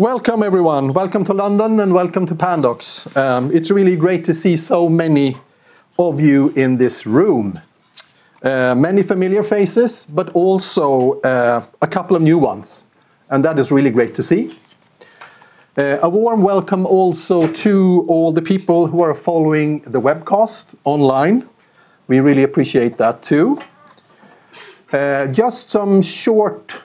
Welcome, everyone. Welcome to London and welcome to Pandox. It's really great to see so many of you in this room. Many familiar faces, but also a couple of new ones, and that is really great to see. A warm welcome also to all the people who are following the webcast online. We really appreciate that, too. Just some short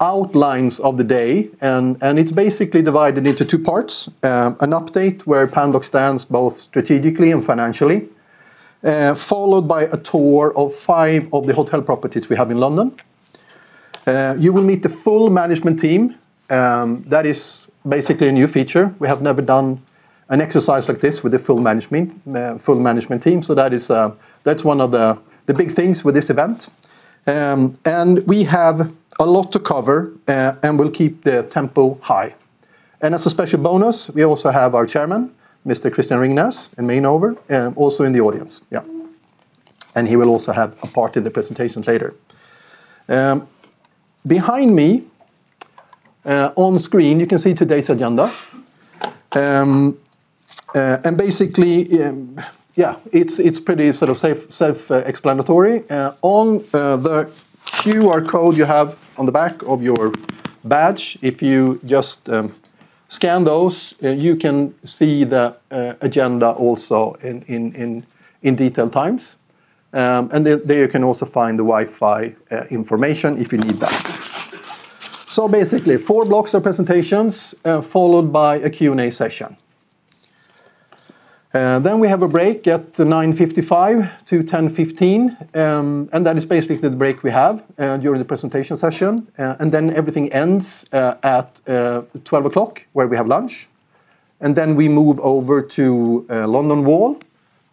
outlines of the day and it's basically divided into two parts. An update where Pandox stands both strategically and financially, followed by a tour of five of the hotel properties we have in London. You will meet the full management team. That is basically a new feature. We have never done an exercise like this with the full management team. That's one of the big things with this event. We have a lot to cover, and we'll keep the tempo high. As a special bonus, we also have our chairman, Mr. Christian Ringnes, in main over, also in the audience. Yeah. He will also have a part in the presentation later. Behind me, on screen, you can see today's agenda. Basically, yeah, it's pretty sort of safe, self-explanatory. On the QR code you have on the back of your badge, if you just scan those, you can see the agenda also in detailed times. There you can also find the Wi-Fi information if you need that. Basically, four blocks of presentations, followed by a Q&A session. Then we have a break at 9:55 to 10:15, that is basically the break we have during the presentation session. Then everything ends at 12:00, where we have lunch. Then we move over to London Wall,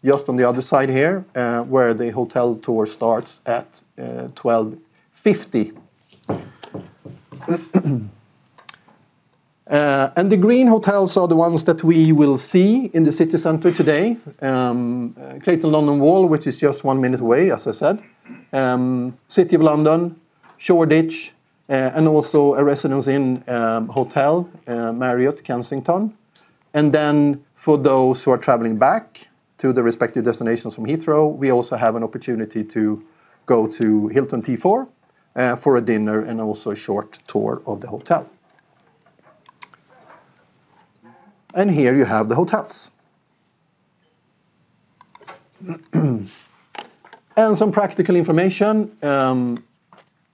just on the other side here, where the hotel tour starts at 12:50. The green hotels are the ones that we will see in the city center today. Clayton Hotel London Wall, which is just 1 minute away, as I said. City of London, Shoreditch, also a Residence Inn by Marriott, Hotel, Marriott Kensington. Then for those who are traveling back to the respective destinations from Heathrow, we also have an opportunity to go to Hilton T4 for a dinner and also a short tour of the hotel. Here you have the hotels. Some practical information.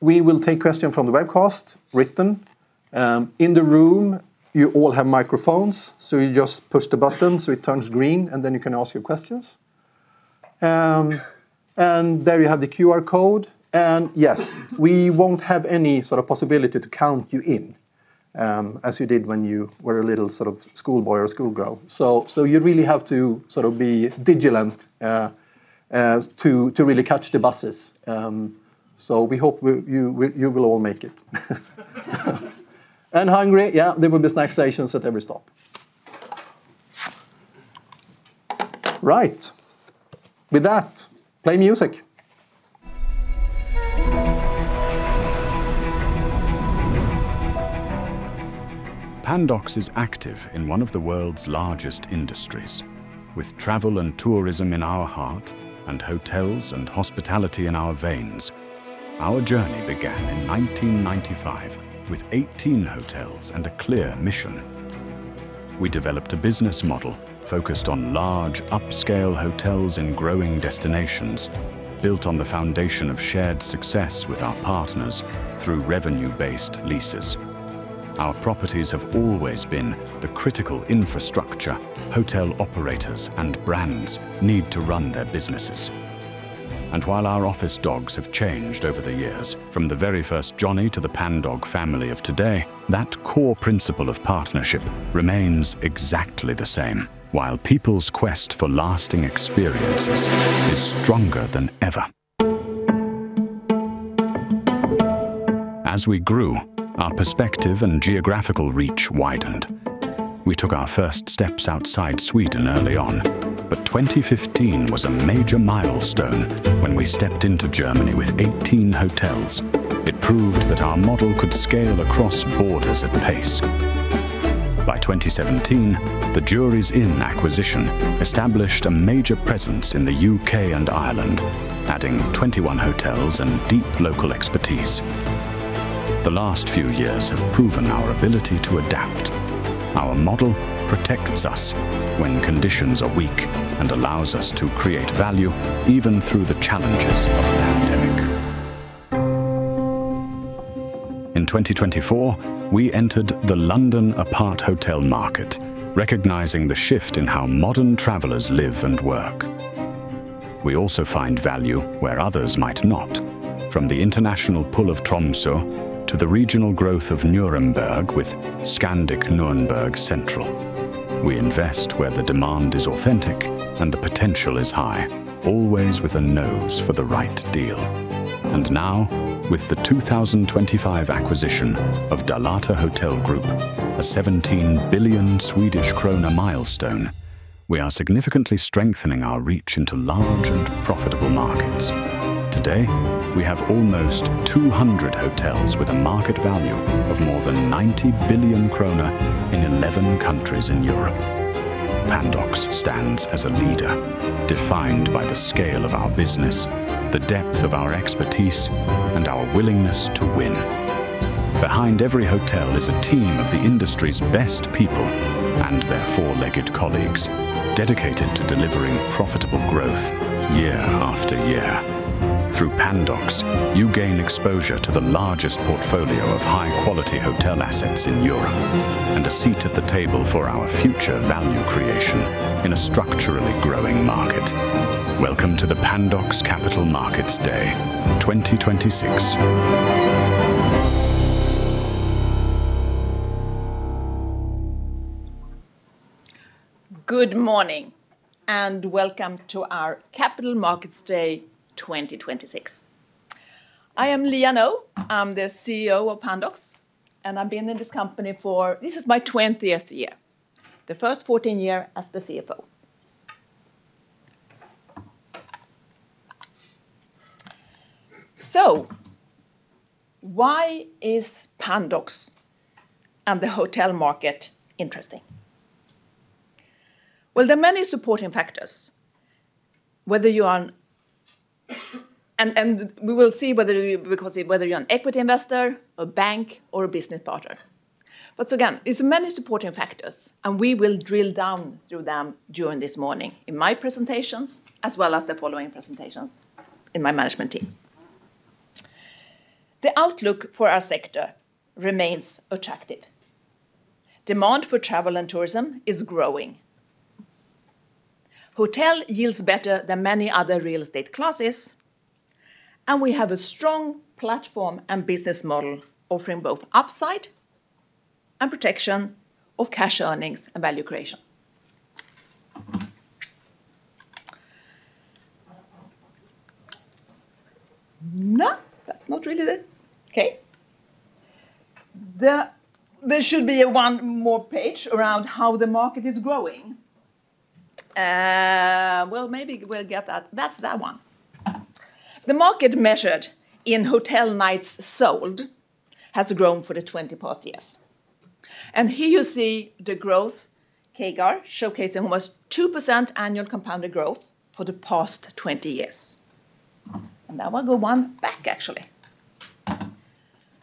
We will take questions from the webcast, written. In the room, you all have microphones, so you just push the button so it turns green, and then you can ask your questions. There you have the QR code. Yes, we won't have any sort of possibility to count you in, as you did when you were a little sort of school boy or school girl. You really have to sort of be vigilant, to really catch the buses. We hope you will all make it. Hungry? Yeah, there will be snack stations at every stop. Right. With that, play music. Pandox is active in one of the world's largest industries, with travel and tourism in our heart and hotels and hospitality in our veins. Our journey began in 1995 with 18 hotels and a clear mission. We developed a business model focused on large upscale hotels and growing destinations built on the foundation of shared success with our partners through revenue-based leases. Our properties have always been the critical infrastructure hotel operators and brands need to run their businesses. And while our office dogs have changed over the years, from the very first Jonny to the Pandog family of today, that core principle of partnership remains exactly the same while people's quest for lasting experiences is stronger than ever. As we grew, our perspective and geographical reach widened. We took our first steps outside Sweden early on. 2015 was a major milestone when we stepped into Germany with 18 hotels. It proved that our model could scale across borders at pace. By 2017, the Jurys Inn acquisition established a major presence in the U.K. and Ireland, adding 21 hotels and deep local expertise. The last few years have proven our ability to adapt. Our model protects us when conditions are weak and allows us to create value even through the challenges of the pandemic. In 2024, we entered the London apart hotel market, recognizing the shift in how modern travelers live and work. We also find value where others might not. From the international pull of Tromsø to the regional growth of Nuremberg with Scandic Nürnberg Central. We invest where the demand is authentic and the potential is high, always with a nose for the right deal. Now, with the 2025 acquisition of Dalata Hotel Group, a 17 billion Swedish kronor milestone. We are significantly strengthening our reach into large and profitable markets. Today, we have almost 200 hotels with a market value of more than 90 billion kronor in 11 countries in Europe. Pandox stands as a leader, defined by the scale of our business, the depth of our expertise, and our willingness to win. Behind every hotel is a team of the industry's best people, and their four-legged colleagues, dedicated to delivering profitable growth year after year. Through Pandox, you gain exposure to the largest portfolio of high-quality hotel assets in Europe, and a seat at the table for our future value creation in a structurally growing market. Welcome to the Pandox Capital Markets Day 2026. Good morning. Welcome to our Capital Markets Day 2026. I am Liia Nõu. I am the CEO of Pandox. This is my twentieth year. The first 14 year as the CFO. Why is Pandox and the hotel market interesting? Well, there are many supporting factors. Whether you are an equity investor, a bank, or a business partner. Again, it's many supporting factors, and we will drill down through them during this morning in my presentations as well as the following presentations in my management team. The outlook for our sector remains attractive. Demand for travel and tourism is growing. Hotel yields better than many other real estate classes, and we have a strong platform and business model offering both upside and protection of cash earnings and value creation. No, that's not really it. Okay. There should be a 1 more page around how the market is growing. Well, maybe we'll get that. That's that one. The market measured in hotel nights sold has grown for the 20 past years. Here you see the growth, CAGR, showcasing almost 2% annual compounded growth for the past 20 years. Now I'll go 1 back, actually.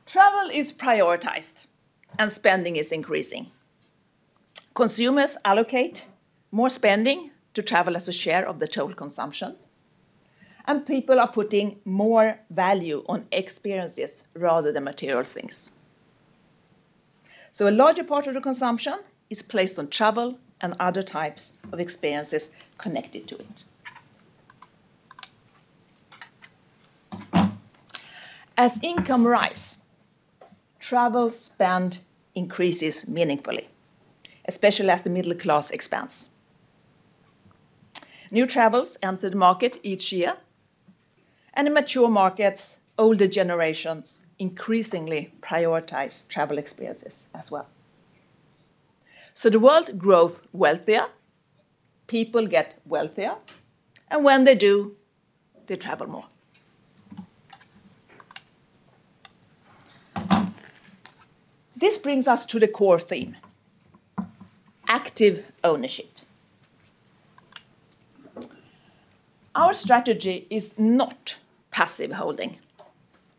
Travel is prioritized, and spending is increasing. Consumers allocate more spending to travel as a share of the total consumption, and people are putting more value on experiences rather than material things. A larger part of the consumption is placed on travel and other types of experiences connected to it. As income rise, travel spend increases meaningfully, especially as the middle class expands. New travels enter the market each year, and in mature markets, older generations increasingly prioritize travel experiences as well. The world grows wealthier, people get wealthier, and when they do, they travel more. This brings us to the core theme, active ownership. Our strategy is not passive holding.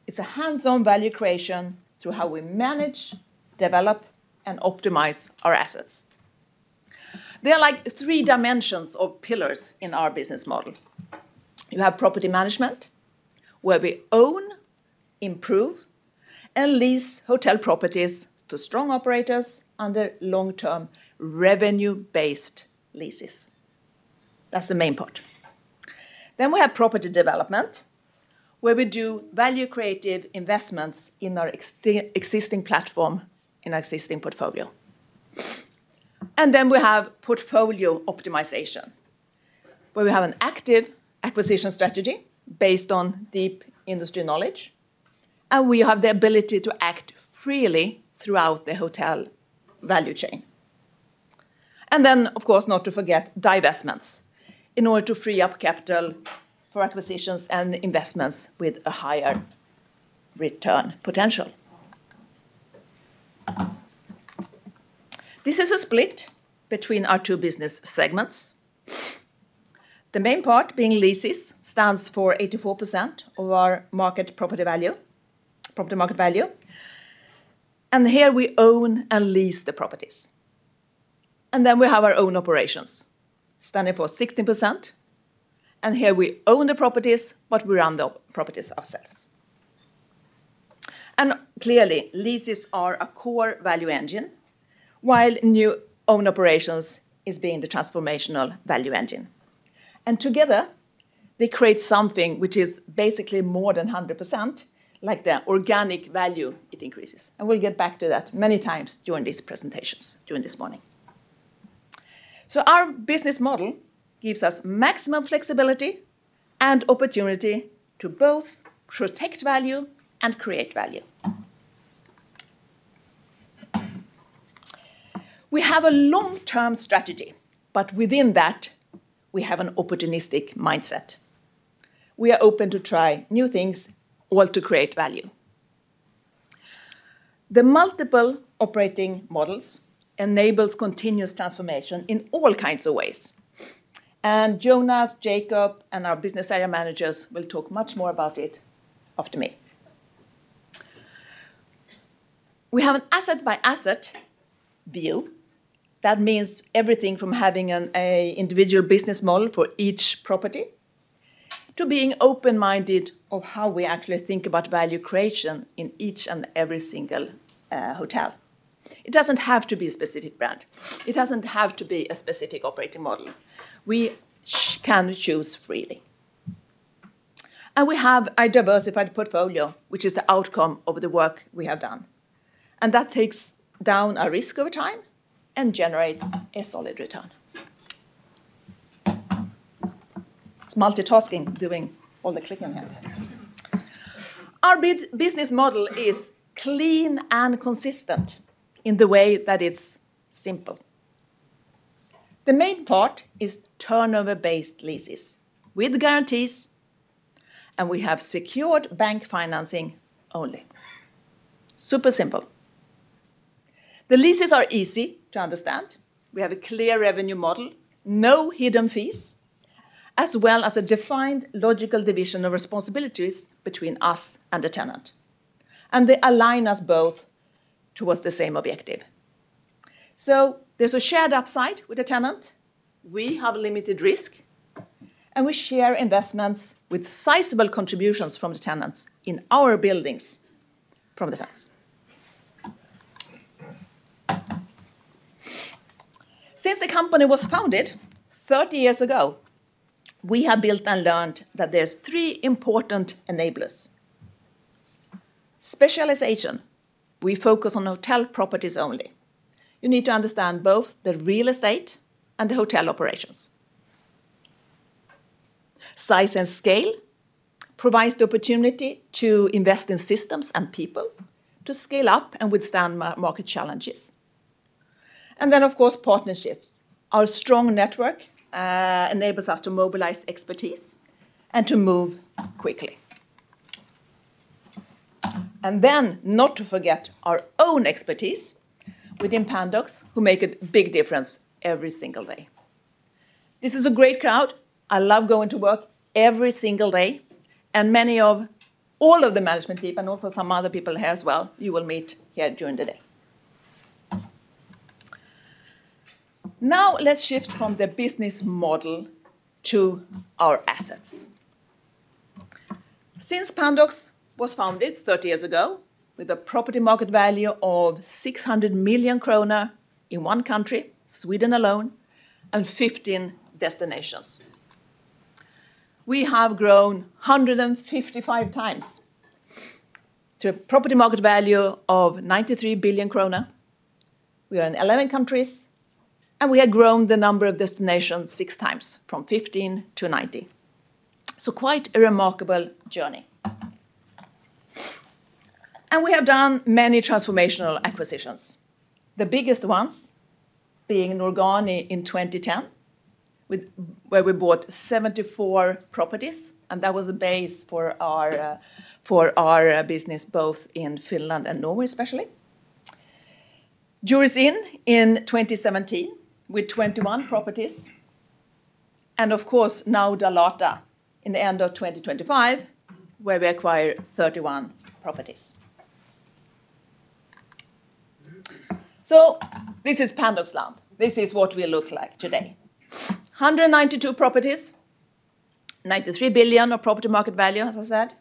It's a hands-on value creation through how we manage, develop, and optimize our assets. There are, like, 3 dimensions of pillars in our business model. You have property management, where we own, improve, and lease hotel properties to strong operators under long-term revenue-based leases. That's the main part. We have property development, where we do value-creative investments in our existing platform, in our existing portfolio. We have portfolio optimization, where we have an active acquisition strategy based on deep industry knowledge, and we have the ability to act freely throughout the hotel value chain. Of course, not to forget divestments in order to free up capital for acquisitions and investments with a higher return potential. This is a split between our two business segments. The main part, being leases, stands for 84% of our market property value, property market value. Here we own and lease the properties. We have our own operations, standing for 16%. Here we own the properties, but we run the properties ourselves. Clearly, leases are a core value engine, while new own operations is being the transformational value engine. Together, they create something which is basically more than 100%, like the organic value it increases. We'll get back to that many times during these presentations during this morning. Our business model gives us maximum flexibility and opportunity to both protect value and create value. We have a long-term strategy, but within that, we have an opportunistic mindset. We are open to try new things all to create value. The multiple operating models enables continuous transformation in all kinds of ways. Jonas, Jacob, and our business area managers will talk much more about it after me. We have an asset-by-asset view. That means everything from having an individual business model for each property to being open-minded of how we actually think about value creation in each and every single hotel. It doesn't have to be a specific brand. It doesn't have to be a specific operating model. We can choose freely. We have a diversified portfolio, which is the outcome of the work we have done, and that takes down our risk over time and generates a solid return. It's multitasking doing all the clicking here. Our business model is clean and consistent in the way that it's simple. The main part is turnover-based leases with guarantees, and we have secured bank financing only. Super simple. The leases are easy to understand. We have a clear revenue model, no hidden fees, as well as a defined logical division of responsibilities between us and the tenant, and they align us both towards the same objective. There's a shared upside with the tenant. We have limited risk, and we share investments with sizable contributions from the tenants in our buildings from the start. Since the company was founded 30 years ago, we have built and learned that there's 3 important enablers. Specialization, we focus on hotel properties only. You need to understand both the real estate and the hotel operations. Size and scale provides the opportunity to invest in systems and people to scale up and withstand market challenges. Of course, partnerships. Our strong network enables us to mobilize expertise and to move quickly. Not to forget our own expertise within Pandox, who make a big difference every single day. This is a great crowd. I love going to work every single day, and All of the management team and also some other people here as well you will meet here during the day. Now, let's shift from the business model to our assets. Since Pandox was founded 30 years ago with a property market value of 600 million kronor in 1 country, Sweden alone, and 15 destinations. We have grown 155x to a property market value of 93 billion krona. We are in 11 countries, we have grown the number of destinations 6x from 15 to 19. Quite a remarkable journey. We have done many transformational acquisitions. The biggest ones being Norgani in 2010 with, where we bought 74 properties, and that was the base for our for our business both in Finland and Norway, especially. Jurys Inn in 2017 with 21 properties and, of course, now Dalata in the end of 2025, where we acquire 31 properties. This is Pandox land. This is what we look like today. 192 properties, 93 billion of property market value, as I said,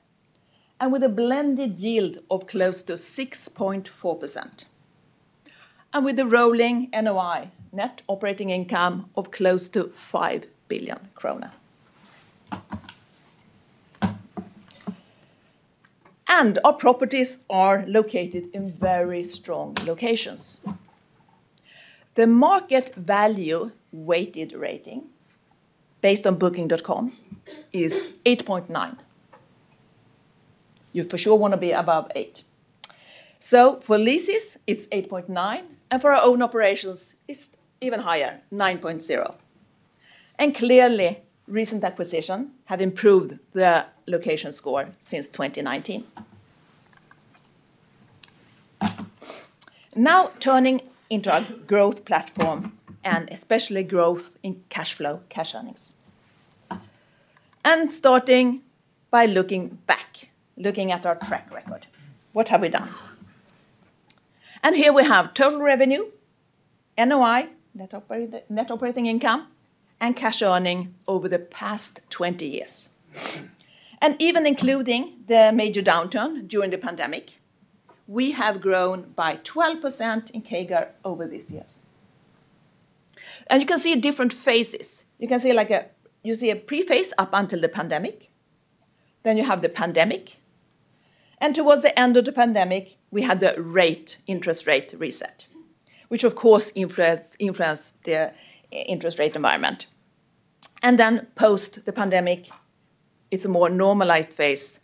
and with a blended yield of close to 6.4%, and with the rolling NOI, net operating income, of close to 5 billion kronor. Our properties are located in very strong locations. The market value weighted rating based on booking.com is 8.9. You for sure wanna be above 8. For leases, it's 8.9, and for our own operations, it's even higher, 9.0. Clearly, recent acquisition have improved the location score since 2019. Now, turning into our growth platform and especially growth in cash flow, cash earnings. Starting by looking back, looking at our track record. What have we done? Here we have total revenue, NOI, net operating income, and cash earning over the past 20 years. Even including the major downturn during the pandemic, we have grown by 12% in CAGR over these years. You can see different phases. You can see a pre-phase up until the pandemic. You have the pandemic, and towards the end of the pandemic, we had the interest rate reset, which of course influenced the interest rate environment. Post the pandemic, it's a more normalized phase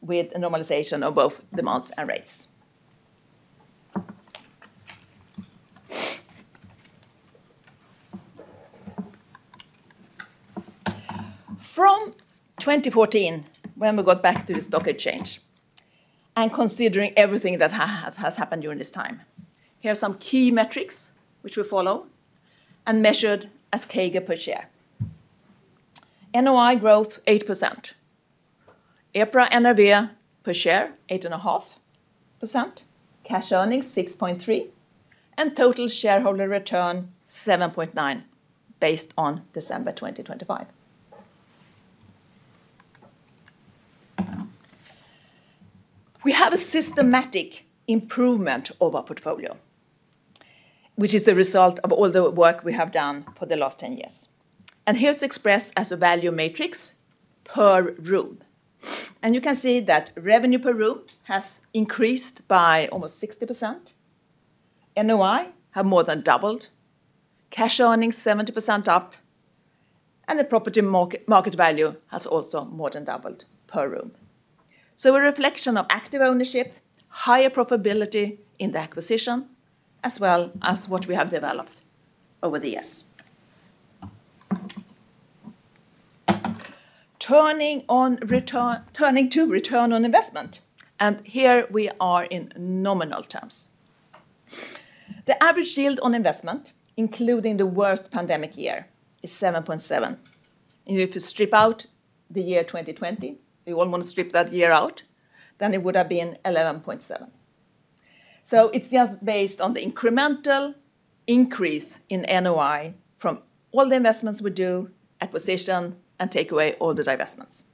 with a normalization of both demands and rates. From 2014, when we got back to the stock exchange, considering everything that has happened during this time, here are some key metrics which we follow and measured as CAGR per share. NOI growth, 8%. EPRA NRV per share, 8.5%. Cash earnings, 6.3%. Total shareholder return, 7.9% based on December 2025. We have a systematic improvement of our portfolio, which is the result of all the work we have done for the last 10 years. Here it's expressed as a value matrix per room. You can see that revenue per room has increased by almost 60%. NOI have more than doubled. Cash earnings, 70% up. The property market value has also more than doubled per room. A reflection of active ownership, higher profitability in the acquisition, as well as what we have developed over the years. Turning to return on investment, and here we are in nominal terms. The average yield on investment, including the worst pandemic year, is 7.7. If you strip out the year 2020, we all wanna strip that year out, then it would have been 11.7. It's just based on the incremental increase in NOI from all the investments we do, acquisition, and take away all the divestments.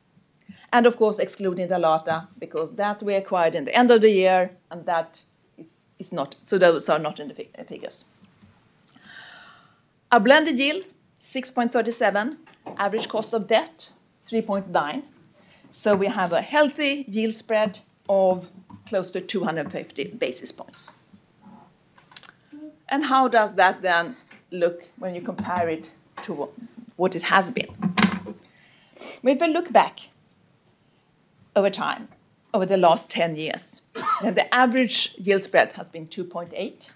Of course, excluding Dalata, because that we acquired in the end of the year, and that is not, so those are not in the figures. Our blended yield, 6.37%. Average cost of debt, 3.9%. We have a healthy yield spread of close to 250 basis points. How does that then look when you compare it to what it has been? If we look back over time, over the last 10 years, the average yield spread has been 2.8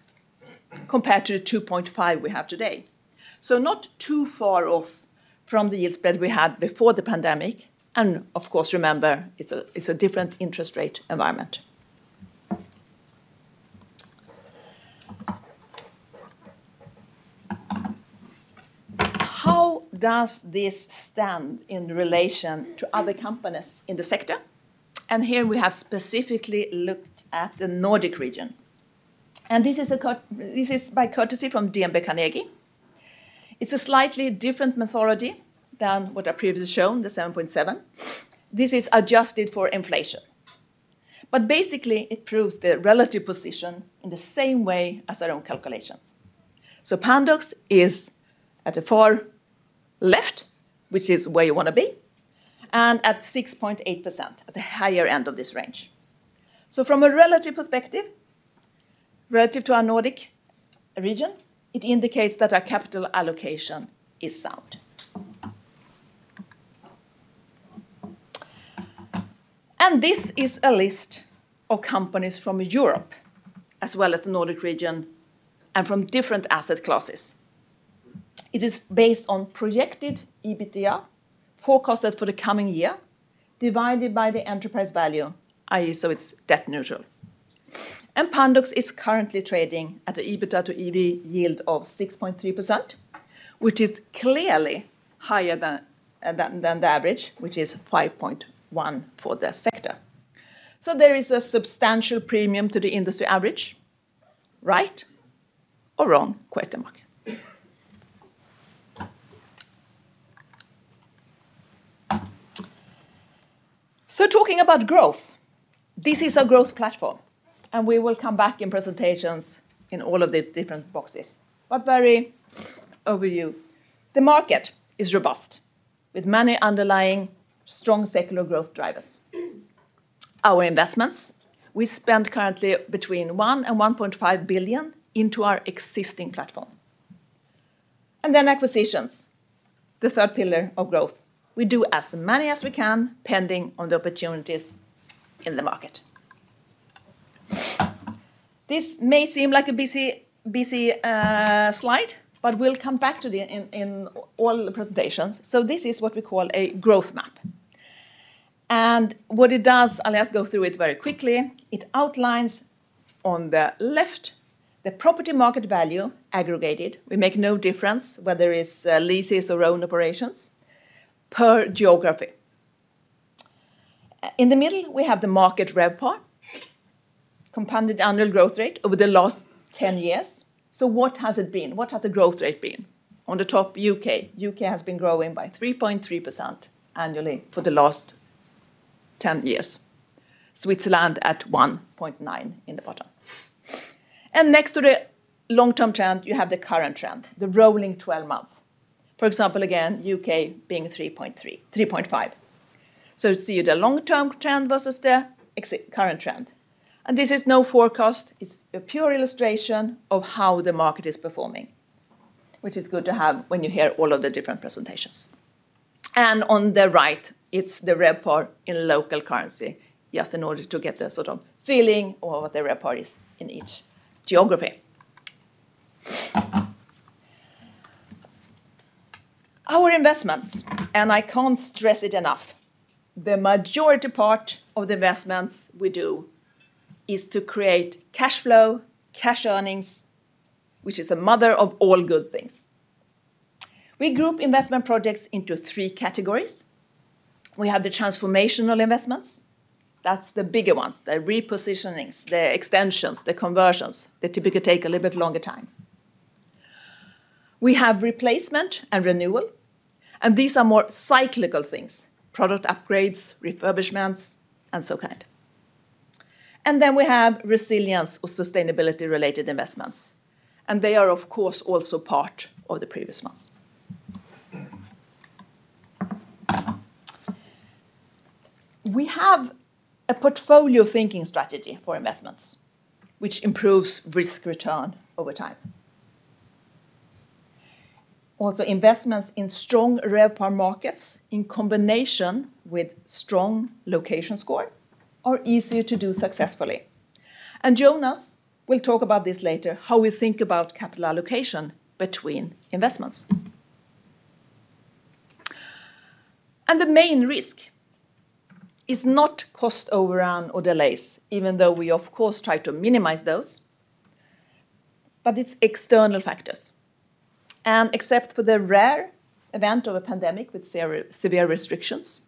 compared to the 2.5 we have today. Not too far off from the yield spread we had before the pandemic. Of course, remember, it's a different interest rate environment. How does this stand in relation to other companies in the sector? Here we have specifically looked at the Nordic region. This is by courtesy from DNB Carnegie. It's a slightly different methodology than what I previously shown, the 7.7. This is adjusted for inflation. Basically, it proves the relative position in the same way as our own calculations. Pandox is at the far left, which is where you wanna be, and at 6.8%, at the higher end of this range. From a relative perspective, relative to our Nordic region, it indicates that our capital allocation is sound. This is a list of companies from Europe, as well as the Nordic region, and from different asset classes. It is based on projected EBITDA, forecasted for the coming year, divided by the enterprise value, i.e., so it's debt neutral. Pandox is currently trading at a EBITDA to EV yield of 6.3%, which is clearly higher than the average, which is 5.1 for the sector. There is a substantial premium to the industry average. Right or wrong? Question mark. Talking about growth, this is our growth platform, and we will come back in presentations in all of the different boxes. Very overview. The market is robust, with many underlying strong secular growth drivers. Our investments, we spend currently between 1 and 1.5 billion into our existing platform. Acquisitions, the third pillar of growth. We do as many as we can, pending on the opportunities in the market. This may seem like a busy slide, but we'll come back to the in all the presentations. This is what we call a growth map. What it does, I'll just go through it very quickly. It outlines on the left the property market value aggregated. We make no difference whether it's leases or own operations per geography. In the middle, we have the market RevPAR, compounded annual growth rate over the last 10 years. What has it been? What has the growth rate been? On the top, U.K. U.K. has been growing by 3.3% annually for the last 10 years. Switzerland at 1.9% in the bottom. Next to the long-term trend, you have the current trend, the rolling 12-month. For example, again, U.K. being 3.5%. See the long-term trend versus the current trend. This is no forecast. It's a pure illustration of how the market is performing, which is good to have when you hear all of the different presentations. On the right, it's the RevPAR in local currency, just in order to get the sort of feeling of what the RevPAR is in each geography. Our investments, I can't stress it enough, the majority part of the investments we do is to create cash flow, cash earnings, which is the mother of all good things. We group investment projects into three categories. We have the transformational investments. That's the bigger ones, the repositionings, the extensions, the conversions. They typically take a little bit longer time. We have replacement and renewal, and these are more cyclical things: product upgrades, refurbishments, and so kind. Then we have resilience or sustainability-related investments, and they are, of course, also part of the previous ones. We have a portfolio-thinking strategy for investments which improves risk return over time. Investments in strong RevPAR markets in combination with strong location score are easier to do successfully. Jonas will talk about this later, how we think about capital allocation between investments. The main risk is not cost overrun or delays, even though we, of course, try to minimize those, but it's external factors. Except for the rare event of a pandemic with severe restrictions,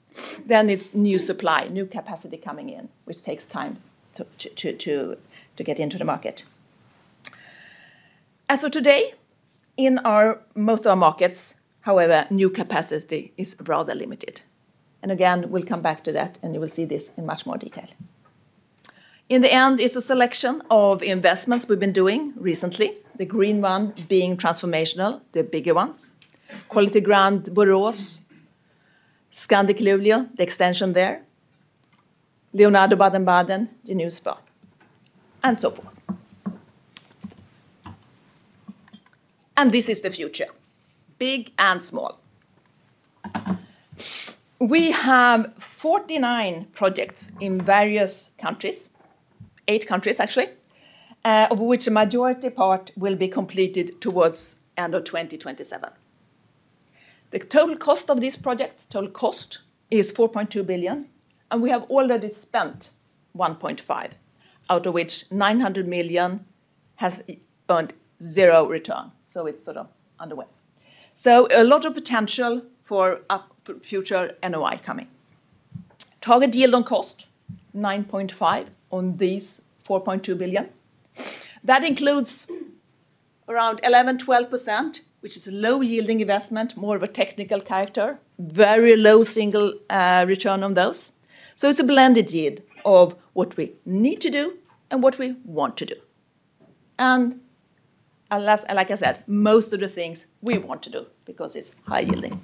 then it's new supply, new capacity coming in, which takes time to get into the market. As of today, in our, most of our markets, however, new capacity is rather limited. Again, we'll come back to that, and you will see this in much more detail. In the end is a selection of investments we've been doing recently, the green one being transformational, the bigger ones. Quality Hotel Grand Borås. Scandic Luleå, the extension there. Leonardo Baden-Baden, the new spa, and so forth. This is the future, big and small. We have 49 projects in various countries, eight countries actually, of which a majority part will be completed towards end of 2027. The total cost of these projects, total cost, is 4.2 billion, and we have already spent 1.5 billion, out of which 900 million has earned 0 return, so it's sort of underway. A lot of potential for future NOI coming. Target yield on cost, 9.5% on these 4.2 billion. That includes around 11%-12%, which is a low-yielding investment, more of a technical character. Very low single return on those. It's a blended yield of what we need to do and what we want to do. Alas, like I said, most of the things we want to do because it's high-yielding.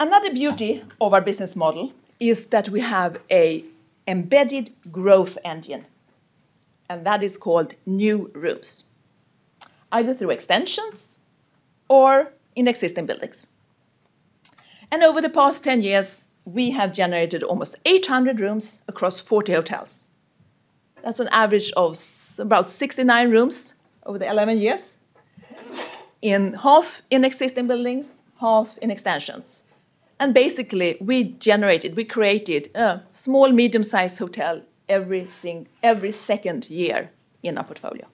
Another beauty of our business model is that we have a embedded growth engine. That is called new rooms, either through extensions or in existing buildings. Over the past 10 years, we have generated almost 800 rooms across 40 hotels. That's an average of about 69 rooms over the 11 years, in half in existing buildings, half in extensions. Basically, we created a small, medium-sized hotel every second year in our portfolio.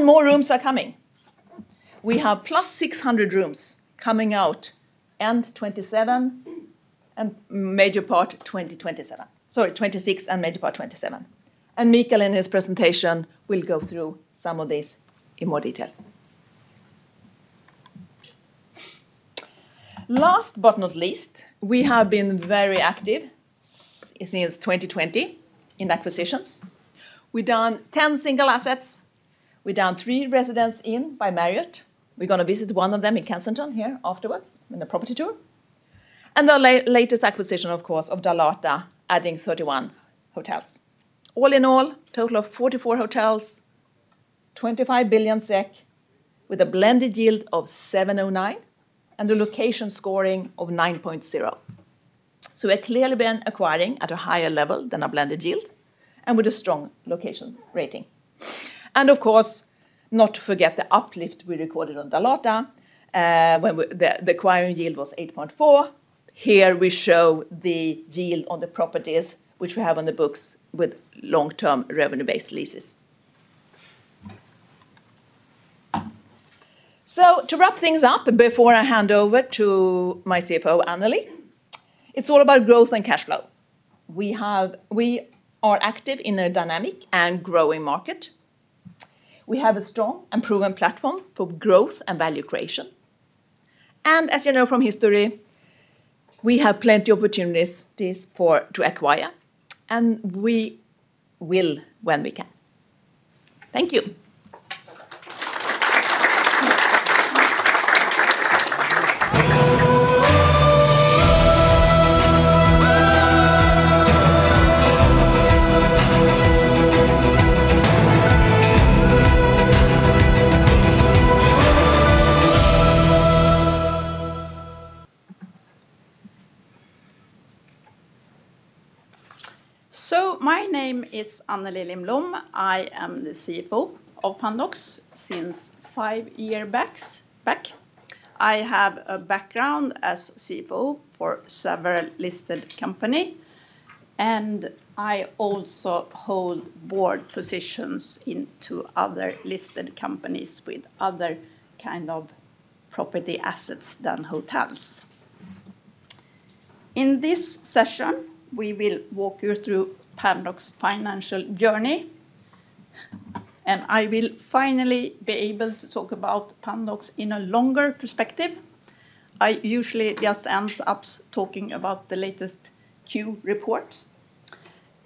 More rooms are coming. We have 600+ rooms coming out end 2027, and major part 2027. Sorry, 2026 and major part 2027. Mikael, in his presentation, will go through some of this in more detail. Last but not least, we have been very active since 2020 in acquisitions. We've done 10 single assets. We've done 3 Residence Inn by Marriott. We're going to visit one of them in Kensington here afterwards in the property tour. Our latest acquisition, of course, of Dalata, adding 31 hotels. All in all, total of 44 hotels, 25 billion SEK, with a blended yield of 7.09 and a location scoring of 9.0. We've clearly been acquiring at a higher level than our blended yield and with a strong location rating. Of course, not to forget the uplift we recorded on Dalata when we, the acquiring yield was 8.4. Here we show the yield on the properties which we have on the books with long-term revenue-based leases. To wrap things up before I hand over to my CFO, Anneli, it's all about growth and cash flow. We are active in a dynamic and growing market. We have a strong and proven platform for growth and value creation. As you know from history, we have plenty opportunities to acquire, and we will when we can. Thank you. My name is Anneli Lindblom. I am the CFO of Pandox since 5 year back. I have a background as CFO for several listed company, and I also hold board positions into other listed companies with other kind of property assets than hotels. In this session, we will walk you through Pandox financial journey, and I will finally be able to talk about Pandox in a longer perspective. I usually just ends ups talking about the latest Q report.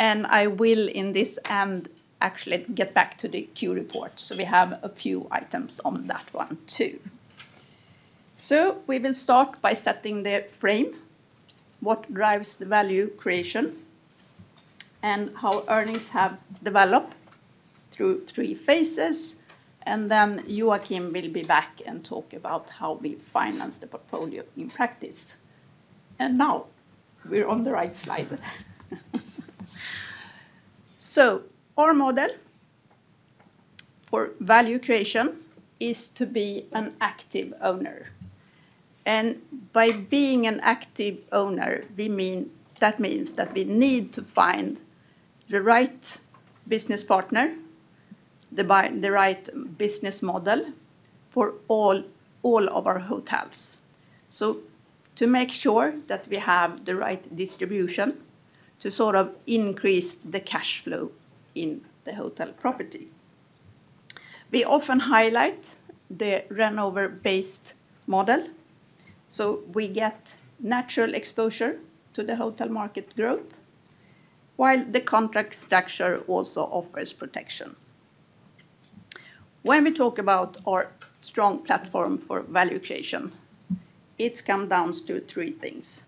I will in this end actually get back to the Q report, so we have a few items on that one too. We will start by setting the frame, what drives the value creation, and how earnings have developed through 3 phases, and then Joakim will be back and talk about how we finance the portfolio in practice. Now we're on the right slide. Our model for value creation is to be an active owner. By being an active owner, that means that we need to find the right business partner, the right business model for all of our hotels. To make sure that we have the right distribution to sort of increase the cash flow in the hotel property. We often highlight the rent-over-based model, so we get natural exposure to the hotel market growth, while the contract structure also offers protection. When we talk about our strong platform for value creation, it comes down to three things: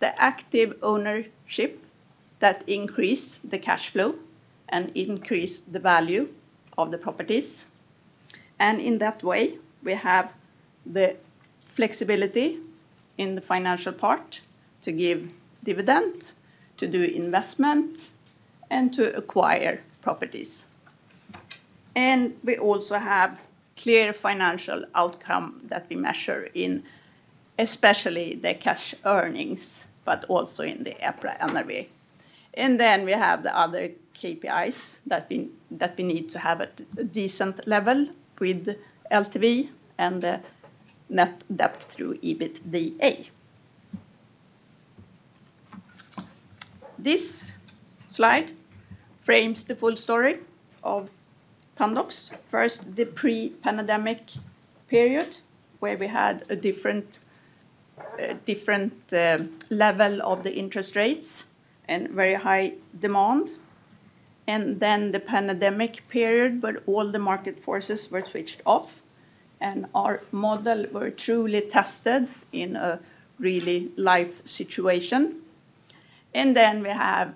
the active ownership that increase the cash flow and increase the value of the properties. In that way, we have the flexibility in the financial part to give dividend, to do investment, and to acquire properties. We also have clear financial outcome that we measure in especially the cash earnings, but also in the EPRA NRV. We have the other KPIs that we need to have at a decent level with LTV and net debt through EBITDA. This slide frames the full story of Pandox. First, the pre-pandemic period where we had a different level of the interest rates and very high demand. The pandemic period where all the market forces were switched off, and our model were truly tested in a really life situation. We have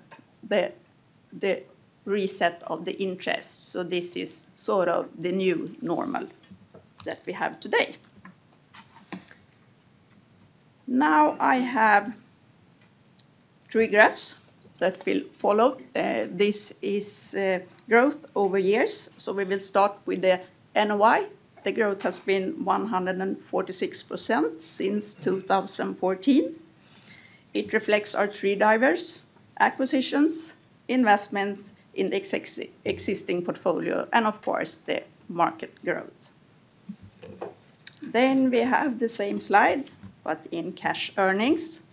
the reset of the interest. This is sort of the new normal that we have today. Now I have three graphs that will follow. This is growth over years. We will start with the NOI. The growth has been 146% since 2014. It reflects our three drivers: acquisitions, investments in existing portfolio, of course the market growth. We have the same slide, but in cash earnings.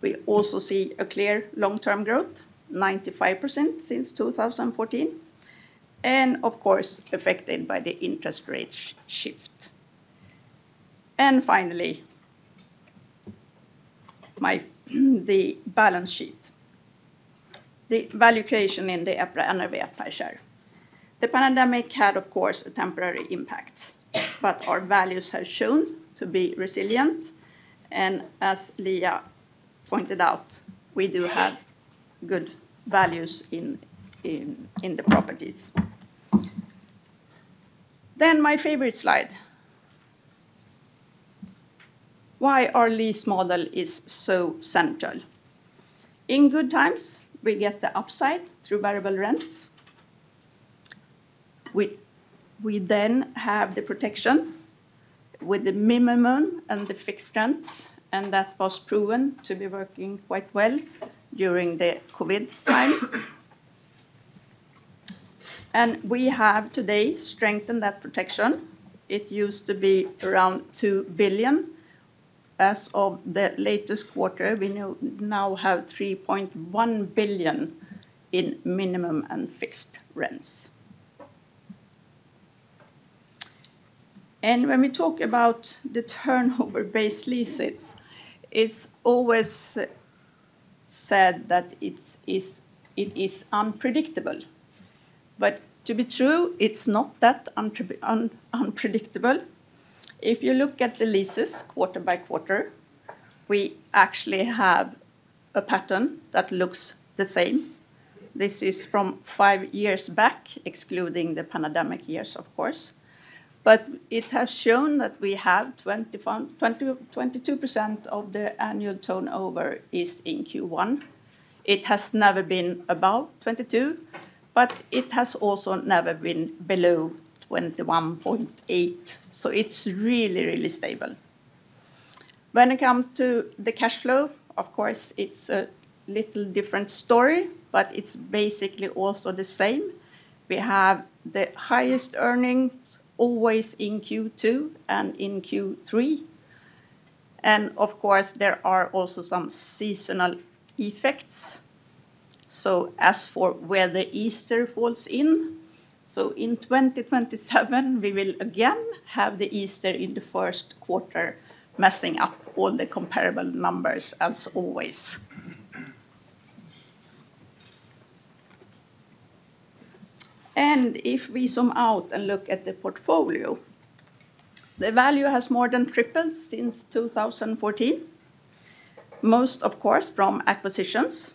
We also see a clear long-term growth, 95% since 2014, of course affected by the interest rate shift. Finally, my balance sheet. The value creation in the EPRA NRV per share. The pandemic had, of course, a temporary impact, but our values have shown to be resilient. As Liia pointed out, we do have good values in the properties. My favorite slide. Why our lease model is so central. In good times, we get the upside through variable rents. We then have the protection with the minimum and the fixed rents, that was proven to be working quite well during the COVID time. We have today strengthened that protection. It used to be around 2 billion. As of the latest quarter, we now have 3.1 billion in minimum and fixed rents. When we talk about the turnover-based leases, it's always said that it is unpredictable. To be true, it's not that unpredictable. If you look at the leases quarter by quarter, we actually have a pattern that looks the same. This is from 5 years back, excluding the pandemic years, of course. It has shown that we have 21, 20, 22% of the annual turnover is in Q1. It has never been above 22%, but it has also never been below 21.8%. It's really, really stable. When it comes to the cash flow, of course, it's a little different story, but it's basically also the same. We have the highest earnings always in Q2 and in Q3. Of course, there are also some seasonal effects. As for where the Easter falls in 2027 we will again have the Easter in the first quarter messing up all the comparable numbers as always. If we zoom out and look at the portfolio, the value has more than tripled since 2014. Most, of course, from acquisitions,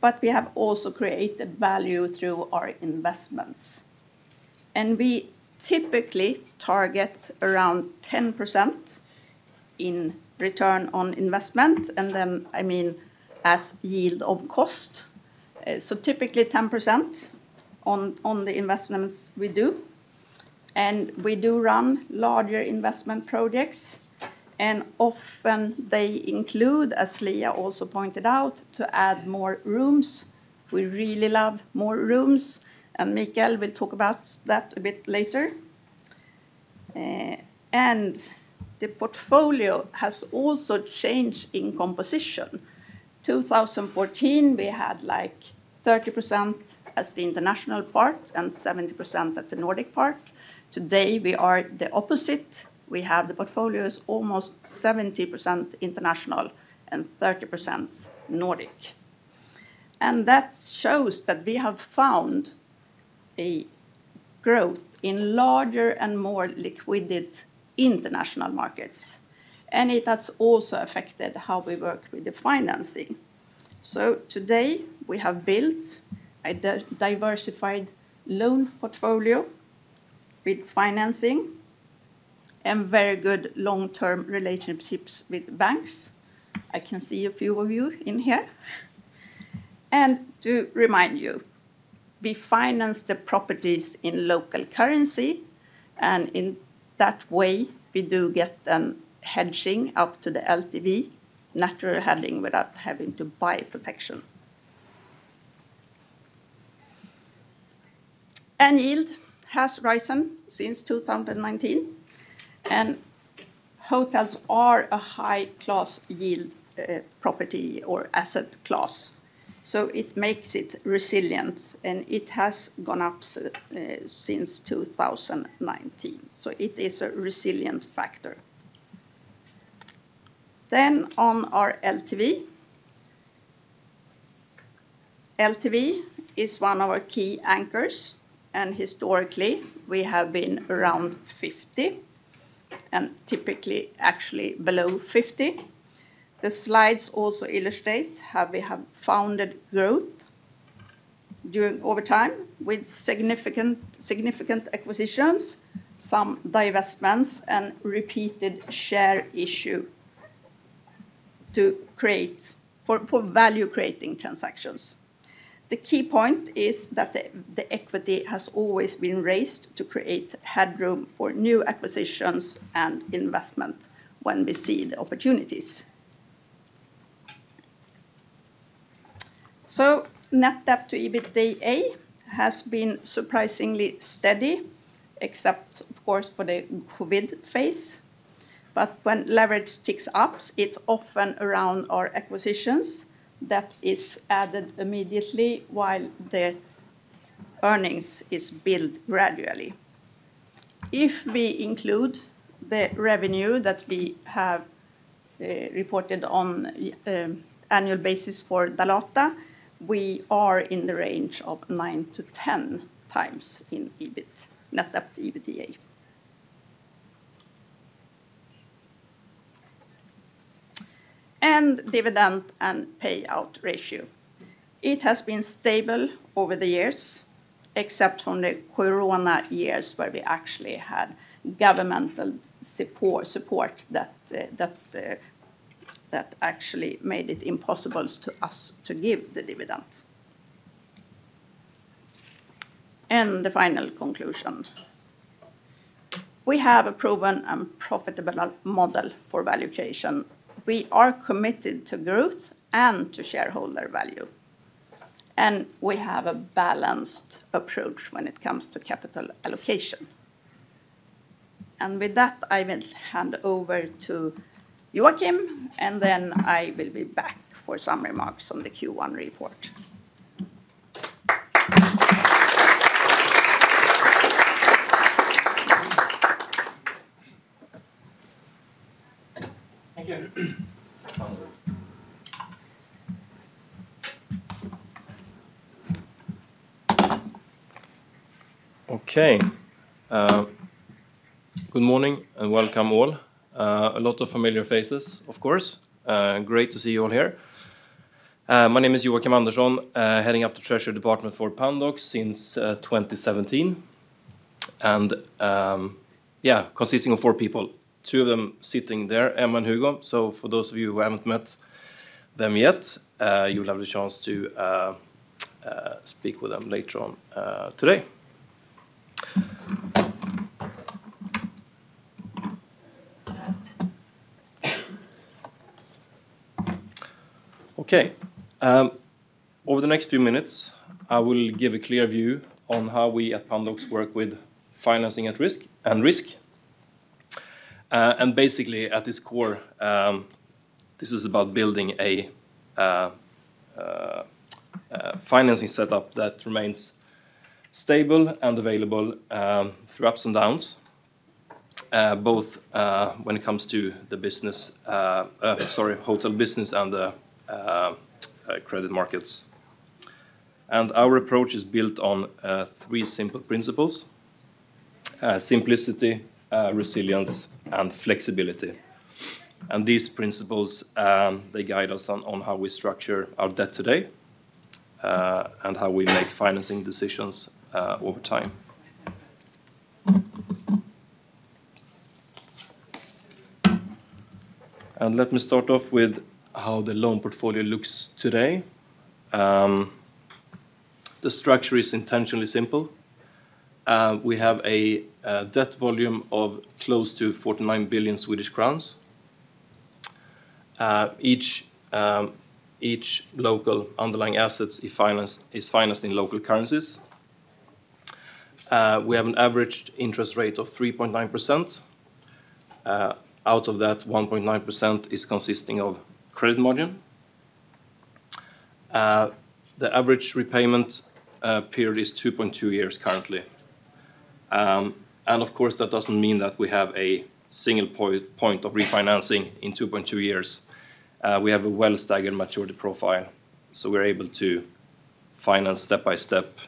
but we have also created value through our investments. We typically target around 10% in ROI, and then, I mean, as yield of cost. Typically 10% on the investments we do. We do run larger investment projects, and often they include, as Liia also pointed out, to add more rooms. We really love more rooms. Mikael will talk about that a bit later. The portfolio has also changed in composition. 2014 we had, like, 30% as the international part and 70% at the Nordic part. Today we are the opposite. We have the portfolios almost 70% international and 30% Nordic. That shows that we have found a growth in larger and more liquid international markets. It has also affected how we work with the financing. Today we have built a diversified loan portfolio with financing and very good long-term relationships with banks. I can see a few of you in here. To remind you, we finance the properties in local currency, and in that way we do get an hedging up to the LTV, natural hedging without having to buy protection. Yield has risen since 2019. Hotels are a high-class yield property or asset class, so it makes it resilient, and it has gone up since 2019. It is a resilient factor. On our LTV. LTV is one of our key anchors, and historically we have been around 50, and typically actually below 50. The slides also illustrate how we have founded growth during, over time with significant acquisitions, some divestments, and repeated share issue to create for value-creating transactions. The key point is that the equity has always been raised to create headroom for new acquisitions and investment when we see the opportunities. Net debt-to-EBITDA has been surprisingly steady, except, of course, for the COVID phase. When leverage ticks up, it's often around our acquisitions that is added immediately while the earnings is built gradually. If we include the revenue that we have reported on annual basis for Dalata, we are in the range of 9x to 10x in EBIT, net debt-to-EBITDA. Dividend and payout ratio. It has been stable over the years, except from the corona years where we actually had governmental support that actually made it impossible to us to give the dividend. The final conclusion. We have a proven and profitable model for valuation. We are committed to growth and to shareholder value. We have a balanced approach when it comes to capital allocation. With that, I will hand over to Joakim, and then I will be back for some remarks on the Q1 report. Thank you. Okay. Good morning, and welcome all. A lot of familiar faces, of course. Great to see you all here. My name is Joakim Andersson, heading up the treasury department for Pandox since 2017. Yeah, consisting of 4 people, 2 of them sitting there, Emma and Hugo. For those of you who haven't met them yet, you'll have a chance to speak with them later on today. Okay. Over the next few minutes, I will give a clear view on how we at Pandox work with financing at risk and risk. Basically, at its core, this is about building a financing setup that remains stable and available through ups and downs, both when it comes to the hotel business and the credit markets. Our approach is built on 3 simple principles: simplicity, resilience, and flexibility. These principles, they guide us on how we structure our debt today and how we make financing decisions over time. Let me start off with how the loan portfolio looks today. The structure is intentionally simple. We have a debt volume of close to 49 billion Swedish crowns. Each local underlying assets is financed in local currencies. We have an average interest rate of 3.9%. Out of that, 1.9% is consisting of credit margin. The average repayment period is 2.2 years currently. Of course, that doesn't mean that we have a single point of refinancing in 2.2 years. We have a well-staggered maturity profile, we're able to finance step by step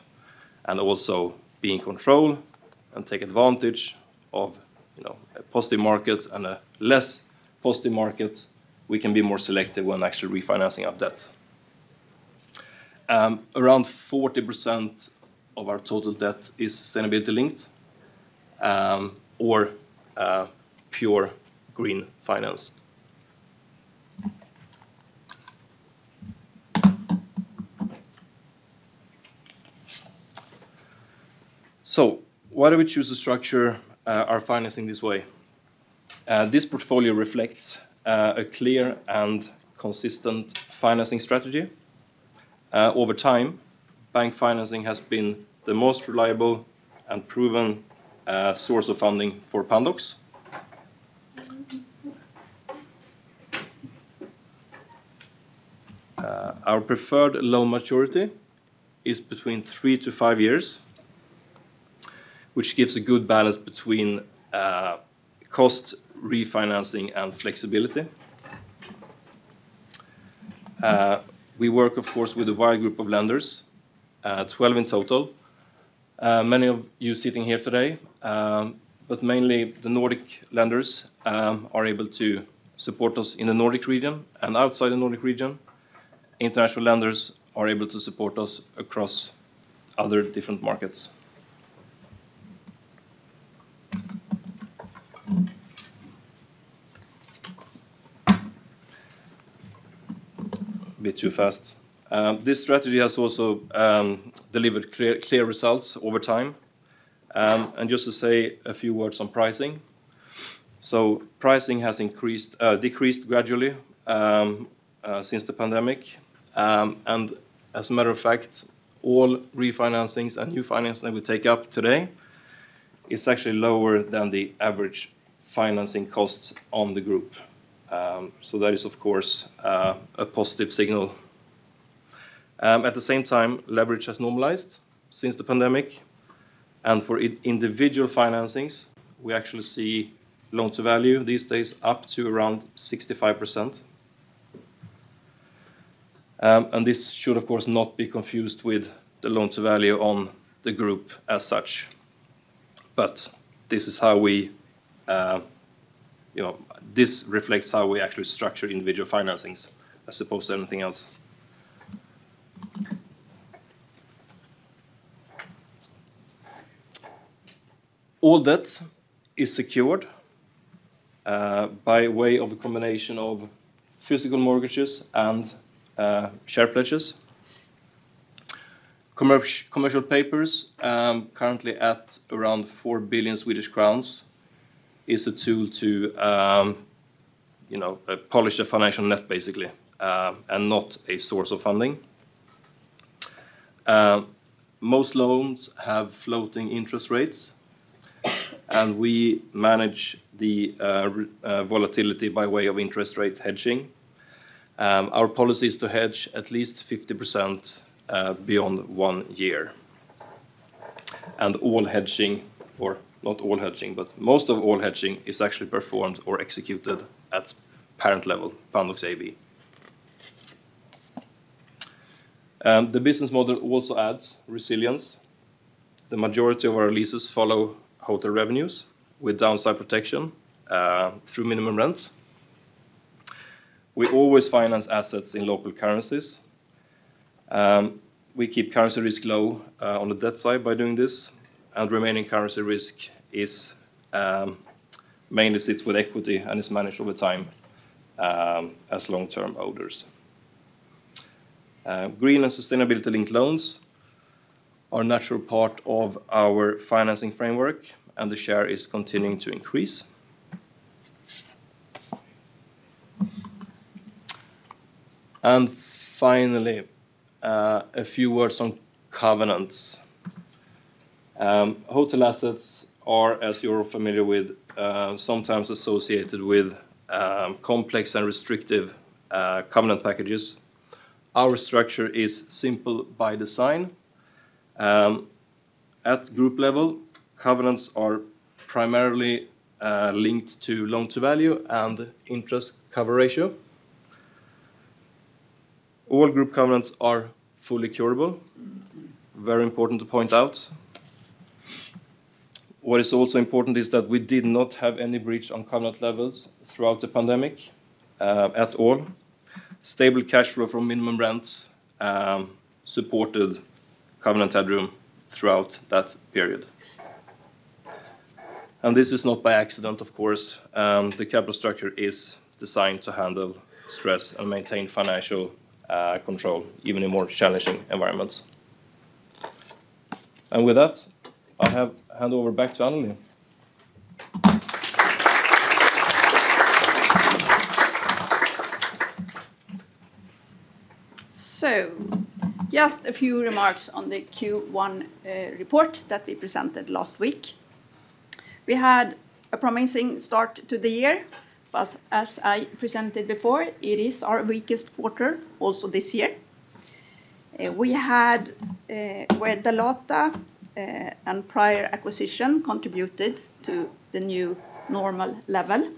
and also be in control and take advantage of, you know, a positive market and a less positive market. We can be more selective when actually refinancing our debt. Around 40% of our total debt is sustainability-linked or pure green financed. Why do we choose to structure our financing this way? This portfolio reflects a clear and consistent financing strategy. Over time, bank financing has been the most reliable and proven source of funding for Pandox. Our preferred loan maturity is between 3 to 5 years, which gives a good balance between cost refinancing and flexibility. We work, of course, with a wide group of lenders, 12 in total. Many of you sitting here today, but mainly the Nordic lenders, are able to support us in the Nordic region. Outside the Nordic region, international lenders are able to support us across other different markets. A bit too fast. This strategy has also delivered clear results over time. Just to say a few words on pricing. Pricing has increased, decreased gradually since the pandemic. As a matter of fact, all refinancings and new financing that we take up today is actually lower than the average financing costs on the group. That is, of course, a positive signal. At the same time, leverage has normalized since the pandemic. For individual financings, we actually see loan-to-value these days up to around 65%. This should, of course, not be confused with the loan-to-value on the group as such. This is how we, you know, this reflects how we actually structure individual financings as opposed to anything else. All debt is secured by way of a combination of physical mortgages and share pledges. Commercial papers, currently at around 4 billion Swedish crowns, is a tool to, you know, polish the financial net basically, not a source of funding. Most loans have floating interest rates. We manage the volatility by way of interest rate hedging. Our policy is to hedge at least 50% beyond one year. All hedging, or not all hedging, but most of all hedging is actually performed or executed at parent level, Pandox AB. The business model also adds resilience. The majority of our leases follow hotel revenues with downside protection through minimum rents. We always finance assets in local currencies. We keep currency risk low on the debt side by doing this, and remaining currency risk is mainly sits with equity and is managed over time as long-term owners. Green and sustainability-linked loans are a natural part of our financing framework, and the share is continuing to increase. Finally, a few words on covenants. Hotel assets are, as you're familiar with, sometimes associated with complex and restrictive covenant packages. Our structure is simple by design. At group level, covenants are primarily linked to loan-to-value and interest cover ratio. All group covenants are fully curable. Very important to point out. What is also important is that we did not have any breach on covenant levels throughout the pandemic at all. Stable cash flow from minimum rents supported covenant headroom throughout that period. This is not by accident, of course. The capital structure is designed to handle stress and maintain financial control even in more challenging environments. With that, I'll hand over back to Anneli. Just a few remarks on the Q1 report that we presented last week. As I presented before, it is our weakest quarter also this year. Where Dalata and prior acquisition contributed to the new normal level.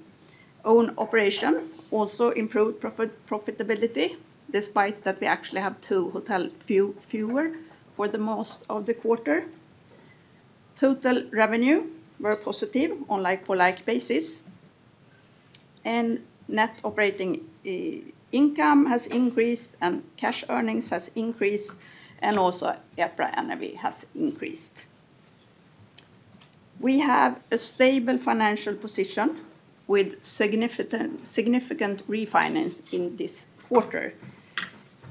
Own operation also improved profitability despite that we actually have 2 hotel fewer for the most of the quarter. Total revenue were positive on like-for-like basis. Net operating income has increased, cash earnings has increased, also EPRA NAV has increased. We have a stable financial position with significant refinance in this quarter.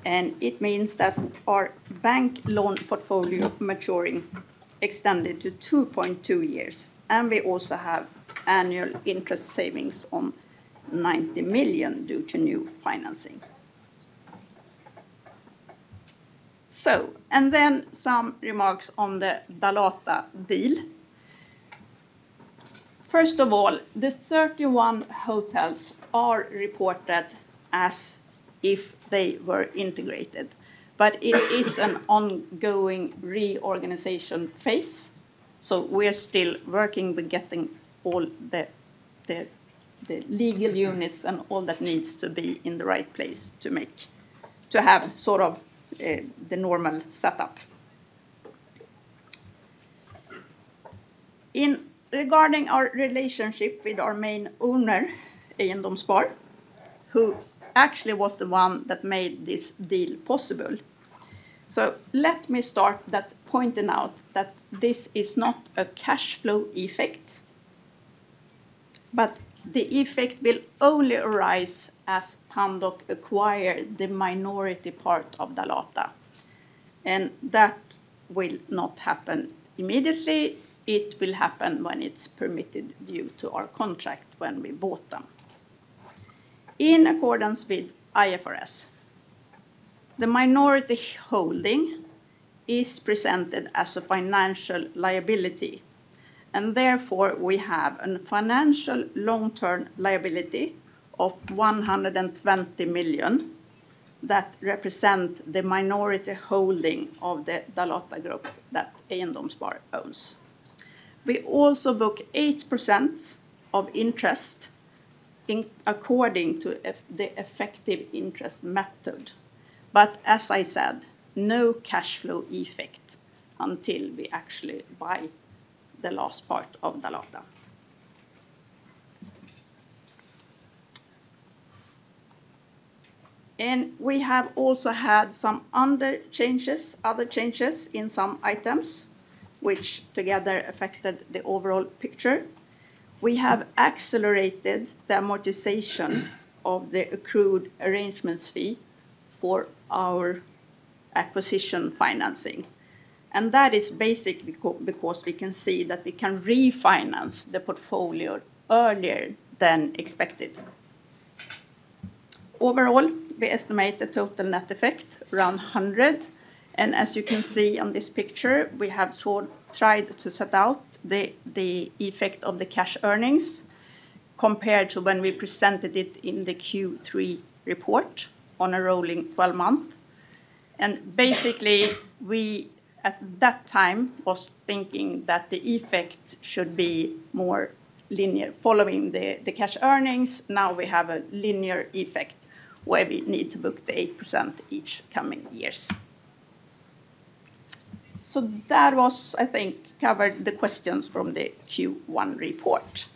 It means that our bank loan portfolio maturing extended to 2.2 years, and we also have annual interest savings on 90 million due to new financing. Then some remarks on the Dalata deal. The 31 hotels are reported as if they were integrated. It is an ongoing reorganization phase. We're still working with getting all the legal units and all that needs to be in the right place to have sort of the normal setup. Regarding our relationship with our main owner, Eiendomsspar, who actually was the one that made this deal possible. Let me start that pointing out that this is not a cash flow effect, but the effect will only arise as Pandox acquire the minority part of Dalata. That will not happen immediately. It will happen when it's permitted due to our contract when we bought them. In accordance with IFRS, the minority holding is presented as a financial liability, therefore we have a financial long-term liability of 120 million that represent the minority holding of the Dalata Hotel Group that Eiendomsspar owns. We also book 8% of interest according to the effective interest method. As I said, no cash flow effect until we actually buy the last part of Dalata. We have also had some other changes in some items, which together affected the overall picture. We have accelerated the amortization of the accrued arrangements fee for our acquisition financing. That is basically because we can see that we can refinance the portfolio earlier than expected. Overall, we estimate the total net effect around 100. As you can see on this picture, we have sort tried to set out the effect of the cash earnings compared to when we presented it in the Q3 report on a rolling 12-month. Basically, we at that time was thinking that the effect should be more linear following the cash earnings. Now we have a linear effect where we need to book the 8% each coming years. That was, I think, covered the questions from the Q1 report.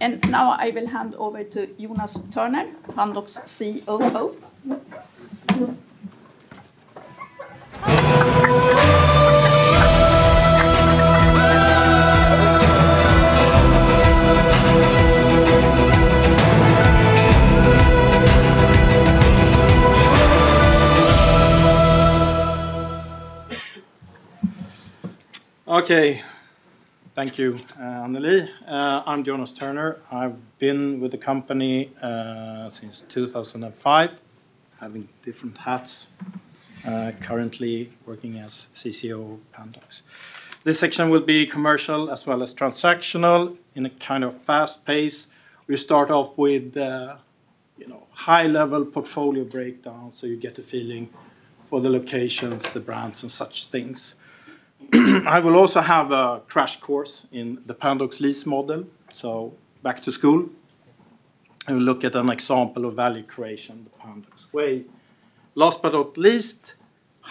Now I will hand over to Jonas Törner, Pandox CCO. Okay. Thank you, Anneli. I'm Jonas Törner. I've been with the company since 2005, having different hats, currently working as CCO Pandox. This section will be commercial as well as transactional in a kind of fast pace. We start off with, you know, high-level portfolio breakdown, so you get a feeling for the locations, the brands, and such things. I will also have a crash course in the Pandox lease model, so back to school, and look at an example of value creation the Pandox way. Last but not least,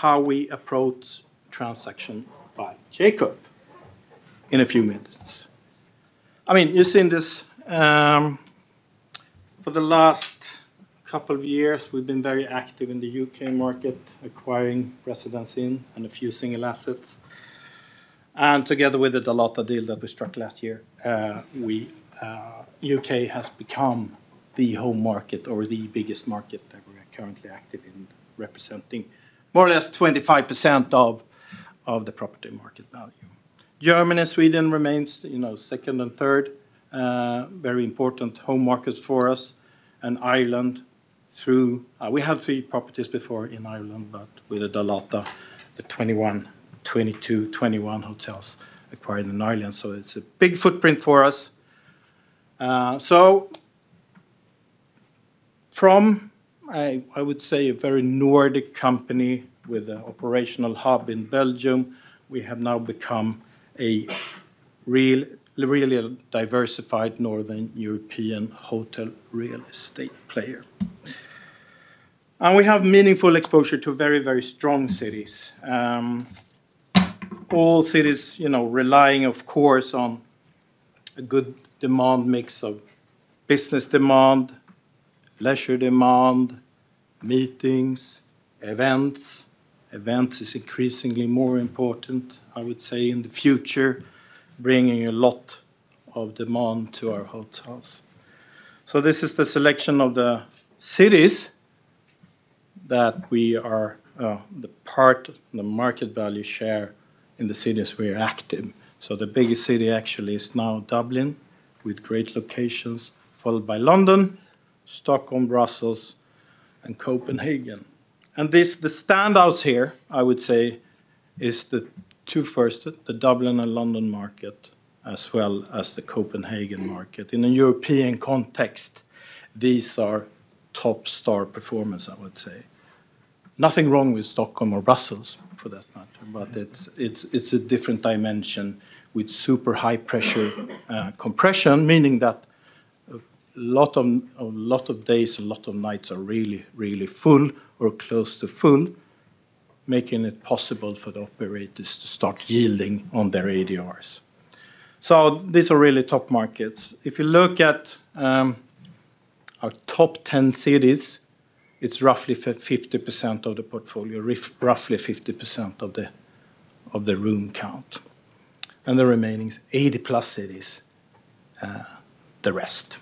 how we approach transaction by Jacob in a few minutes. I mean, you've seen this, for the last couple of years, we've been very active in the U.K. market, acquiring Residence Inn by Marriott and a few single assets. Together with the Dalata deal that we struck last year, we U.K. has become the home market or the biggest market that we're currently active in representing, more or less 25% of the property market value. Germany, Sweden remains, you know, second and third, very important home markets for us, and Ireland. We had 3 properties before in Ireland, but with Dalata, the 21 hotels acquired in Ireland. It's a big footprint for us. From a, I would say, a very Nordic company with an operational hub in Belgium, we have now become a really diversified northern European hotel real estate player. We have meaningful exposure to very strong cities. All cities, you know, relying, of course, on a good demand mix of business demand, leisure demand, meetings, events. Events is increasingly more important, I would say, in the future, bringing a lot of demand to our hotels. This is the selection of the cities that we are the market value share in the cities we are active. The biggest city actually is now Dublin with great locations, followed by London, Stockholm, Brussels, and Copenhagen. The standouts here, I would say, is the 2 first, the Dublin and London market, as well as the Copenhagen market. In a European context, these are top star performers, I would say. Nothing wrong with Stockholm or Brussels for that matter, but it's a different dimension with super high pressure, compression, meaning that a lot of days, a lot of nights are really full or close to full, making it possible for the operators to start yielding on their ADRs. These are really top markets. If you look at our top 10 cities, it's roughly 50% of the portfolio, roughly 50% of the room count. The remaining 80-plus cities, the rest.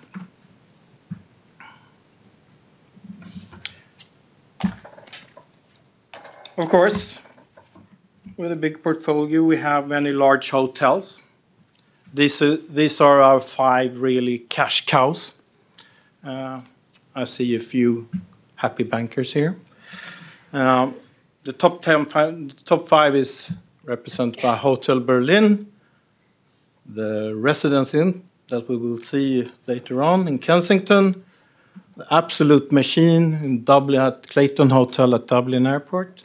Of course, with a big portfolio, we have many large hotels. These are our five really cash cows. I see a few happy bankers here. The top 5 is represented by Hotel Berlin, the Residence Inn that we will see later on in Kensington, the absolute machine at Clayton Hotel Dublin Airport,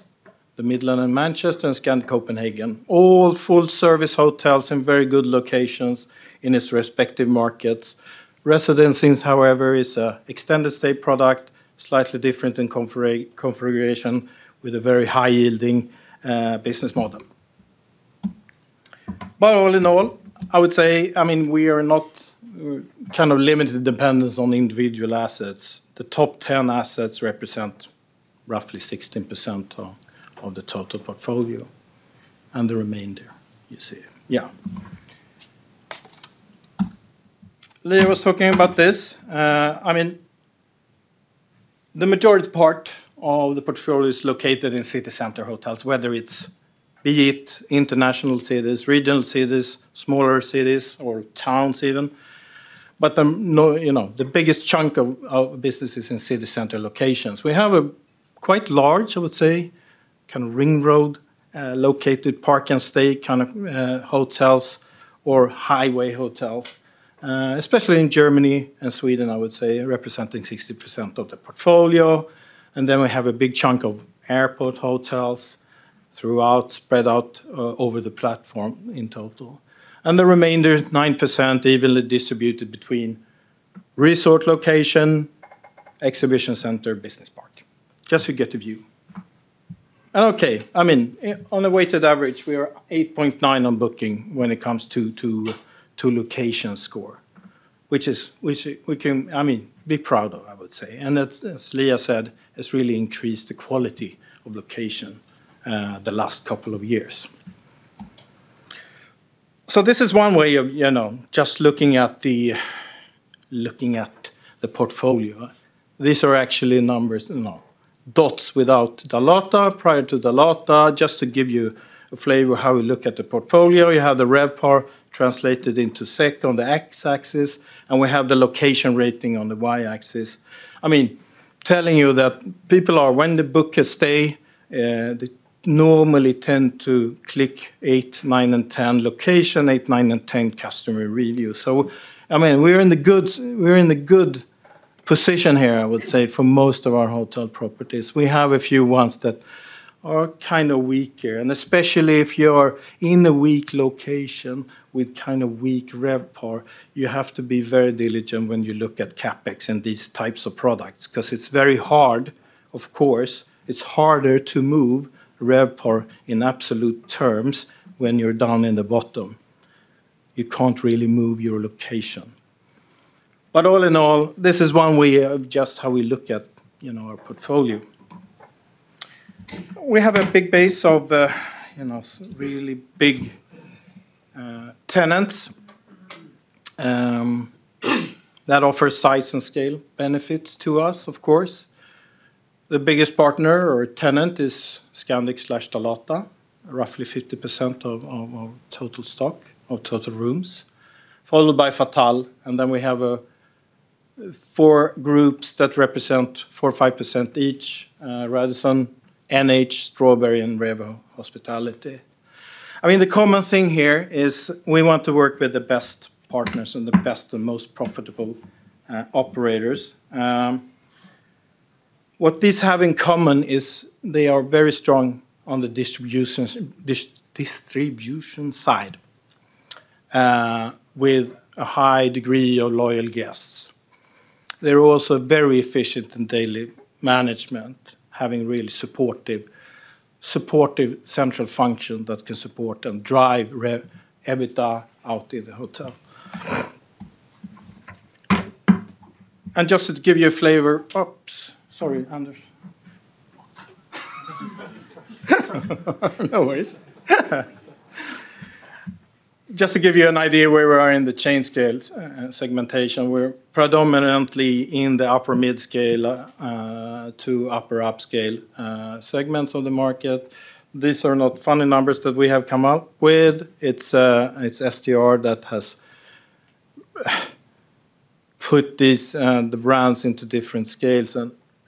the Midland in Manchester, and Scandic Copenhagen. All full-service hotels in very good locations in its respective markets. Residence Inns, however, is a extended stay product, slightly different in configuration, with a very high-yielding business model. All in all, I would say, I mean, we are not kind of limited dependence on individual assets. The top 10 assets represent roughly 16% of the total portfolio, and the remainder you see. Yeah. Liia was talking about this. I mean, the majority part of the portfolio is located in city center hotels. Be it international cities, regional cities, smaller cities or towns even. No, you know, the biggest chunk of business is in city center locations. We have a quite large, I would say, kind of ring road located park and stay kind of hotels or highway hotels, especially in Germany and Sweden, I would say, representing 60% of the portfolio. We have a big chunk of airport hotels throughout, spread out over the platform in total. The remainder, 9% evenly distributed between resort location, exhibition center, business park. Just to get a view. I mean, on a weighted average, we are 8.9 on Booking.com when it comes to location score, which is, which we can, I mean, be proud of, I would say. That's, as Liia said, has really increased the quality of location the last couple of years. This is one way of, you know, just looking at the portfolio. These are actually numbers. No. Dots without Dalata, prior to Dalata, just to give you a flavor how we look at the portfolio. You have the RevPAR translated into SEK on the X-axis, and we have the location rating on the Y-axis. I mean, telling you that people are, when they book a stay, they normally tend to click 8, 9, and 10 location, 8, 9, and 10 customer review. I mean, we're in the good position here, I would say, for most of our hotel properties. We have a few ones that are kinda weaker. Especially if you're in a weak location with kinda weak RevPAR, you have to be very diligent when you look at CapEx and these types of products, 'cause it's very hard, of course, it's harder to move RevPAR in absolute terms when you're down in the bottom. You can't really move your location. All in all, this is one way of just how we look at, you know, our portfolio. We have a big base of, you know, really big tenants, that offer size and scale benefits to us, of course. The biggest partner or tenant is Scandic/Dalata, roughly 50% of our total stock, of total rooms, followed by Fattal, and then we have four groups that represent 4%, 5% each, Radisson, NH, Strawberry, and Revo Hospitality. I mean, the common thing here is we want to work with the best partners and the best and most profitable operators. What these have in common is they are very strong on the distribution side with a high degree of loyal guests. They are also very efficient in daily management, having really supportive central function that can support and drive EBITDA out in the hotel. Just to give you a flavor Oops, sorry, Anders. No worries. Just to give you an idea where we are in the chain scale segmentation. We're predominantly in the upper mid-scale to upper upscale segments of the market. These are not funny numbers that we have come up with. It's STR that has put these the brands into different scales.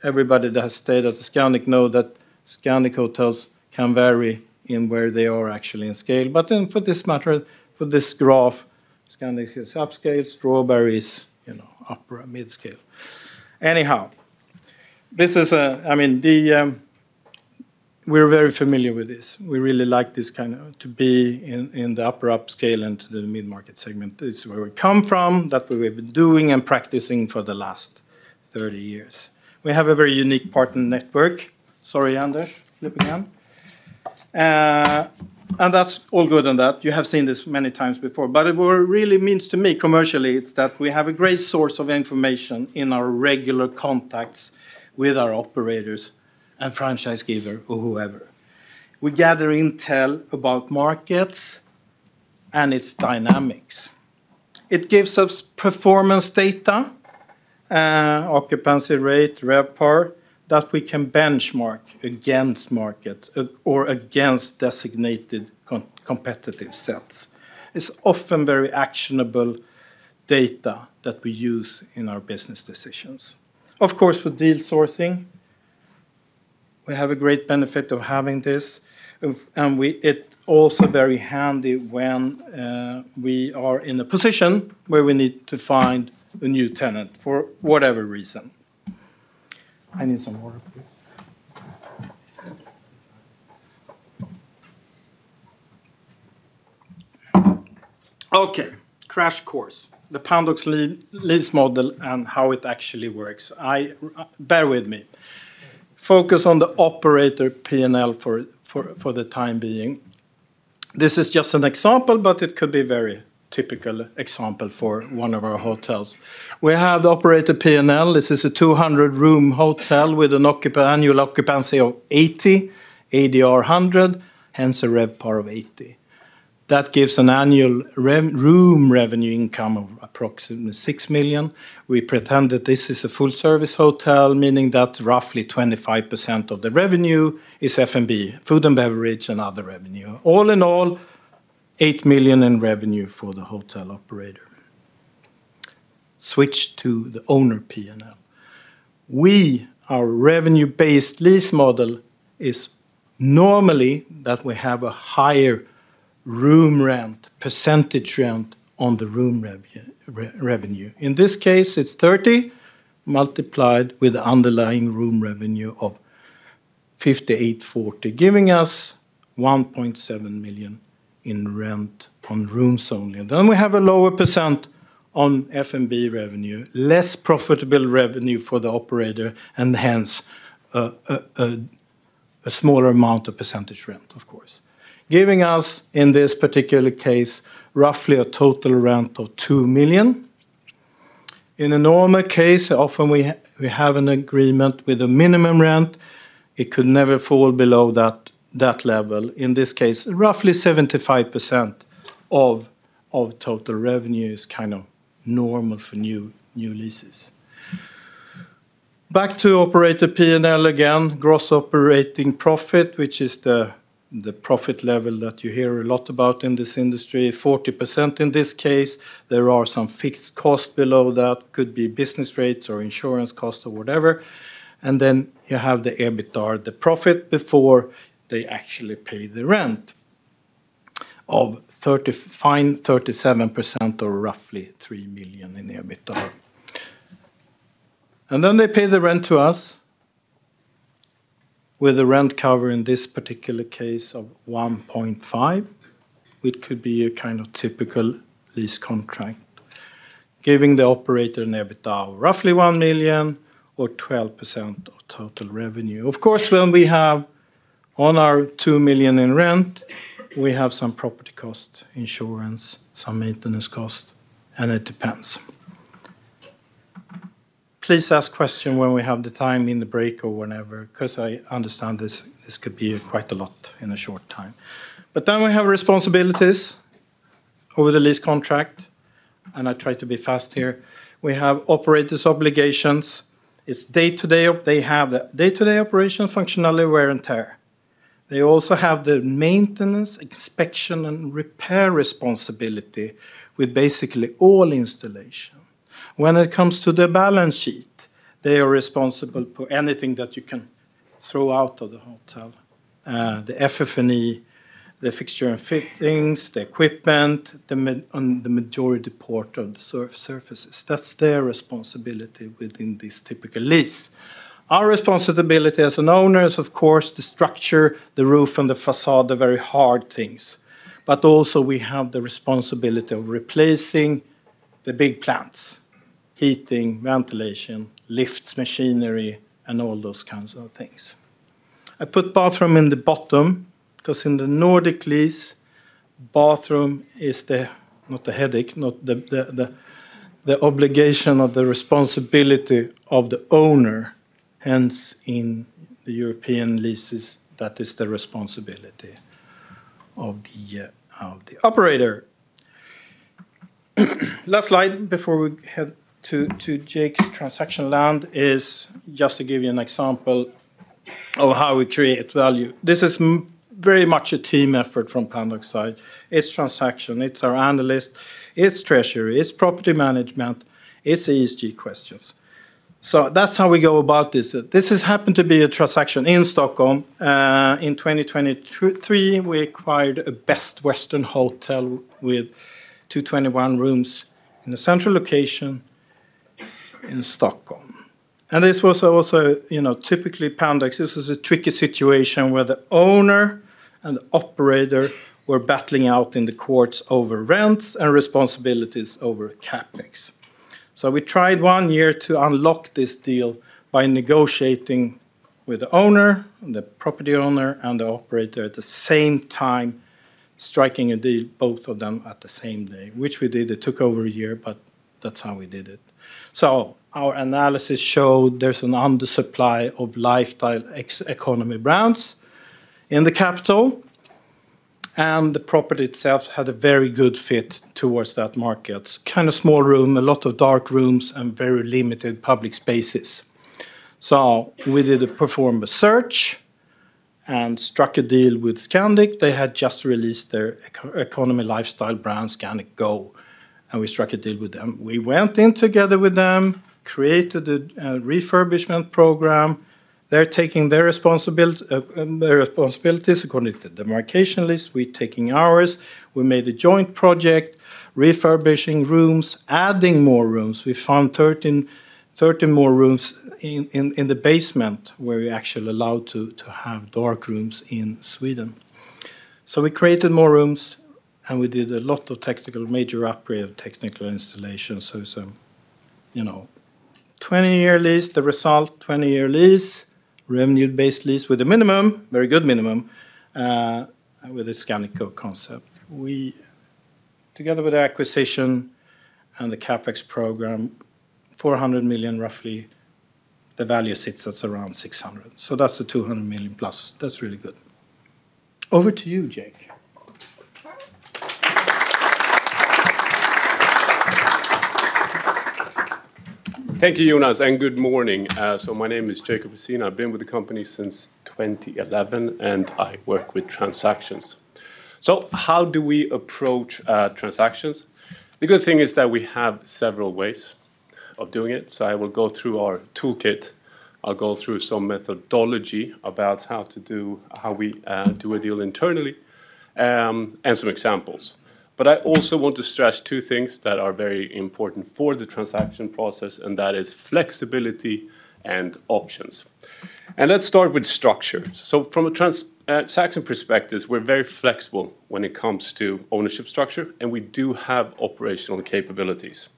Everybody that has stayed at the Scandic know that Scandic hotels can vary in where they are actually in scale. For this matter, for this graph, Scandic is upscale, Strawberry is, you know, upper mid-scale. This is, I mean, the, we're very familiar with this. We really like this kind of, to be in the upper upscale and to the mid-market segment. This is where we come from. That's what we've been doing and practicing for the last 30 years. We have a very unique partner network. Sorry, Anders, flipping down. That's all good on that. You have seen this many times before. What it really means to me commercially, it's that we have a great source of information in our regular contacts with our operators and franchise giver or whoever. We gather intel about markets and its dynamics. It gives us performance data, occupancy rate, RevPAR, that we can benchmark against markets or against designated competitive sets. It's often very actionable data that we use in our business decisions. Of course, for deal sourcing, we have a great benefit of having this. And it also very handy when we are in a position where we need to find a new tenant for whatever reason. I need some water, please. Okay. Crash course. The Pandox lease model and how it actually works. Bear with me. Focus on the operator P&L for the time being. This is just an example, but it could be very typical example for one of our hotels. We have the operator P&L. This is a 200 room hotel with an annual occupancy of 80, ADR 100, hence a RevPAR of 80. That gives an annual room revenue income of approximately 6 million. We pretend that this is a full-service hotel, meaning that roughly 25% of the revenue is F&B, food and beverage, and other revenue. All in all, 8 million in revenue for the hotel operator. Switch to the owner P&L. Our revenue-based lease model is normally that we have a higher room rent, percentage rent on the room revenue. In this case, it's 30 multiplied with underlying room revenue of 5,840, giving us 1.7 million in rent on rooms only. We have a lower percent on F&B revenue, less profitable revenue for the operator, and hence, a smaller amount of percentage rent, of course. Giving us, in this particular case, roughly a total rent of 2 million. In a normal case, often we have an agreement with a minimum rent. It could never fall below that level. In this case, roughly 75% of total revenue is kind of normal for new leases. Back to operator P&L again. Gross operating profit, which is the profit level that you hear a lot about in this industry. 40% in this case. There are some fixed cost below that. Could be business rates or insurance cost or whatever. Then you have the EBITDA, the profit before they actually pay the rent, of 37% or roughly 3 million in EBITDA. Then they pay the rent to us with a rent cover, in this particular case, of 1.5. It could be a kind of typical lease contract, giving the operator an EBITDA of roughly 1 million or 12% of total revenue. Of course, when we have on our 2 million in rent, we have some property cost insurance, some maintenance cost, and it depends. Please ask question when we have the time in the break or whenever, because I understand this could be quite a lot in a short time. We have responsibilities over the lease contract, and I try to be fast here. We have operator's obligations. They have the day-to-day operation, functional wear and tear. They also have the maintenance, inspection, and repair responsibility with basically all installation. When it comes to the balance sheet, they are responsible for anything that you can throw out of the hotel. The FF&E, the fixture and fittings, the equipment, on the majority part of the surfaces. That's their responsibility within this typical lease. Our responsibility as an owner is, of course, the structure, the roof, and the facade, the very hard things. Also, we have the responsibility of replacing the big plants: heating, ventilation, lifts, machinery, and all those kinds of things. I put bathroom in the bottom, because in the Nordic lease, bathroom is the, not the headache, not the obligation of the responsibility of the owner. Hence, in the European leases, that is the responsibility of the operator. Last slide before we head to Jake's transaction land is just to give you an example of how we create value. This is very much a team effort from Pandox side. It's transaction, it's our analyst, it's treasury, it's property management, it's ESG questions. That's how we go about this. This has happened to be a transaction in Stockholm. In 2023, we acquired a Best Western hotel with 221 rooms in a central location in Stockholm. This was also, you know, typically Pandox. This was a tricky situation where the owner and the operator were battling out in the courts over rents and responsibilities over CapEx. We tried 1 year to unlock this deal by negotiating with the owner, the property owner, and the operator at the same time, striking a deal, both of them at the same day, which we did. It took over a year, but that's how we did it. Our analysis showed there's an undersupply of lifestyle ex- economy brands in the capital, and the property itself had a very good fit towards that market. Kinda small room, a lot of dark rooms, and very limited public spaces. We did a perform a search and struck a deal with Scandic. They had just released their eco- economy lifestyle brand, Scandic Go, and we struck a deal with them. We went in together with them, created a refurbishment program. They're taking their responsibilities according to the demarcation list. We're taking ours. We made a joint project refurbishing rooms, adding more rooms. We found 13 more rooms in the basement, where we actually allowed to have dark rooms in Sweden. We created more rooms, and we did a lot of technical, major upgrade of technical installations. You know. 20-year lease, the result, 20-year lease. Revenue-based lease with a minimum, very good minimum, with the Scandic Go concept. Together with the acquisition and the CapEx program, 400 million roughly, the value sits at around 600. That's the 200 million plus. That's really good. Over to you, Jake. Thank you, Jonas, and good morning. My name is Jacob Rasin. I've been with the company since 2011, and I work with transactions. How do we approach transactions? The good thing is that we have several ways of doing it. I will go through our toolkit. I'll go through some methodology about how we do a deal internally, and some examples. I also want to stress 2 things that are very important for the transaction process, and that is flexibility and options. Let's start with structure. From a transaction prospectus, we're very flexible when it comes to ownership structure, and we do have operational capabilities.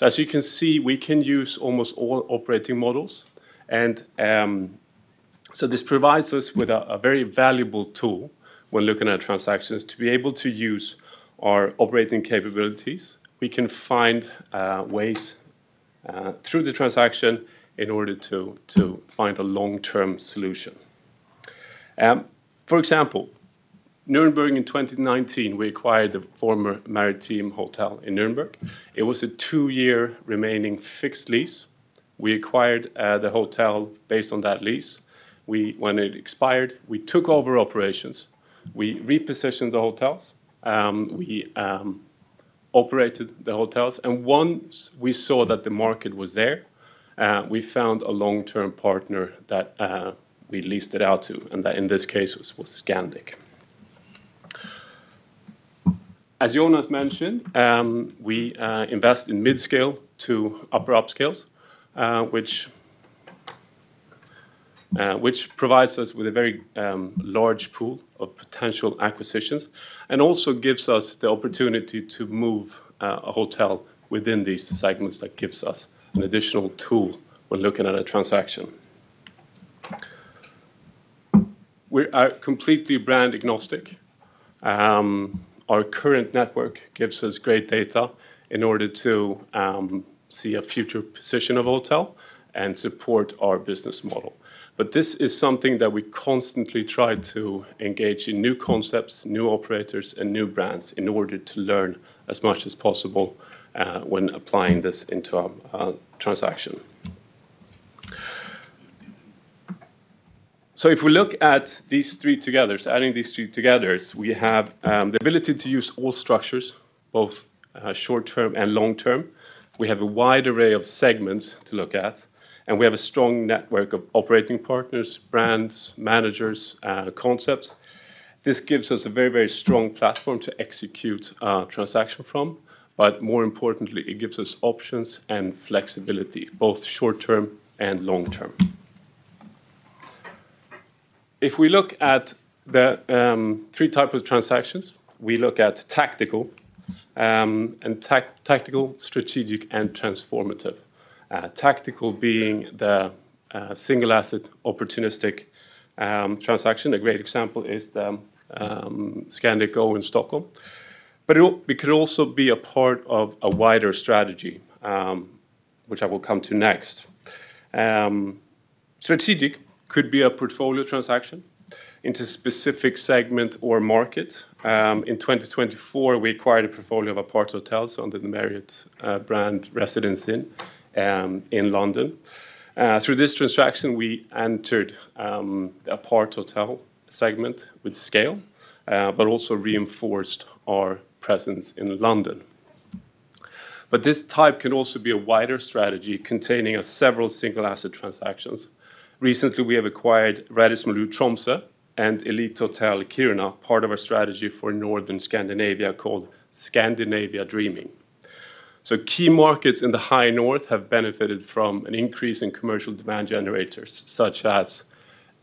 As you can see, we can use almost all operating models. This provides us with a very valuable tool when looking at transactions to be able to use our operating capabilities. We can find ways through the transaction in order to find a long-term solution. For example, Nuremberg in 2019, we acquired the former Maritim Hotel in Nuremberg. It was a 2-year remaining fixed lease. We acquired the hotel based on that lease. When it expired, we took over operations. We repositioned the hotels. We operated the hotels. Once we saw that the market was there, we found a long-term partner that we leased it out to, and that, in this case, was Scandic. As Jonas mentioned, we invest in mid-scale to upper upscales, which provides us with a very large pool of potential acquisitions and also gives us the opportunity to move a hotel within these segments that gives us an additional tool when looking at a transaction. We are completely brand agnostic. Our current network gives us great data in order to see a future position of hotel and support our business model. This is something that we constantly try to engage in new concepts, new operators, and new brands in order to learn as much as possible when applying this into a transaction. If we look at these three together, adding these three together, we have the ability to use all structures, both short-term and long-term. We have a wide array of segments to look at, and we have a strong network of operating partners, brands, managers, concepts. This gives us a very, very strong platform to execute transaction from, but more importantly, it gives us options and flexibility, both short-term and long-term. If we look at the 3 types of transactions, we look at tactical, strategic, and transformative. Tactical being the single asset opportunistic transaction. A great example is the Scandic Alvik in Stockholm. It could also be a part of a wider strategy, which I will come to next. Strategic could be a portfolio transaction into specific segment or market. In 2024, we acquired a portfolio of apart-hotels under the Marriott brand Residence Inn in London. Through this transaction, we entered aparthotel segment with scale, but also reinforced our presence in London. This type can also be a wider strategy containing several single asset transactions. Recently, we have acquired Radisson Blu Hotel, Tromsø and Elite Hotel Kiruna, part of our strategy for Northern Scandinavia called Scandinavia Dreaming. Key markets in the High North have benefited from an increase in commercial demand generators, such as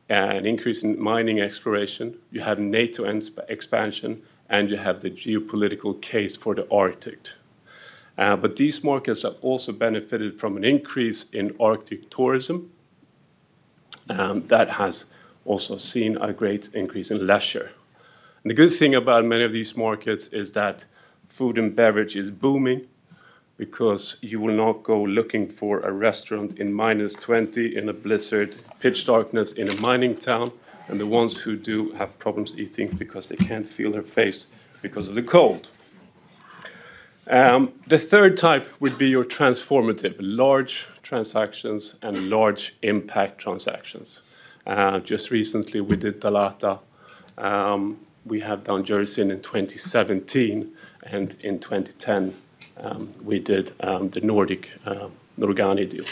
an increase in mining exploration. You have NATO expansion, and you have the geopolitical case for the Arctic. These markets have also benefited from an increase in Arctic tourism that has also seen a great increase in leisure. The good thing about many of these markets is that food and beverage is booming because you will not go looking for a restaurant in minus 20 in a blizzard, pitch darkness in a mining town, and the ones who do have problems eating because they can't feel their face because of the cold. The 3rd type would be your transformative, large transactions and large impact transactions. Just recently we did Dalata. We have done Jurys Inn in 2017, and in 2010, we did the Nordic Norgani deal.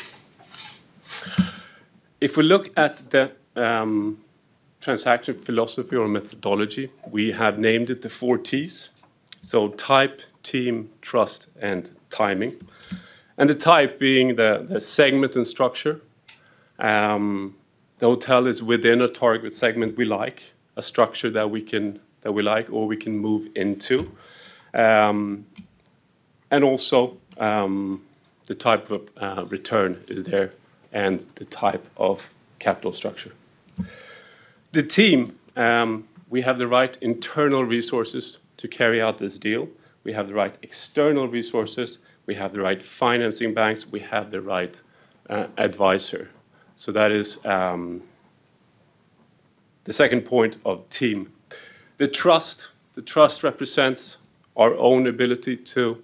If we look at the transaction philosophy or methodology, we have named it the 4 T's, so type, team, trust, and timing. The type being the segment and structure. The hotel is within a target segment we like, a structure that we like or we can move into. Also, the type of return is there and the type of capital structure. The team, we have the right internal resources to carry out this deal. We have the right external resources, we have the right financing banks, we have the right advisor. That is the second point of team. The trust. The trust represents our own ability to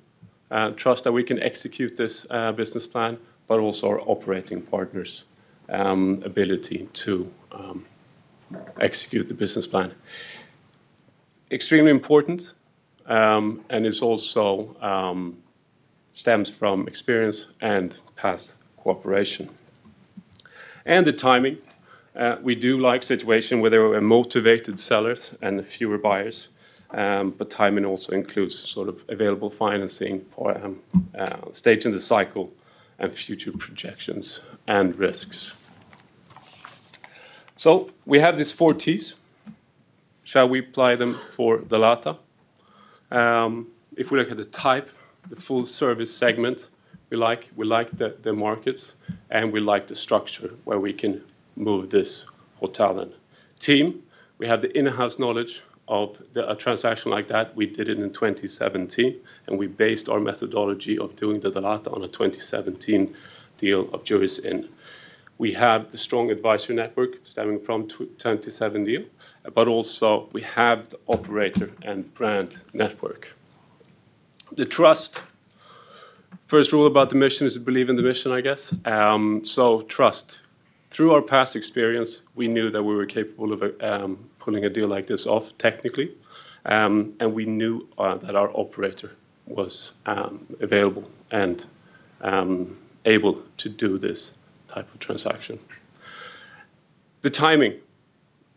trust that we can execute this business plan, but also our operating partner's ability to execute the business plan. Extremely important, and it also stems from experience and past cooperation. The timing. We do like situation where there were motivated sellers and fewer buyers, but timing also includes sort of available financing, stage in the cycle and future projections and risks. We have these 4 Ts. Shall we apply them for Dalata? If we look at the type, the full service segment, we like, we like the markets, and we like the structure where we can move this hotel in. Team, we have the in-house knowledge of a transaction like that. We did it in 2017, and we based our methodology of doing the Dalata on a 2017 deal of Jurys Inn. We have the strong advisory network stemming from 2017 deal, but also we have the operator and brand network. The trust. First rule about the mission is to believe in the mission, I guess. Trust. Through our past experience, we knew that we were capable of pulling a deal like this off technically. We knew that our operator was available and able to do this type of transaction. The timing.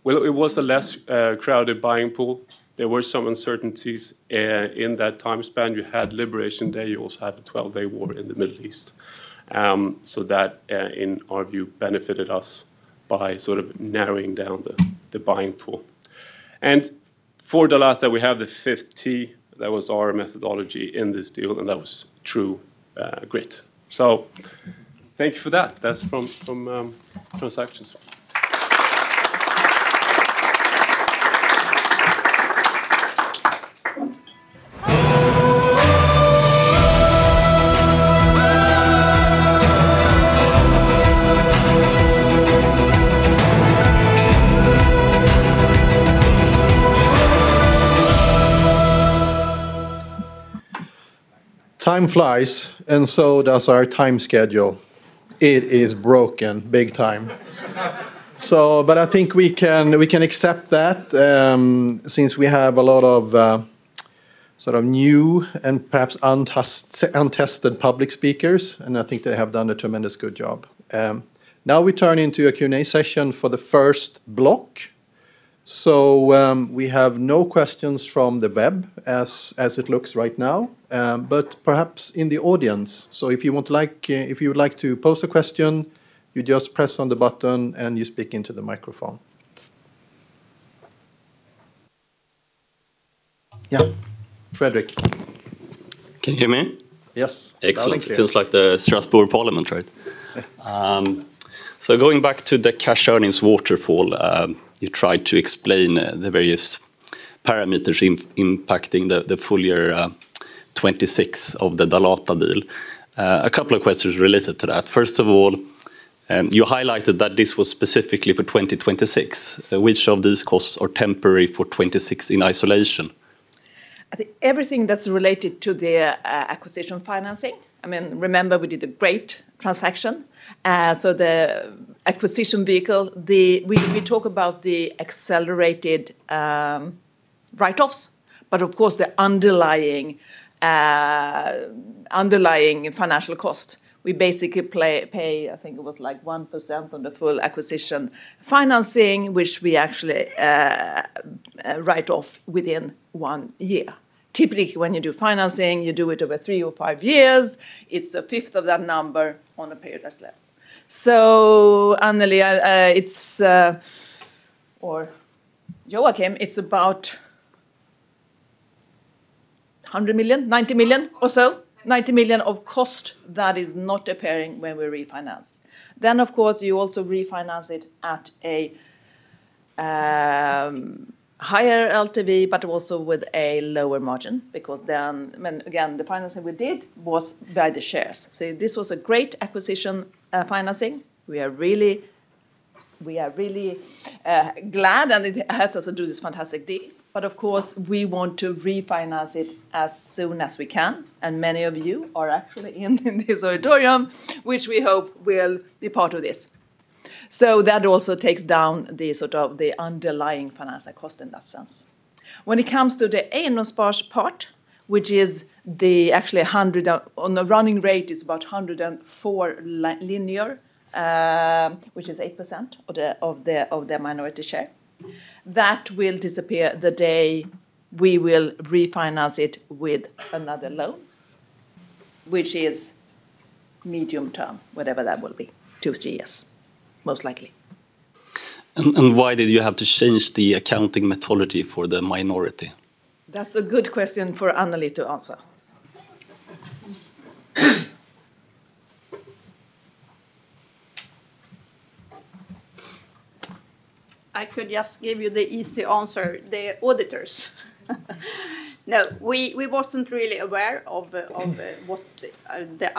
Well, it was a less crowded buying pool. There were some uncertainties in that time span. You had Liberation Day, you also had the 12-day war in the Middle East. That, in our view, benefited us by sort of narrowing down the buying pool. For Dalata, we have the fifth T. That was our methodology in this deal, and that was true grit. Thank you for that. That's from transactions. Time flies, and so does our time schedule. It is broken big time. I think we can, we can accept that, since we have a lot of, sort of new and perhaps untested public speakers, and I think they have done a tremendous good job. Now we turn into a Q&A session for the first block. We have no questions from the web as it looks right now, but perhaps in the audience. If you want, if you would like to pose a question, you just press on the button, and you speak into the microphone. Yeah. Fredrik. Can you hear me? Yes. Loud and clear. Excellent. Feels like the Strasbourg Parliament, right? Yeah. Going back to the cash earnings waterfall, you tried to explain the various parameters impacting the full year 2026 of the Dalata deal. Couple of questions related to that. First of all, you highlighted that this was specifically for 2026. Which of these costs are temporary for 2026 in isolation? I think everything that's related to the acquisition financing. I mean, remember we did a great transaction. The acquisition vehicle, We talk about the accelerated write-offs, but of course, the underlying financial cost. We basically pay, I think it was like 1% on the full acquisition financing, which we actually write off within 1 year. Typically, when you do financing, you do it over 3 or 5 years. It's a fifth of that number on the period that's left. Anneli, it's or Joakim, it's about 100 million, 90 million or so. 90 million of cost that is not appearing when we refinance. Of course, you also refinance it at a higher LTV, but also with a lower margin because then I mean, again, the financing we did was by the shares. This was a great acquisition financing. We are really glad, and it helped us to do this fantastic deal. Of course, we want to refinance it as soon as we can, and many of you are actually in this auditorium, which we hope will be part of this. That also takes down the sort of the underlying financial cost in that sense. When it comes to the Eiendomsspar part, which is the actually 100, on the running rate is about 104 linear, which is 8% of the minority share. That will disappear the day we will refinance it with another loan, which is medium term, whatever that will be, 2, 3 years, most likely. Why did you have to change the accounting methodology for the minority? That's a good question for Anneli to answer. I could just give you the easy answer, the auditors. We wasn't really aware of what the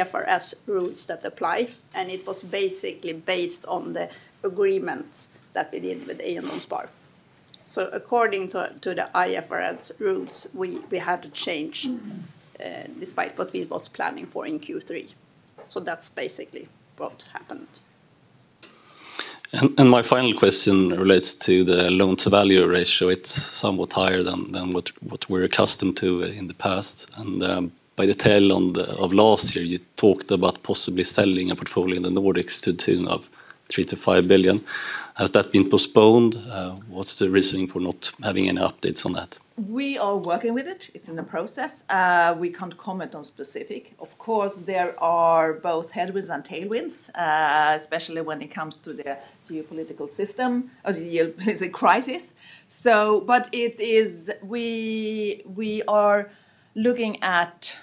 IFRS rules that apply, and it was basically based on the agreements that we did with Eiendomsspar. According to the IFRS rules, we had to change despite what we was planning for in Q3. That's basically what happened. My final question relates to the loan-to-value ratio. It's somewhat higher than what we're accustomed to in the past. By the tail end of last year you talked about possibly selling a portfolio in the Nordics to the tune of 3 billion-5 billion. Has that been postponed? What's the reasoning for not having any updates on that? We are working with it. It's in the process. We can't comment on specific. Of course, there are both headwinds and tailwinds, especially when it comes to the geopolitical system, or the geopolitical crisis. But it is we are looking at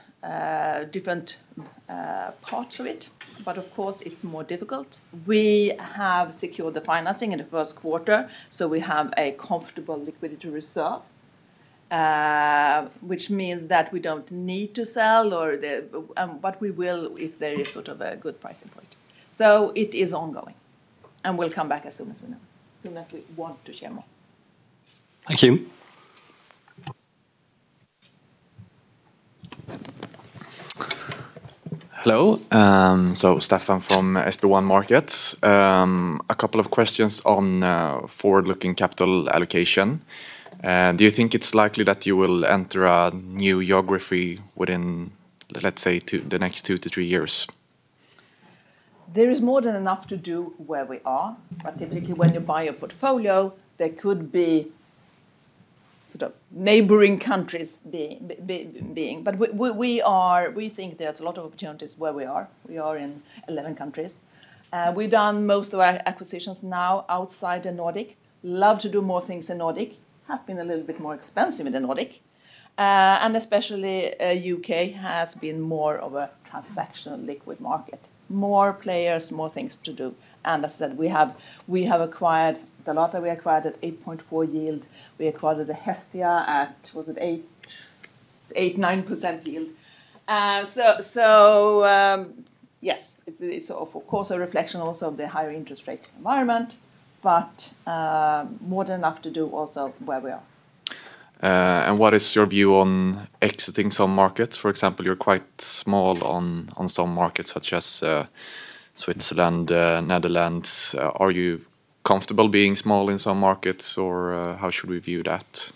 different parts of it, but of course it's more difficult. We have secured the financing in the first quarter, so we have a comfortable liquidity reserve, which means that we don't need to sell or the, but we will if there is sort of a good pricing point. It is ongoing, and we'll come back as soon as we know, as soon as we want to share more. Thank you. Hello. Stefan from SB1 Markets. A couple of questions on forward-looking capital allocation. Do you think it's likely that you will enter a new geography within, let's say two, the next two to three years? There is more than enough to do where we are, but typically when you buy a portfolio there could be sort of neighboring countries being. We are, we think there's a lot of opportunities where we are. We are in 11 countries. We've done most of our acquisitions now outside the Nordic. Love to do more things in Nordic, has been a little bit more expensive in the Nordic. Especially, U.K. has been more of a transactional liquid market. More players, more things to do. As said, we have acquired Dalata that we acquired at 8.4% yield. We acquired the Scandic at, was it 8%, 9% yield. Yes, it's of course a reflection also of the higher interest rate environment, but more than enough to do also where we are. What is your view on exiting some markets? For example, you're quite small on some markets such as Switzerland, Netherlands. Are you comfortable being small in some markets or how should we view that?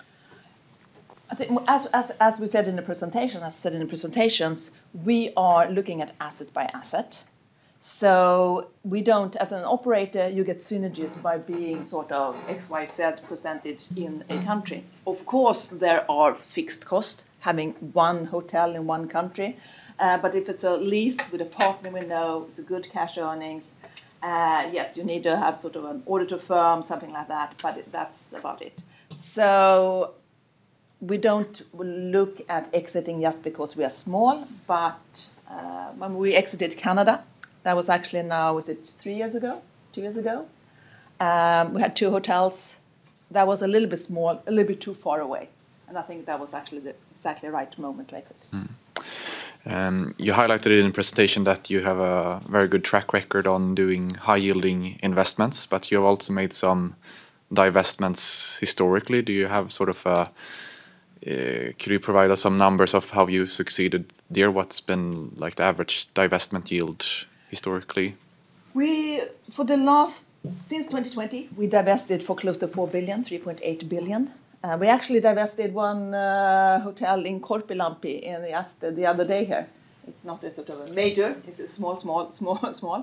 I think as we said in the presentation, as said in the presentations, we are looking at asset by asset. We don't, as an operator you get synergies by being sort of X, Y, Z percentage in a country. Of course, there are fixed cost having one hotel in one country. If it's a lease with a partner we know, it's a good cash earnings, yes, you need to have sort of an auditor firm, something like that, but that's about it. We don't look at exiting just because we are small. When we exited Canada, that was actually now, was it three years ago? two years ago? We had two hotels that was a little bit small, a little bit too far away, and I think that was actually the exactly right moment, like I said. You highlighted in the presentation that you have a very good track record on doing high-yielding investments, but you have also made some divestments historically. Do you have sort of a, could you provide us some numbers of how you succeeded there? What's been like the average divestment yield historically? We, for the last, since 2020 we divested for close to 4 billion, 3.8 billion. We actually divested one hotel in Korpilampi the other day here. It's not a sort of a major, it's a small.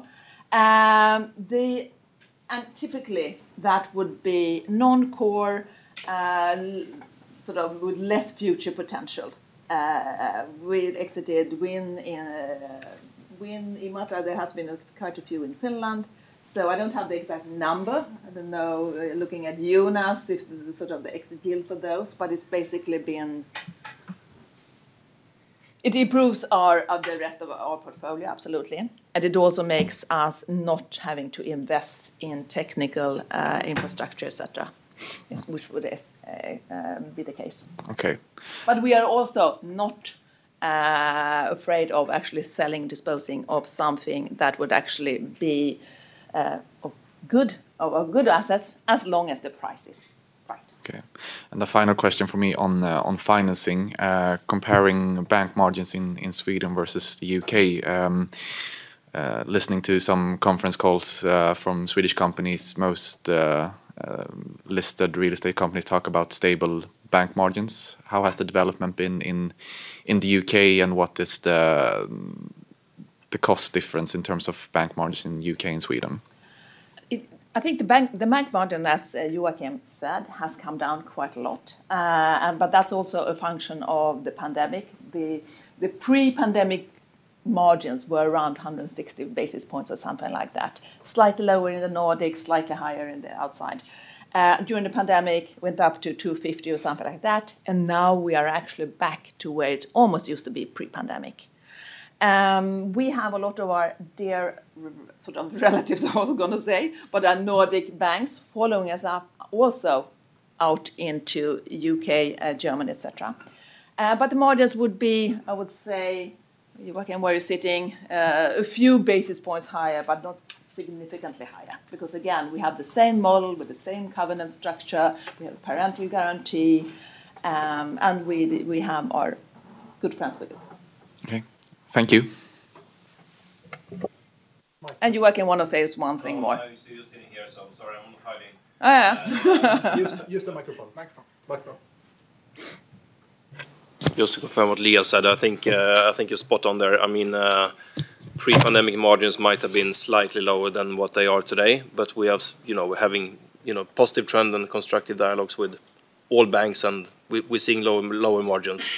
Typically that would be non-core, sort of with less future potential. We exited Scandic Imatra. There has been quite a few in Finland. I don't have the exact number. I don't know, looking at Jonas if the sort of the exit yield for those, but it's basically been, it improves the rest of our portfolio, absolutely, and it also makes us not having to invest in technical infrastructure, et cetera, yes, which would be the case. Okay. We are also not afraid of actually selling, disposing of something that would actually be a good assets as long as the price is right. Okay. The final question from me on financing. Comparing bank margins in Sweden versus the U.K. Listening to some conference calls from Swedish companies, most listed real estate companies talk about stable bank margins. How has the development been in the U.K., and what is the cost difference in terms of bank margins in U.K. and Sweden? I think the bank margin, as Joakim said, has come down quite a lot. That's also a function of the pandemic. The pre-pandemic margins were around 160 basis points or something like that. Slightly lower in the Nordics, slightly higher in the outside. During the pandemic, went up to 250 or something like that, now we are actually back to where it almost used to be pre-pandemic. We have a lot of our dear sort of relatives, I was going to say, but our Nordic banks following us up also out into U.K., Germany, et cetera. The margins would be, I would say, Joakim, where you're sitting, a few basis points higher, not significantly higher. Again, we have the same model with the same covenant structure, we have a parental guarantee, and we have our good friends with it. Okay. Thank you. Joakim wanna says one thing more. No, I see you sitting here, so I'm sorry, I'm hiding. Oh, yeah. Use the microphone. Microphone. Microphone. Just to confirm what Liia said, I think, I think you're spot on there. I mean, pre-pandemic margins might have been slightly lower than what they are today, but we have, you know, we're having, you know, positive trend and constructive dialogues with all banks, and we're seeing lower margins.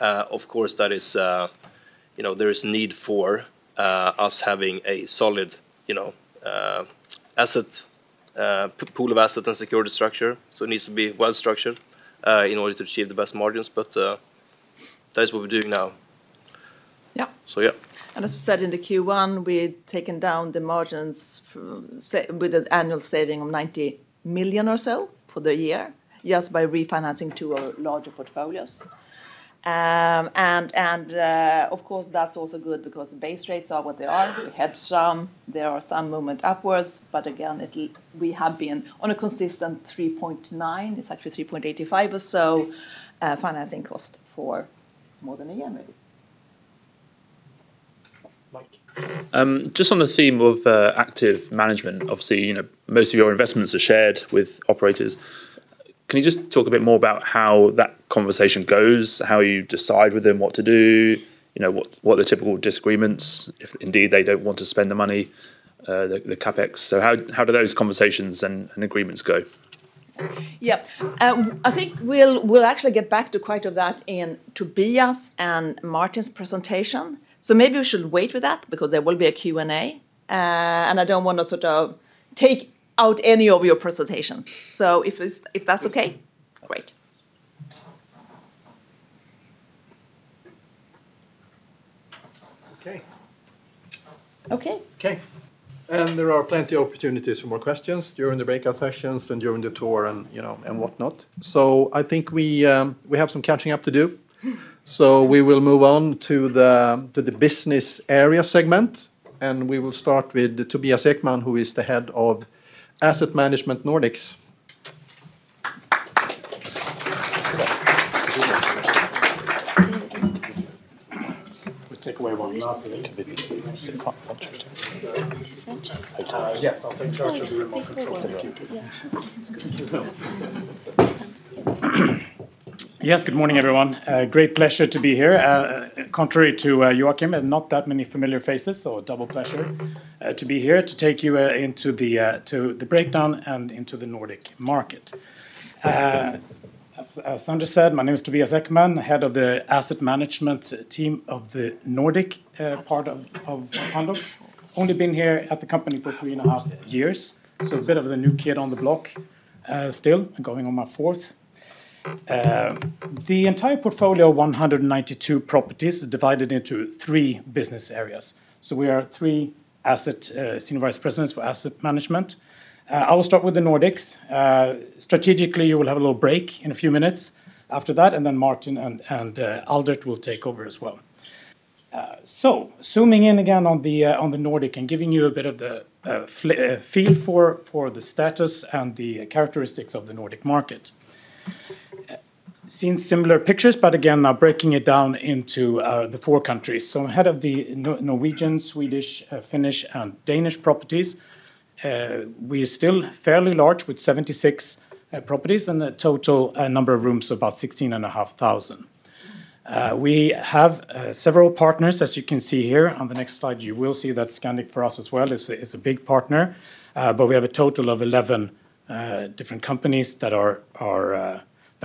Of course, that is, you know, there is need for us having a solid, you know, asset pool of asset and security structure. It needs to be well-structured, in order to achieve the best margins. That is what we're doing now. Yeah. Yeah. As we said in the Q1, we've taken down the margins with an annual saving of 90 million or so for the year, just by refinancing to our larger portfolios. Of course, that's also good because base rates are what they are. There are some movement upwards, but again, we have been on a consistent 3.9%. It's actually 3.85% or so, financing cost for more than a year maybe. Mic. just on the theme of active management, obviously, you know, most of your investments are shared with operators. Can you just talk a bit more about how that conversation goes? How you decide with them what to do? What the typical disagreements, if indeed they don't want to spend the money, the CapEx? How do those conversations and agreements go? Yeah. I think we'll actually get back to quite of that in Tobias and Martin's presentation. Maybe we should wait with that because there will be a Q&A, and I don't wanna sort of take out any of your presentations. If that's okay, great. Okay. Okay. Okay. There are plenty of opportunities for more questions during the breakout sessions and during the tour and, you know, and whatnot. I think we have some catching up to do. We will move on to the Business Area segment, and we will start with Tobias Ekman, who is the Head of Asset Management Nordics. We take away one last minute. French? Yes, I'll take charge of the remote control. Thank you. Thank you. Yeah. Yes, good morning, everyone. Great pleasure to be here. Contrary to Joakim, not that many familiar faces, so double pleasure to be here to take you into the breakdown and into the Nordic market. As Anders said, my name is Tobias Ekman, head of the asset management team of the Nordic part of Pandox. Only been here at the company for 3 and a half years, so a bit of the new kid on the block still, going on my fourth. The entire portfolio, 192 properties, is divided into 3 business areas. We are 3 Asset Senior Vice Presidents for asset management. I will start with the Nordics. Strategically, you will have a little break in a few minutes after that, and then Martin and Aldert will take over as well. Zooming in again on the Nordic and giving you a bit of the feel for the status and the characteristics of the Nordic market. Seen similar pictures, but again, now breaking it down into the four countries. Head of the Norwegian, Swedish, Finnish, and Danish properties. We're still fairly large with 76 properties and a total number of rooms of about 16,500. We have several partners, as you can see here. On the next slide, you will see that Scandic for us as well is a big partner. We have a total of 11 different companies that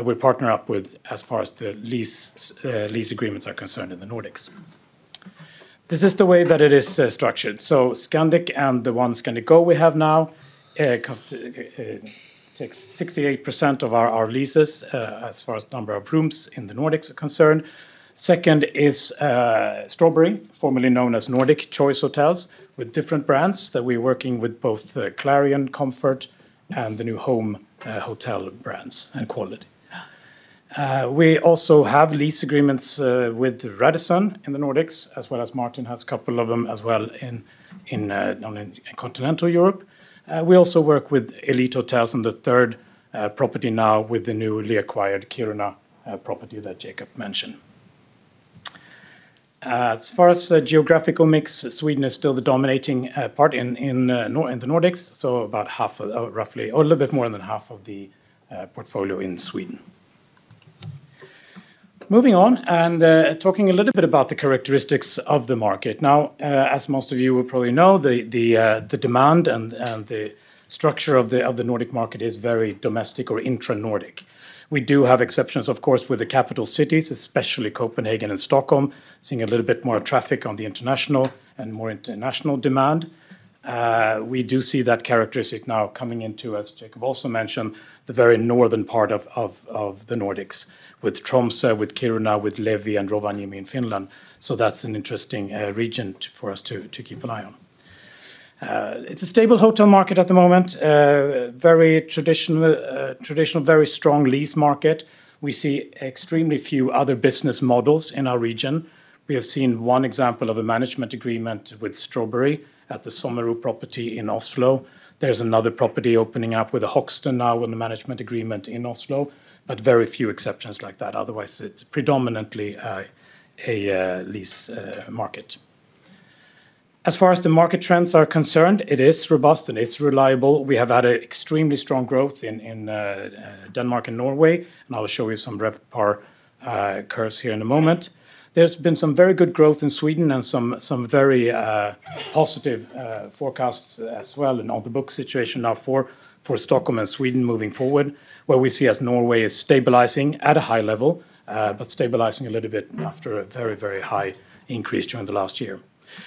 we partner up with as far as the lease agreements are concerned in the Nordics. This is the way that it is structured. Scandic and the one Scandic Go we have now takes 68% of our leases as far as number of rooms in the Nordics are concerned. Second is Strawberry, formerly known as Nordic Choice Hotels, with different brands that we're working with both the Clarion, Comfort, and the new Home hotel brands and Quality. We also have lease agreements with Radisson in the Nordics, as well as Martin has a couple of them as well in continental Europe. We also work with Elite Hotels and the third property now with the newly acquired Kiruna property that Jacob mentioned. As far as the geographical mix, Sweden is still the dominating part in the Nordics, so about half of the, roughly, or a little bit more than half of the portfolio in Sweden. Moving on and talking a little bit about the characteristics of the market. Now, as most of you will probably know, the demand and the structure of the Nordic market is very domestic or intra-Nordic. We do have exceptions of course with the capital cities, especially Copenhagen and Stockholm, seeing a little bit more traffic on the international and more international demand. We do see that characteristic now coming into, as Jacob also mentioned, the very northern part of the Nordics with Tromsø, with Kiruna, with Levi, and Rovaniemi in Finland. That's an interesting region for us to keep an eye on. It's a stable hotel market at the moment. Very traditional, very strong lease market. We see extremely few other business models in our region. We have seen one example of a management agreement with Strawberry at the Sommerro property in Oslo. There's another property opening up with The Hoxton now on the management agreement in Oslo, very few exceptions like that. Otherwise, it's predominantly a lease market. As far as the market trends are concerned, it is robust and it's reliable. We have had an extremely strong growth in Denmark and Norway, and I'll show you some RevPAR curves here in a moment. There's been some very good growth in Sweden and some very positive forecasts as well in on the books situation now for Stockholm and Sweden moving forward, where we see as Norway is stabilizing at a high level, but stabilizing a little bit after a very, very high increase during the last year.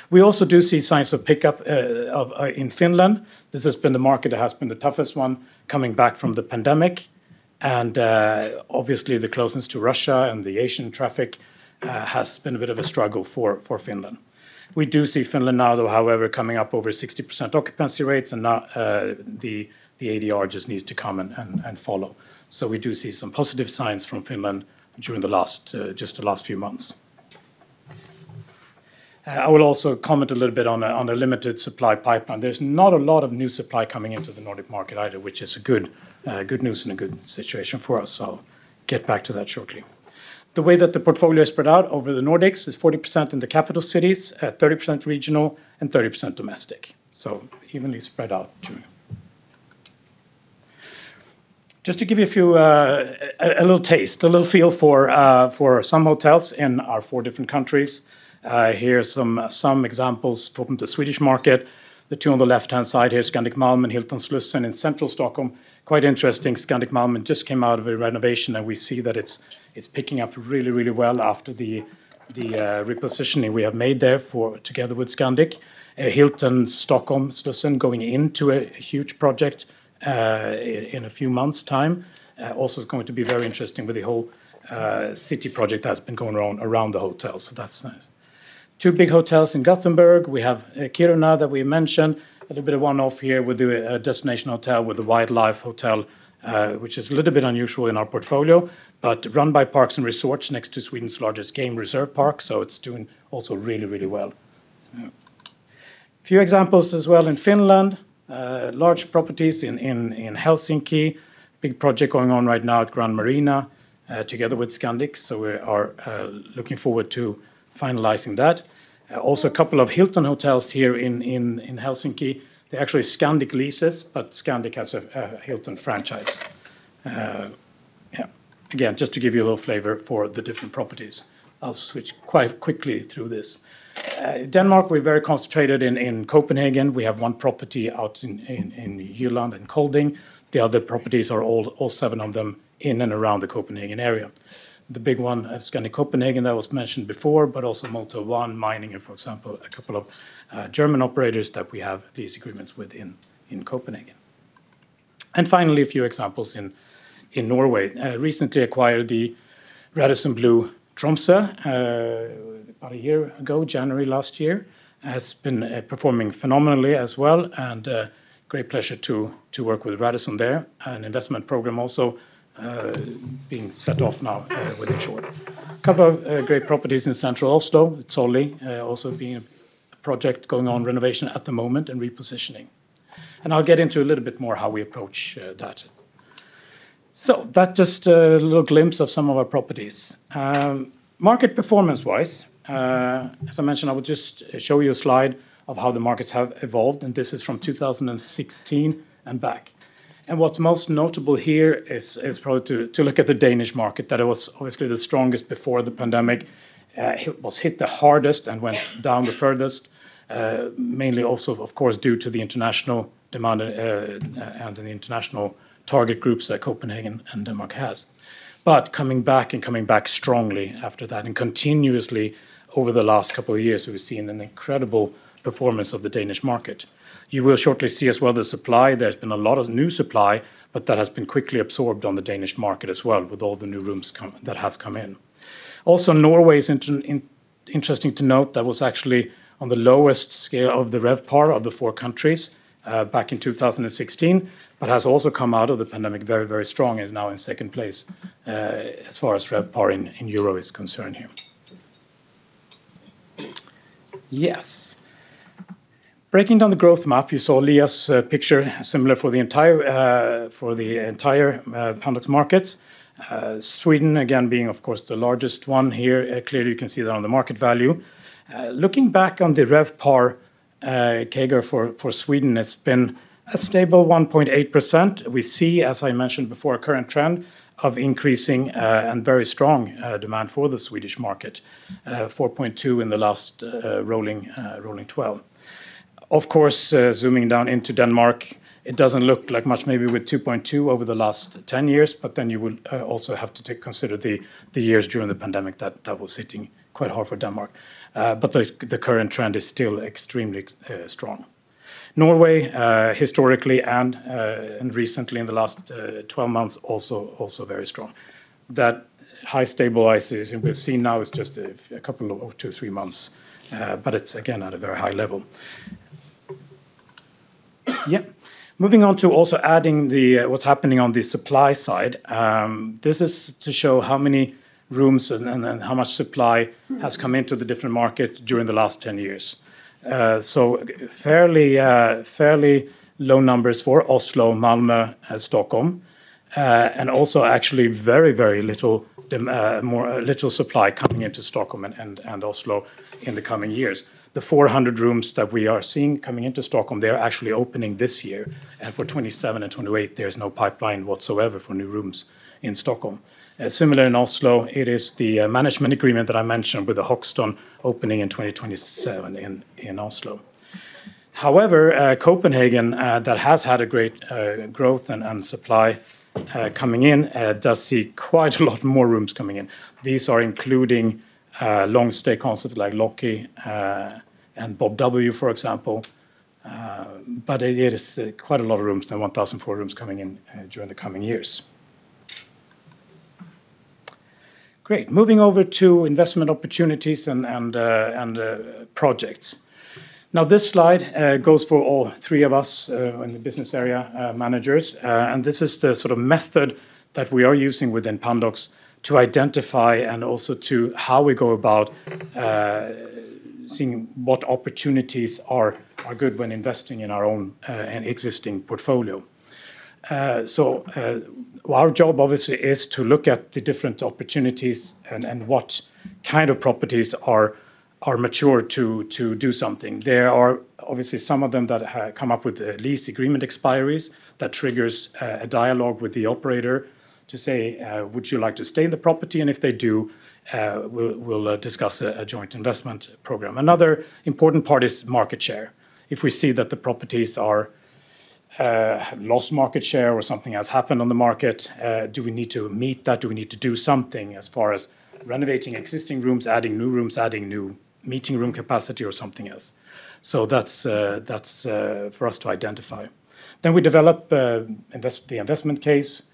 We also do see signs of pickup in Finland. This has been the market that has been the toughest one coming back from the pandemic, and obviously, the closeness to Russia and the Asian traffic has been a bit of a struggle for Finland. We do see Finland now, though, however, coming up over 60% occupancy rates, and now, the ADR just needs to come and follow. We do see some positive signs from Finland during the last just the last few months. I will also comment a little bit on a limited supply pipeline. There's not a lot of new supply coming into the Nordic market either, which is good news and a good situation for us, so I'll get back to that shortly. The way that the portfolio is spread out over the Nordics is 40% in the capital cities, 30% regional, and 30% domestic, so evenly spread out too. Just to give you a few, a little taste, a little feel for some hotels in our four different countries, here are some examples from the Swedish market. The two on the left-hand side here, Scandic Malmen and Hilton Slussen in central Stockholm, quite interesting. Scandic Malmen just came out of a renovation. We see that it's picking up really, really well after the repositioning we have made there together with Scandic. Hilton Stockholm Slussen going into a huge project in a few months' time. It also is going to be very interesting with the whole city project that's been going around the hotel. That's nice. Two big hotels in Gothenburg. We have Kiruna that we mentioned. A little bit of one-off here with the destination hotel, with the wildlife hotel, which is a little bit unusual in our portfolio. Run by Parks and Resorts next to Sweden's largest game reserve park, so it's doing also really, really well. A few examples as well in Finland. Large properties in Helsinki. Big project going on right now at Grand Marina, together with Scandic, so we are looking forward to finalizing that. Also a couple of Hilton Hotels here in Helsinki. They're actually Scandic leases, but Scandic has a Hilton franchise. Yeah. Again, just to give you a little flavor for the different properties. I'll switch quite quickly through this. Denmark, we're very concentrated in Copenhagen. We have one property out in Jylland, in Kolding. The other properties are all 7 of them in and around the Copenhagen area. The big one, Scandic Copenhagen, that was mentioned before, but also Motel One, Meininger, for example, a couple of German operators that we have lease agreements with in Copenhagen. Finally, a few examples in Norway. Recently acquired the Radisson Blu Tromsø, about a year ago, January last year. Has been performing phenomenally as well, great pleasure to work with Radisson there. An investment program also being set off now within short. Couple of great properties in central Oslo. Thon Hotel also being a project going on renovation at the moment and repositioning. I'll get into a little bit more how we approach that. That just a little glimpse of some of our properties. Market performance-wise, as I mentioned, I would just show you a slide of how the markets have evolved, this is from 2016 and back. What's most notable here is probably to look at the Danish market, that it was obviously the strongest before the pandemic. It was hit the hardest and went down the furthest, mainly also of course due to the international demand, and the international target groups that Copenhagen and Denmark has. Coming back, and coming back strongly after that, and continuously over the last couple of years, we've seen an incredible performance of the Danish market. You will shortly see as well the supply. There's been a lot of new supply, that has been quickly absorbed on the Danish market as well with all the new rooms that has come in. Norway is interesting to note. That was actually on the lowest scale of the RevPAR of the four countries, back in 2016, but has also come out of the pandemic very strong, and is now in second place, as far as RevPAR in EUR is concerned here. Yes. Breaking down the growth map, you saw Liia's picture, similar for the entire, for the entire Pandox markets. Sweden again being, of course, the largest one here. Clearly you can see that on the market value. Looking back on the RevPAR CAGR for Sweden has been a stable 1.8%. We see, as I mentioned before, a current trend of increasing, and very strong demand for the Swedish market, 4.2 in the last rolling twelve. Of course, zooming down into Denmark, it doesn't look like much maybe with 2.2 over the last 10 years, but then you will also have to take consider the years during the pandemic that was hitting quite hard for Denmark. But the current trend is still extremely strong. Norway, historically and recently in the last 12 months, also very strong. That high stabilization we've seen now is just a couple or two, three months, but it's again at a very high level. Moving on to also adding what's happening on the supply side. This is to show how many rooms and how much supply has come into the different market during the last 10 years. Fairly, fairly low numbers for Oslo, Malmö, and Stockholm, and also actually very little more, little supply coming into Stockholm and Oslo in the coming years. The 400 rooms that we are seeing coming into Stockholm, they are actually opening this year. For 2027 and 2028, there is no pipeline whatsoever for new rooms in Stockholm. Similar in Oslo, it is the management agreement that I mentioned with The Hoxton opening in 2027 in Oslo. Copenhagen that has had a great growth and supply coming in, does see quite a lot more rooms coming in. These are including long stay concept like Locke and Bob W., for example. It is quite a lot of rooms, the 1,004 rooms coming in during the coming years. Great. Moving over to investment opportunities and projects. This slide goes for all three of us in the business area managers. This is the sort of method that we are using within Pandox to identify and also to how we go about seeing what opportunities are good when investing in our own and existing portfolio. Our job obviously is to look at the different opportunities and what kind of properties are mature to do something. There are obviously some of them that come up with lease agreement expiries that triggers a dialogue with the operator to say, "Would you like to stay in the property?" If they do, we'll discuss a joint investment program. Another important part is market share. If we see that the properties are have lost market share or something has happened on the market, do we need to meet that? Do we need to do something as far as renovating existing rooms, adding new rooms, adding new meeting room capacity or something else? That's for us to identify. We develop the investment case,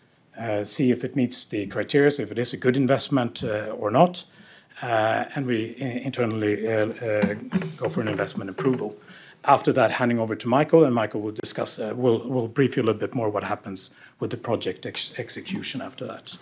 see if it meets the criteria, if it is a good investment or not. We internally go for an investment approval. After that, handing over to Mikael will discuss, will brief you a little bit more what happens with the project execution after that.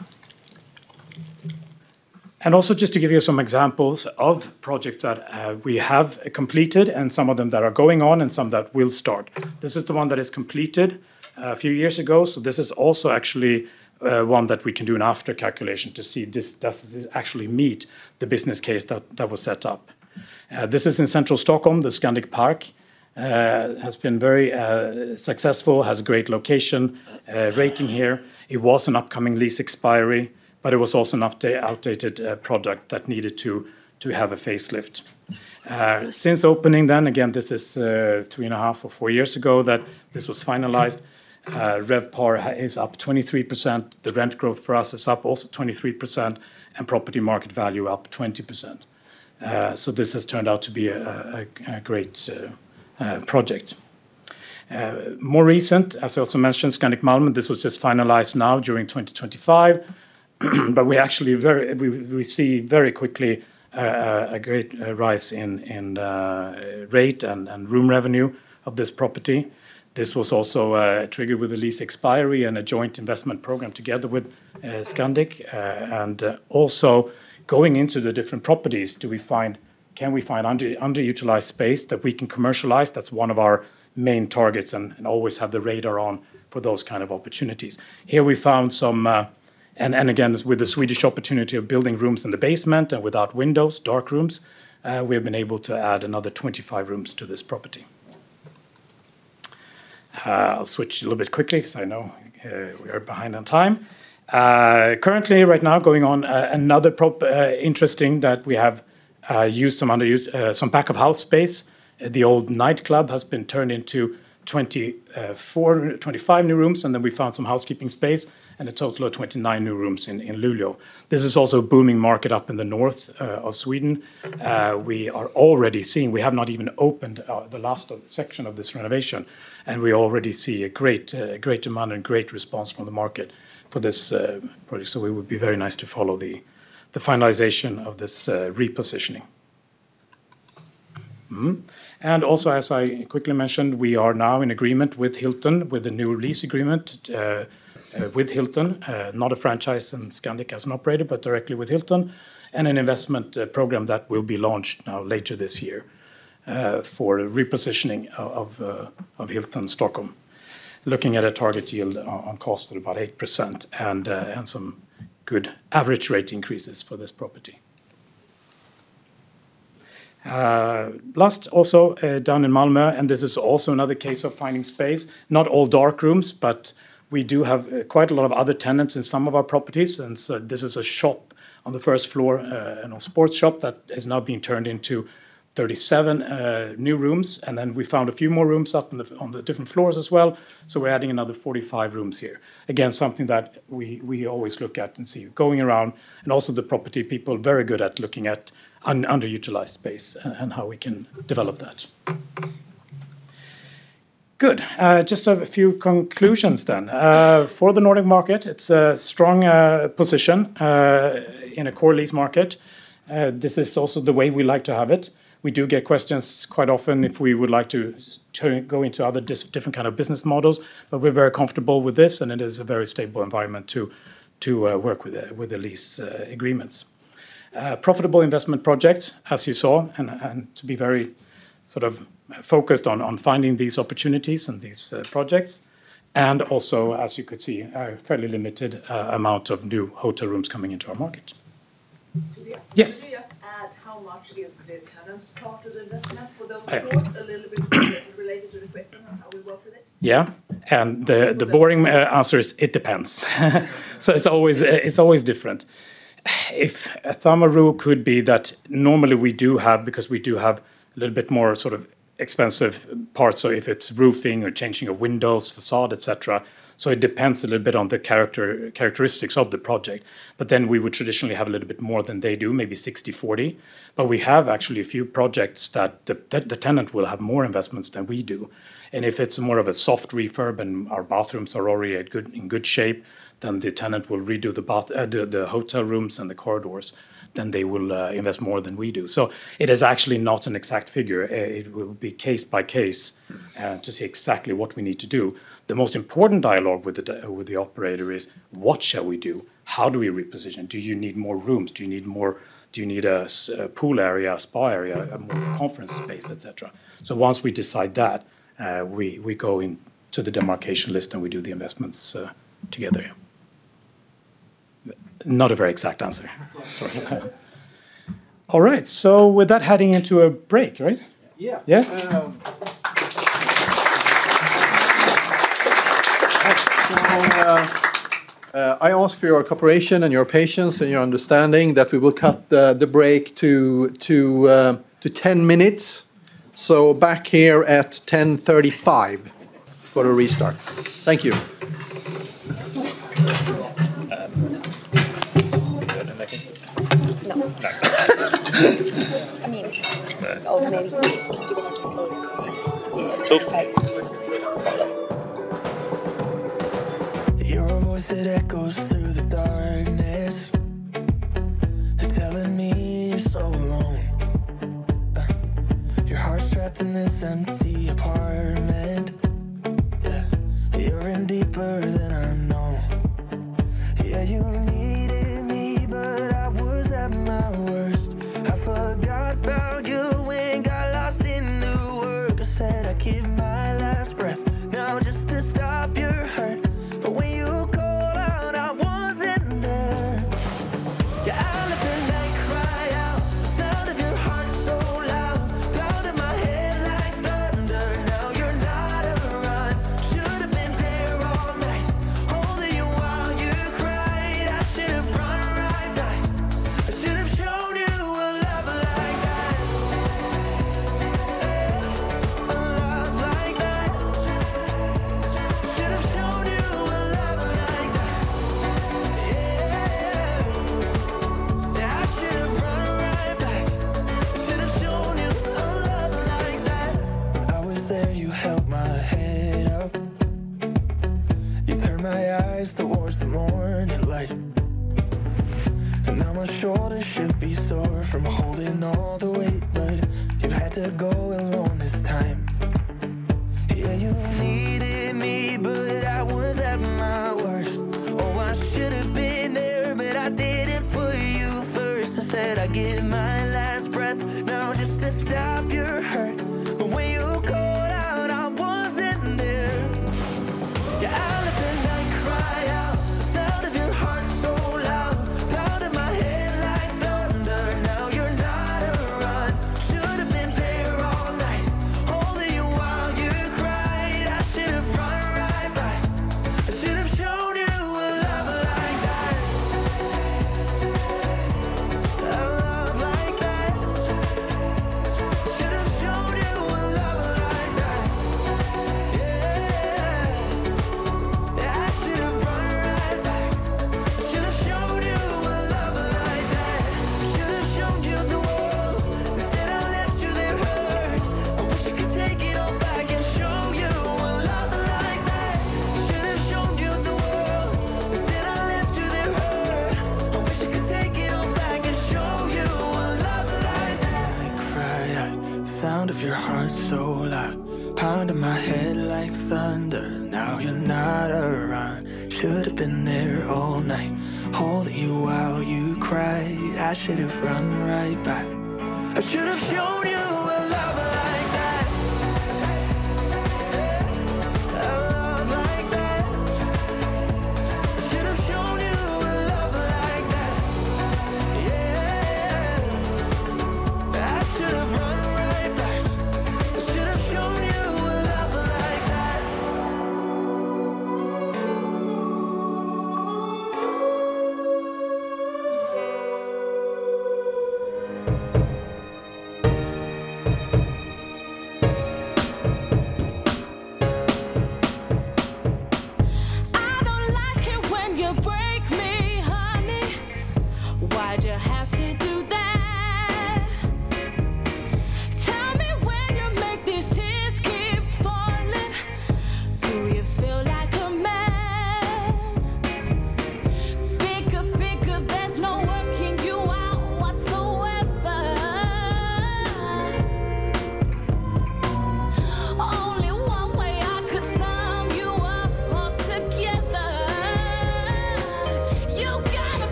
Also just to give you some examples of projects that we have completed and some of them that are going on and some that will start. This is the one that is completed a few years ago. This is also actually one that we can do an after calculation to see does this actually meet the business case that was set up. This is in central Stockholm, the Scandic Park. Has been very successful, has great location, rating here. It was an upcoming lease expiry, but it was also an outdated product that needed to have a facelift. Since opening then, again, this is 3 and a half or 4 years ago that this was finalized, RevPAR is up 23%. The rent growth for us is up also 23%, and property market value up 20%. This has turned out to be a great project. More recent, as I also mentioned, Scandic Malmö. This was just finalized now during 2025. We actually very quickly see a great rise in rate and room revenue of this property. This was also triggered with a lease expiry and a joint investment program together with Scandic. Also going into the different properties, do we find, can we find underutilized space that we can commercialize? That's one of our main targets and always have the radar on for those kind of opportunities. Here we found some, and again, with the Swedish opportunity of building rooms in the basement and without windows, dark rooms, we have been able to add another 25 rooms to this property. I'll switch a little bit quickly because I know we are behind on time. Currently right now going on, another interesting that we have used some underused, some back of house space. The old nightclub has been turned into 25 new rooms, and then we found some housekeeping space and a total of 29 new rooms in Luleå. This is also a booming market up in the north of Sweden. We are already seeing, we have not even opened the last section of this renovation, and we already see a great demand and great response from the market for this project. It would be very nice to follow the finalization of this repositioning. Mm-hmm. Also, as I quickly mentioned, we are now in agreement with Hilton, with a new lease agreement with Hilton, not a franchise and Scandic as an operator, but directly with Hilton, and an investment program that will be launched now later this year for repositioning of Hilton Stockholm. Looking at a target yield on cost of about 8% and some good average rate increases for this property. Last also down in Malmö, and this is also another case of finding space. Not all dark rooms, but we do have quite a lot of other tenants in some of our properties. This is a shop on the first floor, you know, sports shop that is now being turned into 37 new rooms. Then we found a few more rooms up in the, on the different floors as well. We're adding another 45 rooms here. Again, something that we always look at and see going around, and also the property people very good at looking at underutilized space and how we can develop that. Good. Just a few conclusions then. For the Nordic market, it's a strong position in a core lease market. This is also the way we like to have it. We do get questions quite often if we would like to go into other different kind of business models, but we're very comfortable with this, and it is a very stable environment to work with the lease agreements. Profitable investment projects, as you saw, and to be very sort of focused on finding these opportunities and these projects. Also, as you could see, a fairly limited amount of new hotel rooms coming into our market. Tobias? Yes. Can we just add how much is the tenant's part of the investment for those floors? Okay. A little bit related to the question on how we work with it. The boring answer is it depends. It's always, it's always different. If a thumb a rule could be that normally we do have, because we do have a little bit more sort of expensive parts, if it's roofing or changing of windows, facade, et cetera. It depends a little bit on the characteristics of the project. We would traditionally have a little bit more than they do, maybe 60/40. We have actually a few projects that the tenant will have more investments than we do. If it's more of a soft refurb and our bathrooms are already at good, in good shape, the tenant will redo the hotel rooms and the corridors, then they will invest more than we do. It is actually not an exact figure. It will be case by case to see exactly what we need to do. The most important dialogue with the operator is: What shall we do? How do we reposition? Do you need more rooms? Do you need a pool area, a spa area, a more conference space, et cetera? Once we decide that, we go into the demarcation list, and we do the investments together. Not a very exact answer. Sorry. All right. With that, heading into a break, right? Yeah. Yes? I ask for your cooperation and your patience and your understanding that we will cut the break to 10 minutes. Back here at 10:35 for a restart. Thank you.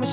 No.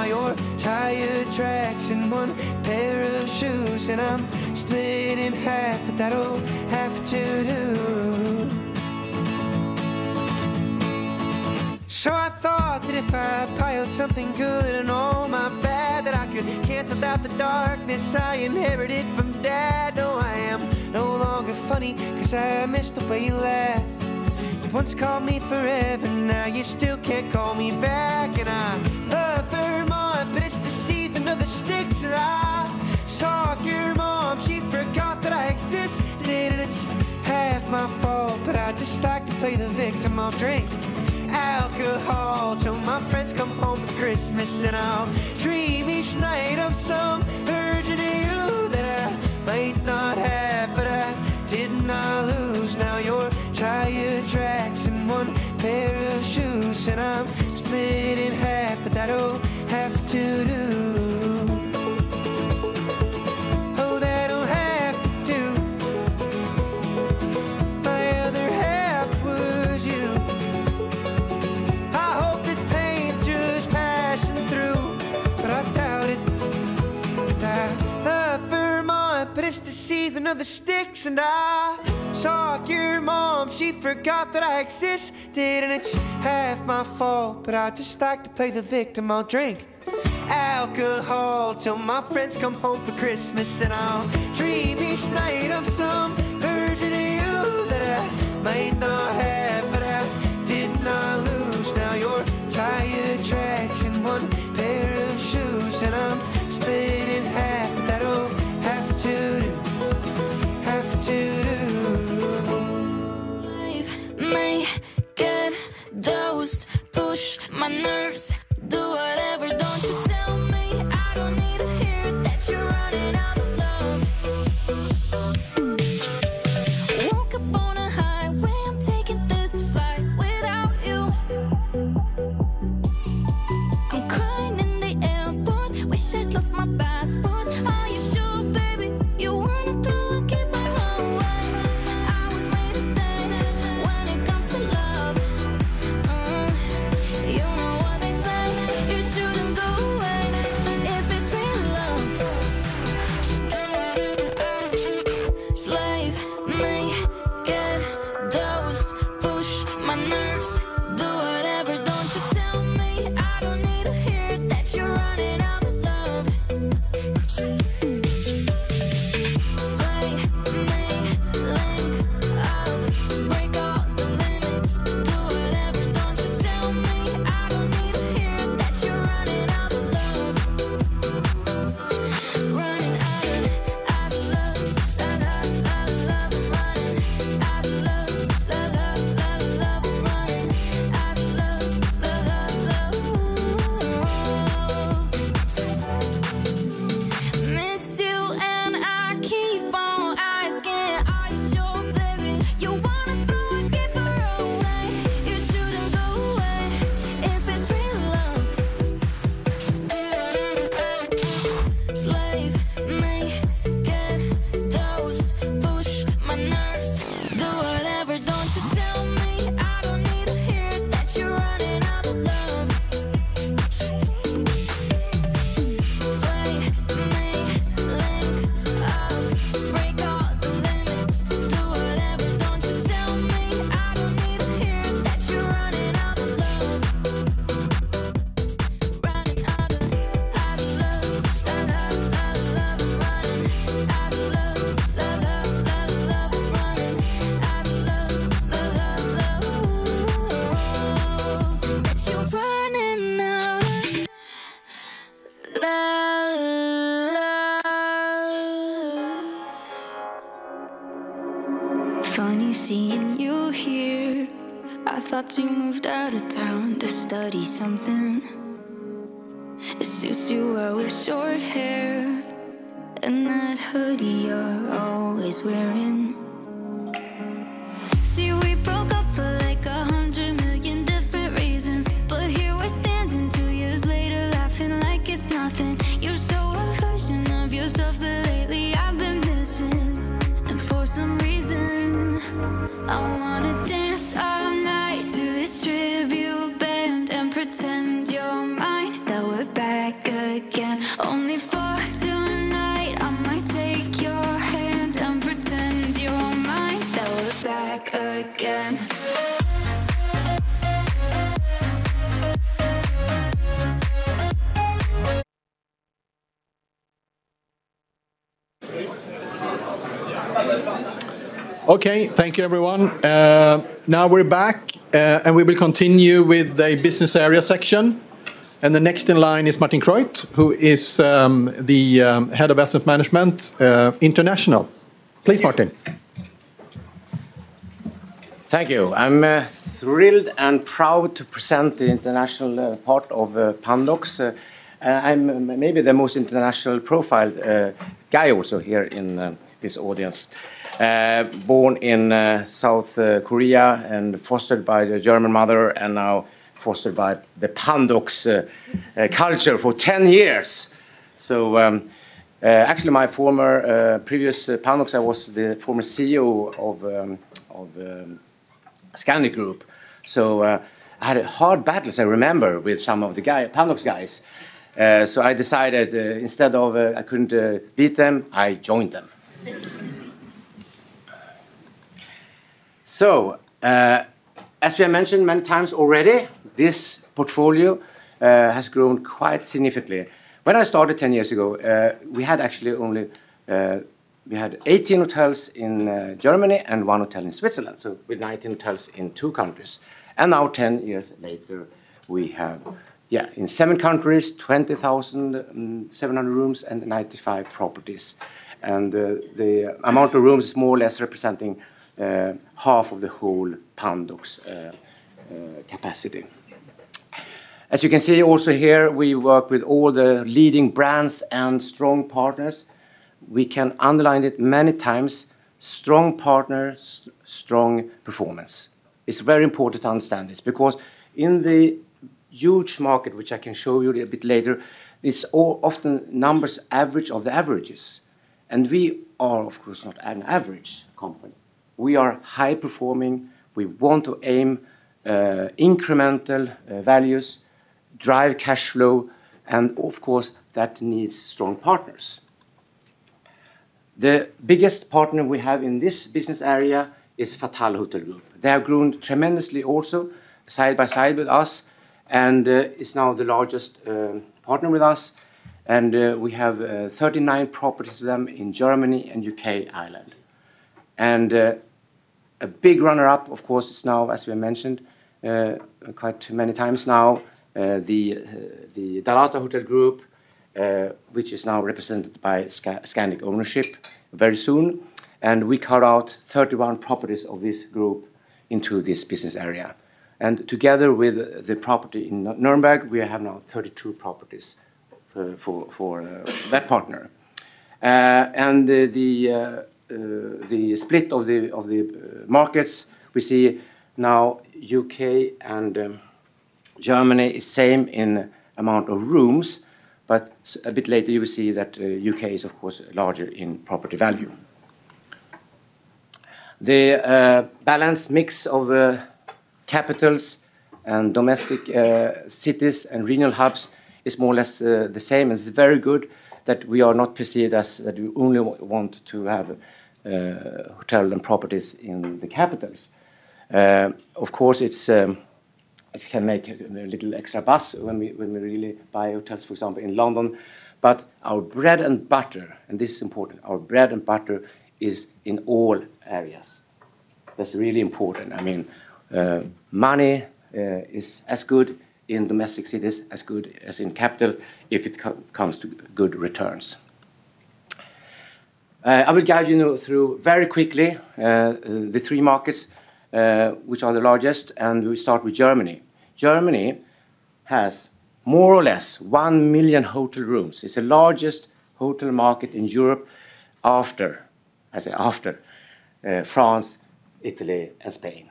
No. I mean, or maybe even a little bit slower. Oops. Okay. Thank you, everyone. now we're back, and we will continue with the Business Area section. The next in line is Martin Creydt, who is the Head of Asset Management, International. Please, Martin. Thank you. I'm thrilled and proud to present the international part of Pandox. I'm maybe the most international profiled guy also here in this audience. I was born in South Korea and fostered by a German mother, and now fostered by the Pandox culture for 10 years. Actually, my former previous Pandox, I was the former CEO of Scandic Group. I had hard battles, I remember, with some of the Pandox guys. I decided, instead of I couldn't beat them, I joined them. As we have mentioned many times already, this portfolio has grown quite significantly. When I started 10 years ago, we had actually only, we had 18 hotels in Germany and 1 hotel in Switzerland, so with 19 hotels in 2 countries. Now 10 years later, we have in 7 countries, 20,700 rooms and 95 properties. The amount of rooms more or less representing half of the whole Pandox capacity. As you can see also here, we work with all the leading brands and strong partners. We can underline it many times, strong partners, strong performance. It's very important to understand this because in the huge market, which I can show you a bit later, it's all often numbers average of the averages. We are, of course, not an average company. We are high performing. We want to aim incremental values, drive cash flow, and of course, that needs strong partners. The biggest partner we have in this business area is Fattal Hotel Group. They have grown tremendously also side by side with us, is now the largest partner with us. We have 39 properties with them in Germany and U.K., Ireland. A big runner-up, of course, is now, as we mentioned quite many times now, the Dalata Hotel Group, which is now represented by Scandic ownership very soon. We cut out 31 properties of this group into this business area. Together with the property in Nuremberg, we have now 32 properties for that partner. The split of the markets, we see now U.K. and Germany is same in amount of rooms, but a bit later you will see that U.K. is of course larger in property value. The balanced mix of capitals and domestic cities and regional hubs is more or less the same, and it's very good that we are not perceived as that we only want to have hotel and properties in the capitals. Of course, it can make a little extra buzz when we really buy hotels, for example, in London. Our bread and butter, and this is important, our bread and butter is in all areas. That's really important. I mean, money is as good in domestic cities as good as in capitals if it comes to good returns. I will guide you now through very quickly the three markets which are the largest. We start with Germany. Germany has more or less 1 million hotel rooms. It's the largest hotel market in Europe after France, Italy, and Spain.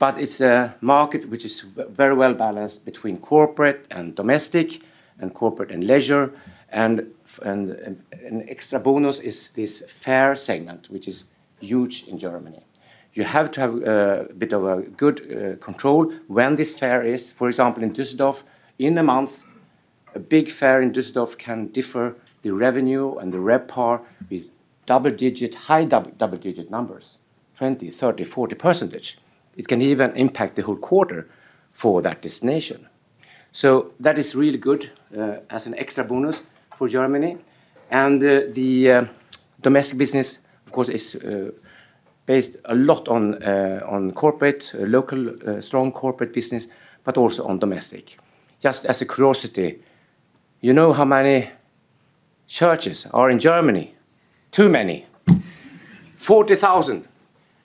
It's a market which is very well-balanced between corporate and domestic, and corporate and leisure. An extra bonus is this fair segment, which is huge in Germany. You have to have a bit of a good control when this fair is. For example, in Düsseldorf, in a month, a big fair in Düsseldorf can differ the revenue and the RevPAR with high double digit numbers, 20%, 30%, 40%. It can even impact the whole quarter for that destination. That is really good as an extra bonus for Germany. The domestic business, of course, is based a lot on corporate, local, strong corporate business, but also on domestic. Just as a curiosity, you know how many churches are in Germany? Too many.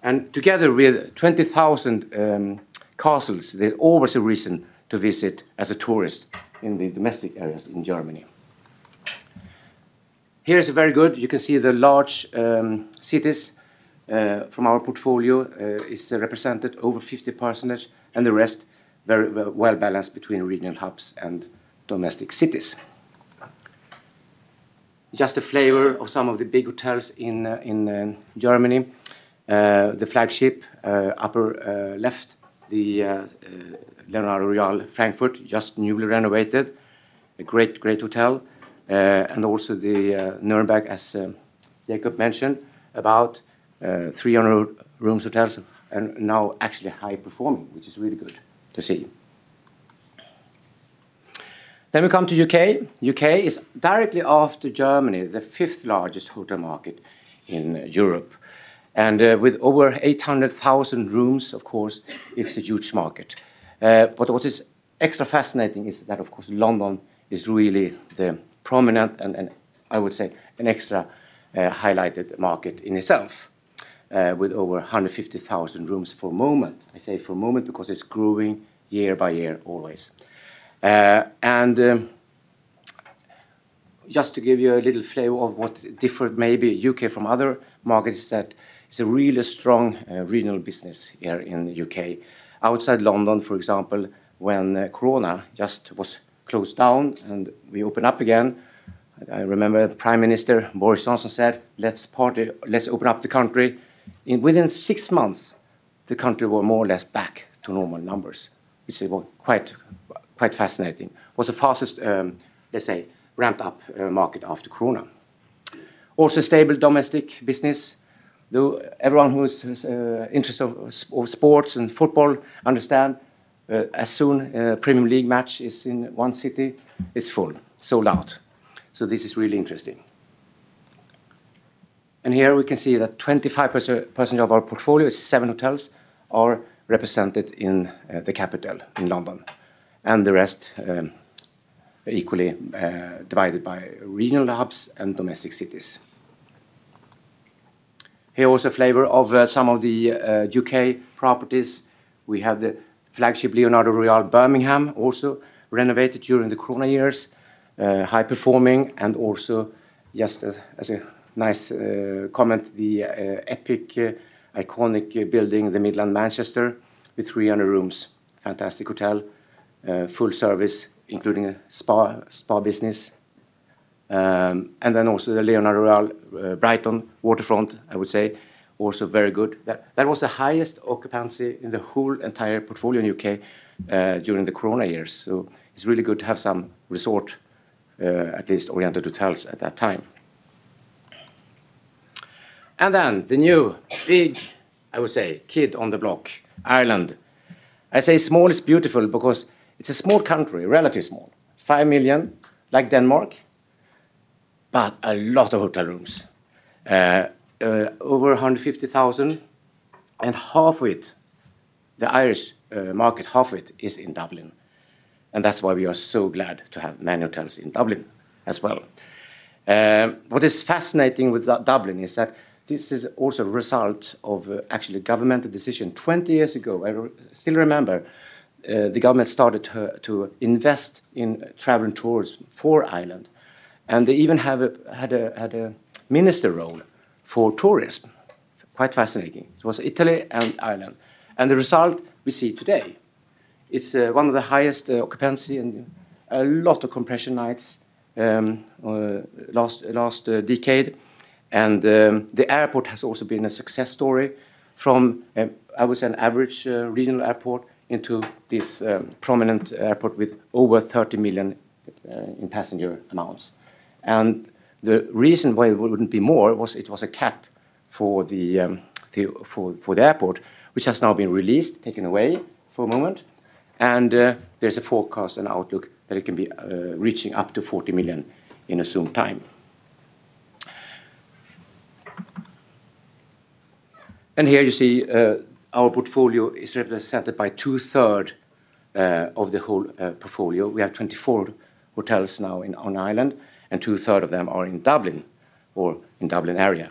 40,000. Together with 20,000 castles, there's always a reason to visit as a tourist in the domestic areas in Germany. Here is very good. You can see the large cities from our portfolio is represented over 50%, and the rest very well, well-balanced between regional hubs and domestic cities. Just a flavor of some of the big hotels in Germany. The flagship upper left, the Leonardo Royal Hotel Frankfurt, just newly renovated. A great hotel. And also the Nürnberg, as Jacob mentioned, about 300-room hotels, and now actually high performing, which is really good to see. We come to U.K. U.K. is directly after Germany, the fifth largest hotel market in Europe. With over 800,000 rooms, of course, it's a huge market. What is extra fascinating is that, of course, London is really the prominent and I would say an extra highlighted market in itself, with over 150,000 rooms for the moment. I say for the moment because it's growing year by year always. Just to give you a little flavor of what differentiates the U.K. from other markets is that it's a really strong regional business here in the U.K. Outside London, for example, when Corona just was closed down and we opened up again, I remember the Prime Minister, Boris Johnson, said, "Let's party. Let's open up the country." In within six months, the country were more or less back to normal numbers, which is, well, quite fascinating. It was the fastest, let's say, ramped up market after Corona. There was also stable domestic business. Though everyone who is interested of sports and football understand, as soon a Premier League match is in one city, it's full, sold out. This is really interesting. Here we can see that 25% of our portfolio is 7 hotels are represented in the capital in London, and the rest are equally divided by regional hubs and domestic cities. Here is also a flavor of some of the U.K. properties. We have the flagship Leonardo Royal Hotel Birmingham, also renovated during the Corona years, high performing, and also just as a nice comment, the iconic building, the Midland Hotel, Manchester, with 300 rooms. Fantastic hotel, full service, including a spa business. Then also the Leonardo Royal Hotel Brighton Waterfront, I would say, also very good. That was the highest occupancy in the whole entire portfolio in U.K., during the Corona years. It's really good to have some resort, at least oriented hotels at that time. The new big, I would say, kid on the block, Ireland. Small is beautiful because it's a small country, relatively small, 5 million, like Denmark, but a lot of hotel rooms. Over 150,000, and half of it, the Irish market, half of it is in Dublin. That's why we are so glad to have many hotels in Dublin as well. What is fascinating with Dublin is that this is also a result of actually a governmental decision. 20 years ago, I still remember, the government started to invest in travel and tourism for Ireland, and they even had a minister role for tourism. Quite fascinating. It was Italy and Ireland. The result we see today, it's one of the highest occupancy and a lot of compression nights last decade. The airport has also been a success story from, I would say, an average regional airport into this prominent airport with over 30 million in passenger amounts. The reason why it wouldn't be more was it was a cap for the airport, which has now been released, taken away for a moment. There's a forecast and outlook that it can be reaching up to 40 million in a short time. Here you see our portfolio is represented by two-thirds of the whole portfolio. We have 24 hotels now in Ireland, and two-thirds of them are in Dublin or in Dublin area,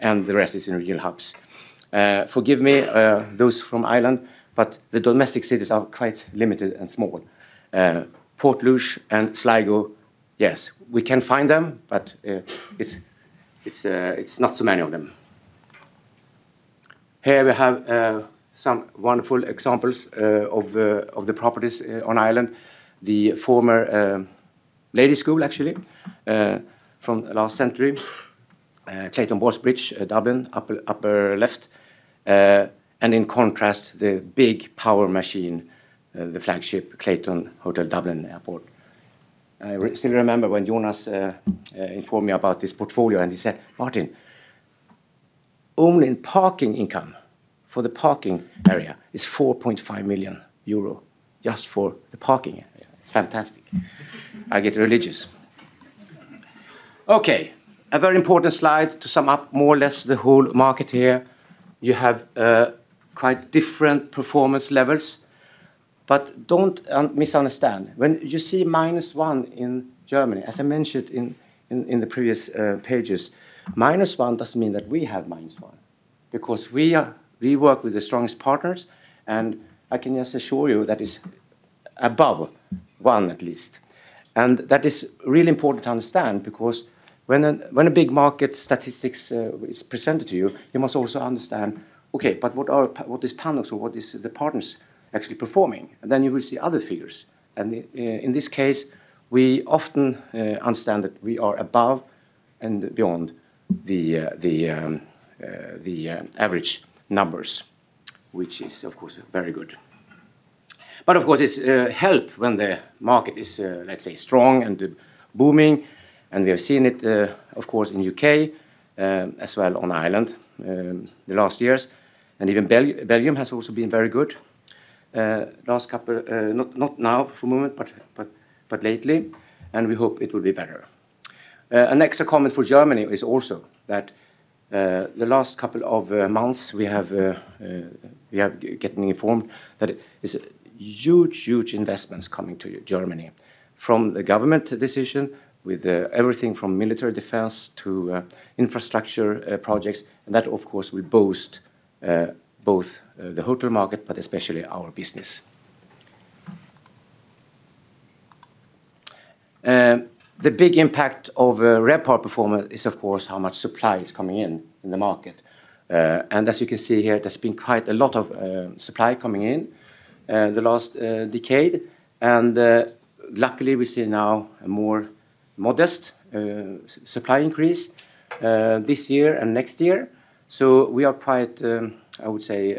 and the rest is in regional hubs. Forgive me, those from Ireland, but the domestic cities are quite limited and small. Portlaoise and Sligo, yes, we can find them, but it's not so many of them. Here we have some wonderful examples of the properties in Ireland. The former lady school actually from last century, Clayton Hotel Ballsbridge, Dublin, upper left. In contrast, the big power machine, the flagship Clayton Hotel Dublin Airport. I still remember when Jonas informed me about this portfolio, and he said, "Martin, only in parking income for the parking area is 4.5 million euro just for the parking area." It's fantastic. I get religious. Okay, a very important slide to sum up more or less the whole market here. You have quite different performance levels, but don't misunderstand. When you see -1% in Germany, as I mentioned in the previous pages, -1% doesn't mean that we have -1% because we work with the strongest partners, and I can just assure you that it's above 1% at least. That is really important to understand because when a big market statistics is presented to you must also understand, okay, but what is Pandox or what is the partners actually performing? Then you will see other figures. In this case, we often understand that we are above and beyond the average numbers. Which is, of course, very good. Of course, it's helpful when the market is, let's say, strong and booming, and we have seen it, of course, in the U.K. as well as in Ireland the last years. Even Belgium has also been very good. Last couple not now for the moment, but lately, and we hope it will be better. An extra comment for Germany is also that the last couple of months, we have getting informed that it is huge investments coming to Germany. From the government decision with everything from military defense to infrastructure projects, and that, of course, will boost both the hotel market, but especially our business. The big impact of RevPAR performance is, of course, how much supply is coming in in the market. As you can see here, there's been quite a lot of supply coming in the last decade. Luckily, we see now a more modest supply increase this year and next year. We are quite, I would say,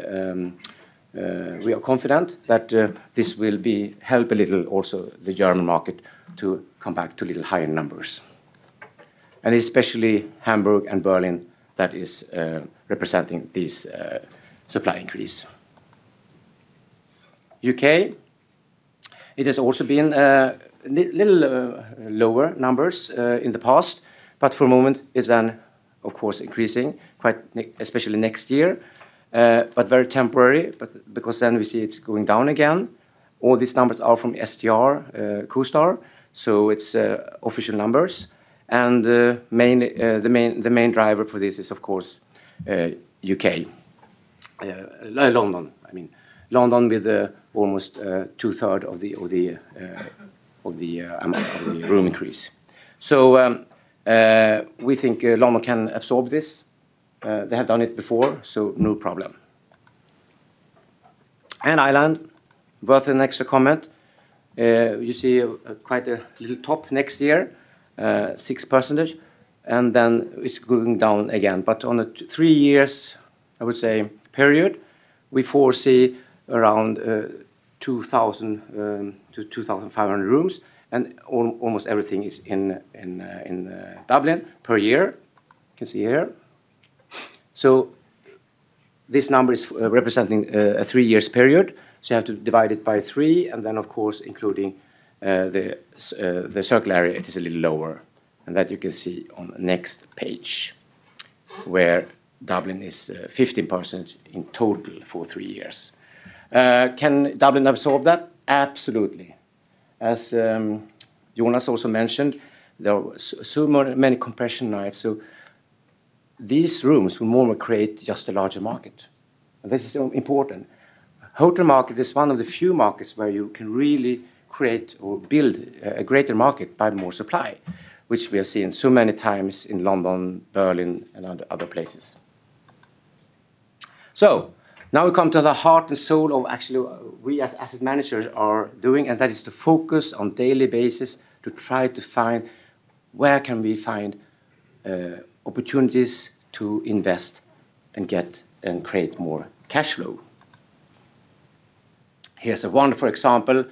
confident that this will help a little also the German market to come back to a little higher numbers. Especially Hamburg and Berlin, that is representing this supply increase. U.K., it has also been a little lower numbers in the past, but for the moment is then, of course, increasing quite nicely especially next year. But very temporarily because then we see it's going down again. All these numbers are from STR, CoStar, so it's official numbers. The main driver for this is, of course, U.K. London, I mean. London with almost two-thirds of the amount of the room increase. We think London can absorb this. They have done it before, so no problem. Ireland, worth an extra comment. You see, quite a little up next year, 6%, and then it's going down again. On a three-year period, I would say, we foresee around 2,000-2,500 rooms, and almost everything is in Dublin per year. You can see here. This number is representing a three-year period, so you have to divide it by three, and then of course including the cyclicality, it is a little lower. That you can see on the next page, where Dublin is 15% in total for three years. Can Dublin absorb that? Absolutely. As Jonas also mentioned, there are so many compression nights, so these rooms will more create just a larger market. This is so important. Hotel market is one of the few markets where you can really create or build a greater market by more supply, which we have seen so many times in London, Berlin, and other places. Now we come to the heart and soul of actually we as asset managers are doing, and that is to focus on daily basis to try to find where can we find opportunities to invest and get and create more cash flow. Here's a wonderful example.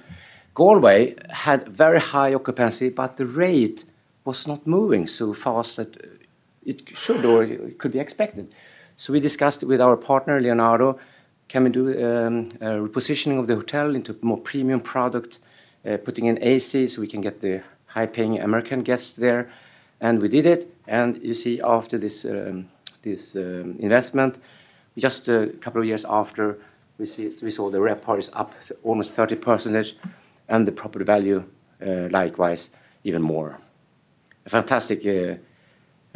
Galway had very high occupancy, but the rate was not moving so fast that it should or could be expected. We discussed with our partner, Leonardo, can we do a repositioning of the hotel into more premium product, putting in AC so we can get the high-paying American guests there. We did it, and you see after this investment, just a couple of years after, we saw the RevPAR is up almost 30%, and the property value, likewise even more. A fantastic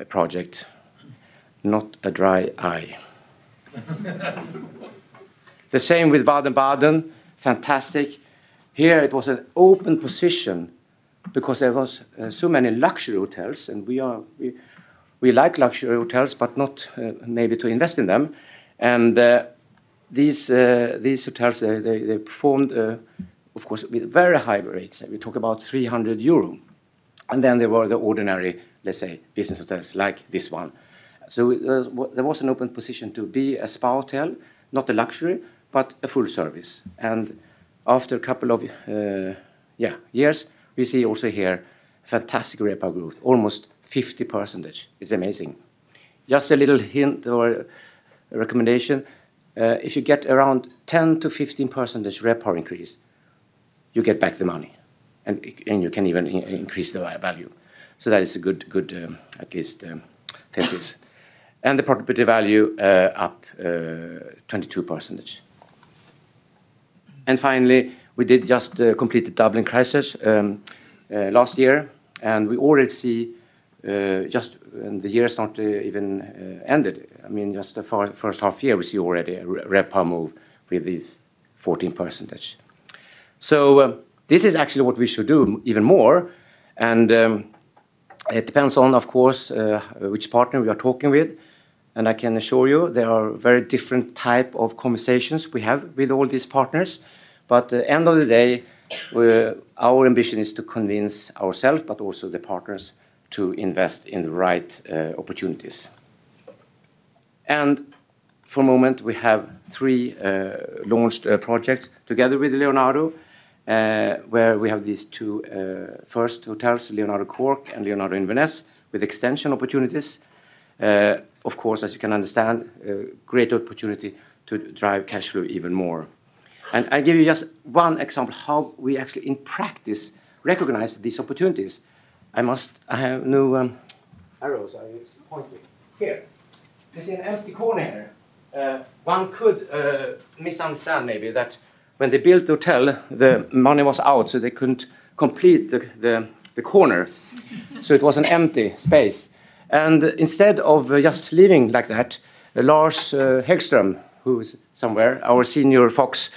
project. Not a dry eye. The same with Baden-Baden, fantastic. Here it was an open position because there was so many luxury hotels, and we like luxury hotels, but not maybe to invest in them. These hotels, they performed, of course, with very high rates. We talk about 300 euro. Then there were the ordinary, let's say, business hotels like this one. There was an open position to be a spa hotel, not a luxury, but a full service. After a couple of years, we see also here fantastic RevPAR growth, almost 50%. It's amazing. Just a little hint or recommendation. If you get around 10%-15% RevPAR increase, you get back the money, and you can even increase the value. That is a good, at least, thesis. The property value up 22%. Finally, we did just complete the Dublin crisis last year, and we already see, and the year has not even ended. I mean, just the first half year, we see already a RevPAR move with this 14%. This is actually what we should do even more, and it depends on, of course, which partner we are talking with. I can assure you, there are very different type of conversations we have with all these partners. At the end of the day, our ambition is to convince ourselves, but also the partners to invest in the right opportunities. For a moment, we have three launched projects together with Leonardo, where we have these two first hotels, Leonardo Cork and Leonardo Inverness, with extension opportunities. Of course, as you can understand, a great opportunity to drive cash flow even more. I give you just one example how we actually in practice recognize these opportunities. I must, I have no arrows. I use pointer. Here. There's an empty corner here. One could misunderstand maybe that when they built the hotel, the money was out, so they couldn't complete the corner. It was an empty space. Instead of just leaving like that, Lars Häggström, who's somewhere, our senior folks,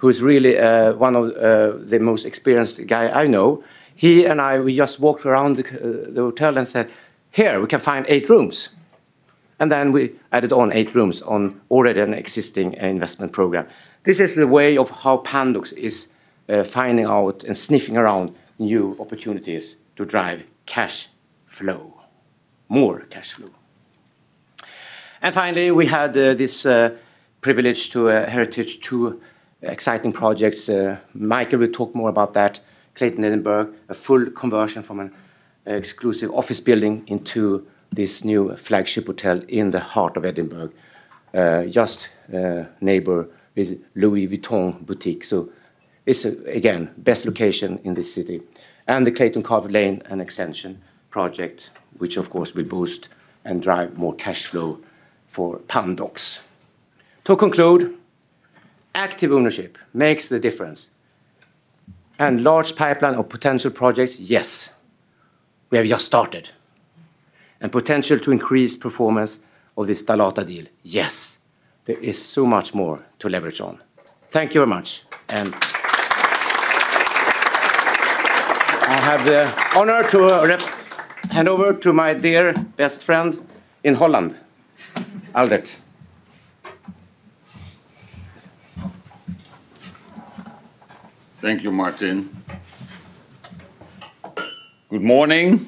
who's really one of the most experienced guy I know, he and I, we just walked around the hotel and said, "Here, we can find eight rooms." Then we added on eight rooms on already an existing investment program. This is the way of how Pandox is finding out and sniffing around new opportunities to drive cash flow, more cash flow. Finally, we had this privilege to acquire two exciting projects. Mikael will talk more about that. Clayton Hotel Edinburgh, a full conversion from an exclusive office building into this new flagship hotel in the heart of Edinburgh, just neighbor with Louis Vuitton boutique. It's, again, best location in the city. The Clayton Hotel Cardiff Lane, an extension project, which of course will boost and drive more cash flow for Pandox. To conclude, active ownership makes the difference. Large pipeline of potential projects, yes. We have just started. Potential to increase performance of this Dalata deal, yes. There is so much more to leverage on. Thank you very much. I have the honor to hand over to my dear best friend in Holland, Aldert. Thank you, Martin. Good morning.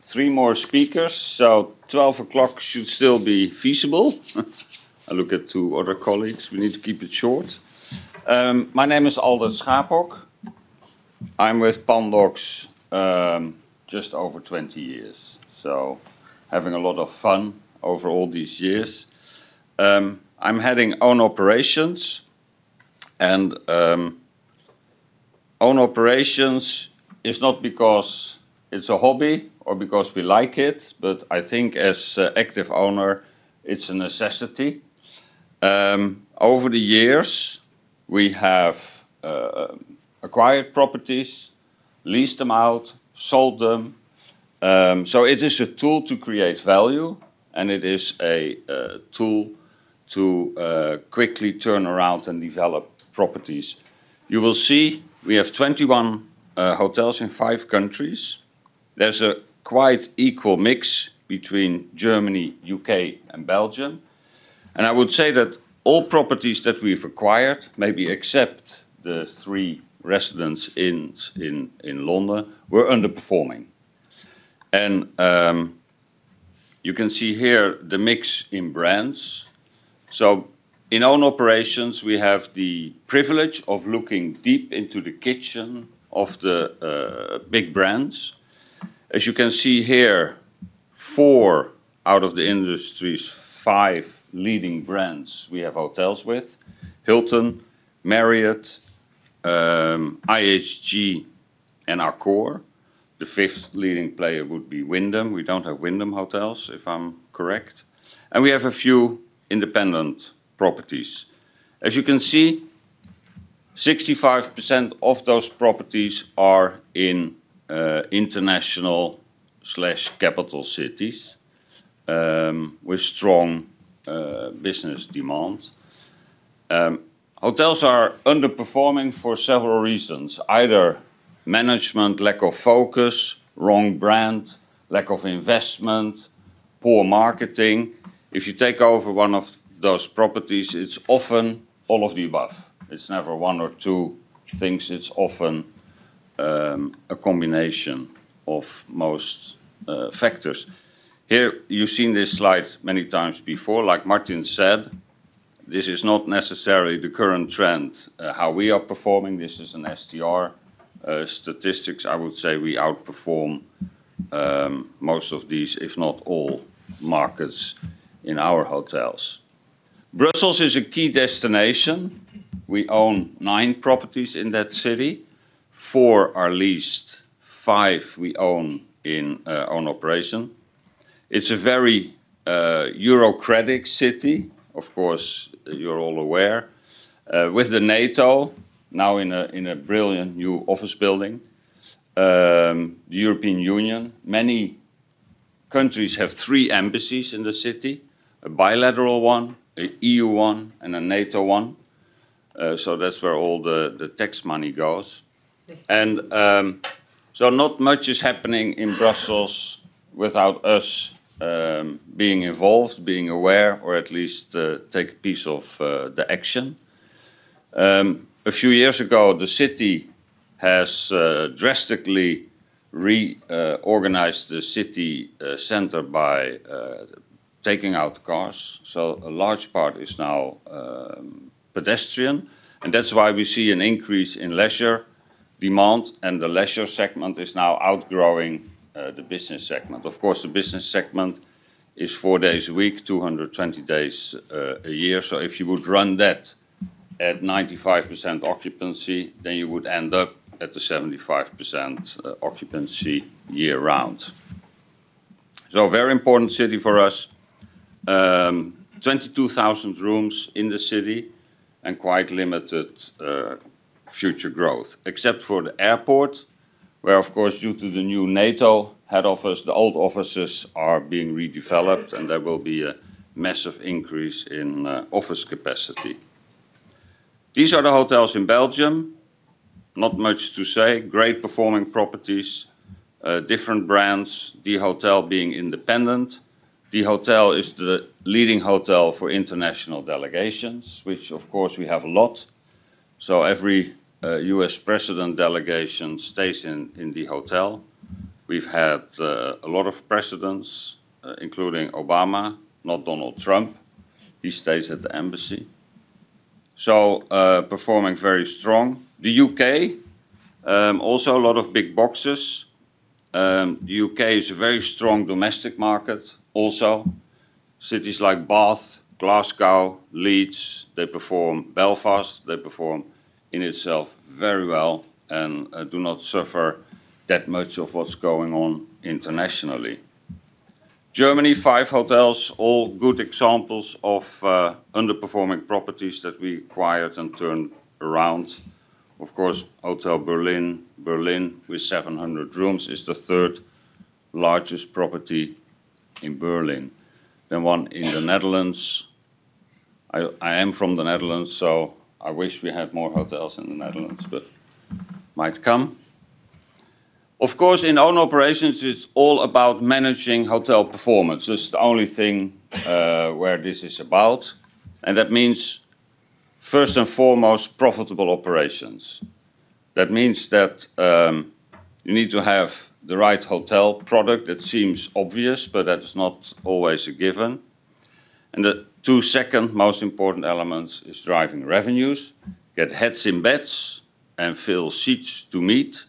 3 more speakers, so 12:00 P.M. should still be feasible. I look at 2 other colleagues. We need to keep it short. My name is Aldert Schaaphok. I'm with Pandox, just over 20 years. Having a lot of fun over all these years. I'm heading international operations, and international operations is not because it's a hobby or because we like it, but I think as an active owner, it's a necessity. Over the years, we have acquired properties, leased them out, sold them. It is a tool to create value, and it is a tool to quickly turn around and develop properties. You will see we have 21 hotels in 5 countries. There's a quite equal mix between Germany, U.K., and Belgium. I would say that all properties that we've acquired, maybe except the 3 Residence Inns in London, were underperforming. You can see here the mix in brands. In own operations, we have the privilege of looking deep into the kitchen of the big brands. As you can see here, 4 out of the industry's 5 leading brands we have hotels with. Hilton, Marriott, IHG, and Accor. The fifth leading player would be Wyndham. We don't have Wyndham Hotels, if I'm correct. We have a few independent properties. As you can see, 65% of those properties are in international/capital cities with strong business demand. Hotels are underperforming for several reasons, either management, lack of focus, wrong brand, lack of investment, poor marketing. If you take over one of those properties, it's often all of the above. It's never one or two things. It's often a combination of most factors. Here, you've seen this slide many times before. Like Martin said, this is not necessarily the current trend, how we are performing. This is an STR statistics. I would say we outperform most of these, if not all markets in our hotels. Brussels is a key destination. We own nine properties in that city. Four are leased, five we own and operate. It's a very Eurocratic city, of course, you're all aware. With the NATO now in a brilliant new office building, the European Union. Many countries have three embassies in the city, a bilateral one, an EU one, and a NATO one. That's where all the tax money goes. Not much is happening in Brussels without us being involved, being aware, or at least take a piece of the action. A few years ago, the city has drastically organized the city center by taking out cars. A large part is now pedestrian, and that's why we see an increase in leisure demand, and the Leisure segment is now outgrowing the Business segment. Of course, the Business segment is 4 days a week, 220 days a year. If you would run that at 95% occupancy, then you would end up at the 75% occupancy year round. A very important city for us. 22,000 rooms in the city and quite limited future growth, except for the airport, where, of course, due to the new NATO head office, the old offices are being redeveloped and there will be a massive increase in office capacity. These are the hotels in Belgium. Not much to say. Great performing properties. Different brands. The hotel being independent. The hotel is the leading hotel for international delegations, which of course we have a lot. Every U.S. president delegation stays in the hotel. We've had a lot of presidents, including Obama, not Donald Trump. He stays at the embassy. Performing very strong. The U.K., also a lot of big boxes. The U.K. is a very strong domestic market also. Cities like Bath, Glasgow, Leeds, they perform. Belfast, they perform in itself very well and do not suffer that much of what's going on internationally. Germany, five hotels. All good examples of underperforming properties that we acquired and turned around. Of course, Hotel Berlin. Berlin with 700 rooms is the third largest property in Berlin. Then one in the Netherlands. I am from the Netherlands, so I wish we had more hotels in the Netherlands, but might come. Of course, in own operations, it's all about managing hotel performance. It's the only thing where this is about, and that means first and foremost profitable operations. That means that you need to have the right hotel product. That seems obvious, but that is not always a given. The two second most important elements is driving revenues. Get heads in beds and fill seats to meet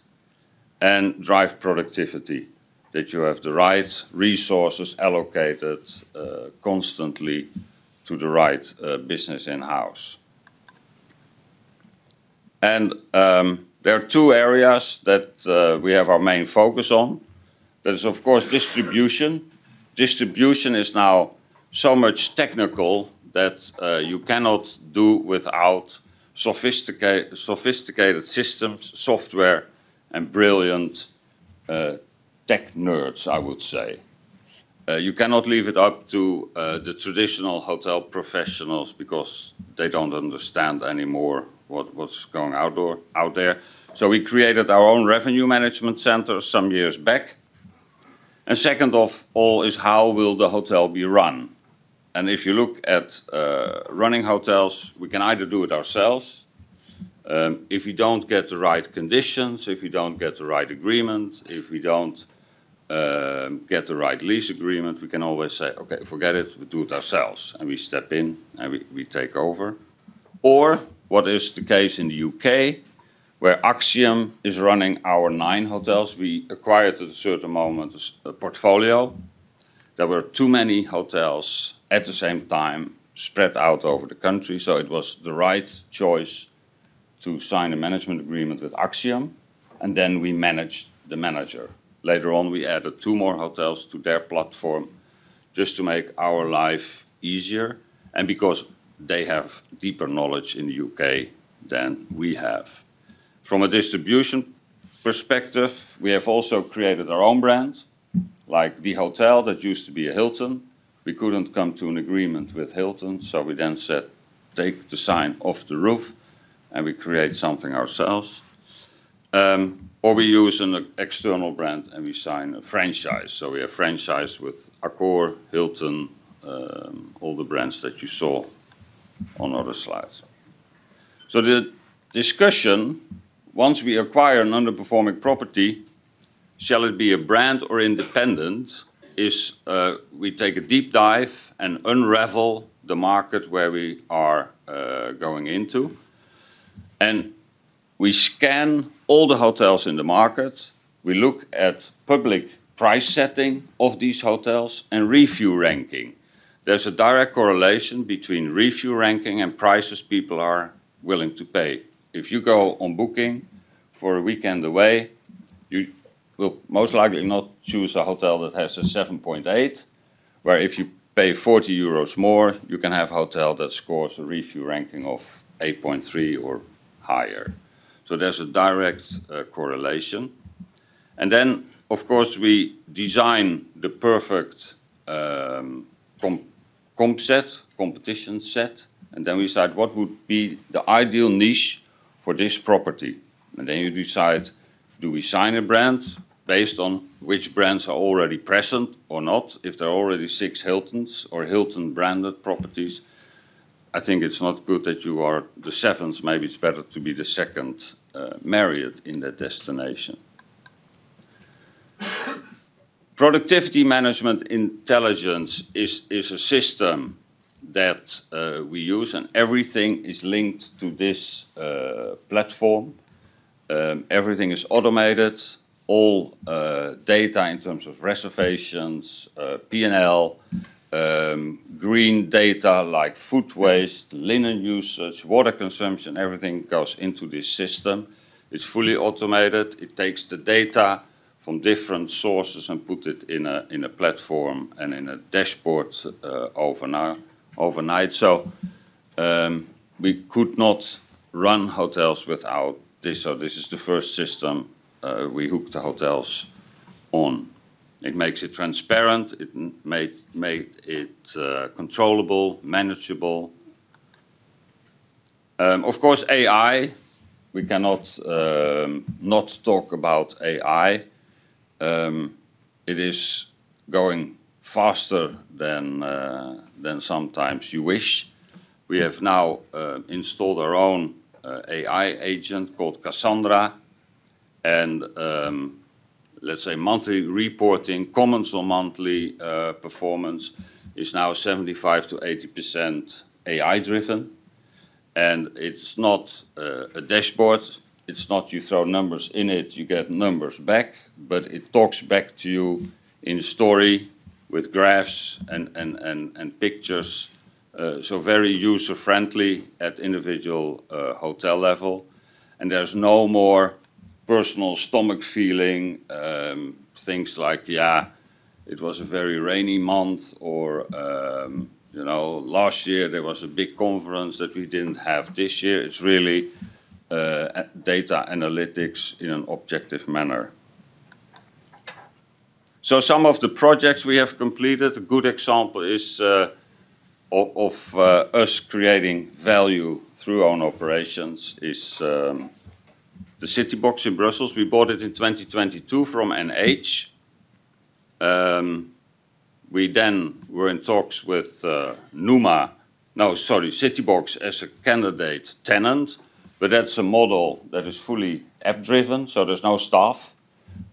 and drive productivity, that you have the right resources allocated constantly to the right business in-house. There are two areas that we have our main focus on. There's of course distribution. Distribution is now so much technical that you cannot do without sophisticated systems, software, and brilliant tech nerds, I would say. You cannot leave it up to the traditional hotel professionals because they don't understand anymore what's going out there. We created our own revenue management center some years back. Second of all is how will the hotel be run? If you look at running hotels, we can either do it ourselves. If you don't get the right conditions, if you don't get the right agreement, if we don't get the right lease agreement, we can always say, "Okay, forget it. We'll do it ourselves." We step in and we take over. What is the case in the U.K., where Accor is running our 9 hotels. We acquired at a certain moment a portfolio. There were too many hotels at the same time spread out over the country, so it was the right choice to sign a management agreement with Accor, and then we managed the manager. Later on, we added 2 more hotels to their platform just to make our life easier and because they have deeper knowledge in the U.K. than we have. From a distribution perspective, we have also created our own brand, like the hotel that used to be a Hilton. We couldn't come to an agreement with Hilton, so we then said, "Take the sign off the roof, and we create something ourselves." We use an external brand, and we sign a franchise. We are franchised with Accor, Hilton, all the brands that you saw on other slides. The discussion, once we acquire an underperforming property, shall it be a brand or independent, is, we take a deep dive and unravel the market where we are going into, and we scan all the hotels in the market. We look at public price setting of these hotels and review ranking. There's a direct correlation between review ranking and prices people are willing to pay. If you go on booking for a weekend away, you will most likely not choose a hotel that has a 7.8, where if you pay 40 euros more, you can have a hotel that scores a review ranking of 8.3 or higher. There's a direct correlation. Then of course, we design the perfect competition set, and then we decide what would be the ideal niche for this property. Then you decide, do we sign a brand based on which brands are already present or not? If there are already six Hiltons or Hilton branded properties, I think it's not good that you are the seventh. Maybe it's better to be the second Marriott in that destination. Productivity management intelligence is a system that we use and everything is linked to this platform. Everything is automated. All data in terms of reservations, P&L, green data like food waste, linen usage, water consumption, everything goes into this system. It's fully automated. It takes the data from different sources and put it in a platform and in a dashboard overnight. We could not run hotels without this. This is the first system we hook the hotels on. It makes it transparent. It makes it controllable, manageable. Of course, AI, we cannot not talk about AI. It is going faster than sometimes you wish. We have now installed our own AI agent called Cassandra. Let's say monthly reporting, comments on monthly performance is now 75%-80% AI driven. It's not a dashboard. It's not you throw numbers in it, you get numbers back, but it talks back to you in story with graphs and pictures. Very user-friendly at individual hotel level. There's no more personal gut feeling, things like, yeah, it was a very rainy month or, you know, last year there was a big conference that we didn't have this year. It's really data analytics in an objective manner. Some of the projects we have completed, a good example is of us creating value through own operations is the Citybox in Brussels. We bought it in 2022 from NH. We then were in talks with Numa. No, sorry, Citybox as a candidate tenant, but that's a model that is fully app driven, so there's no staff.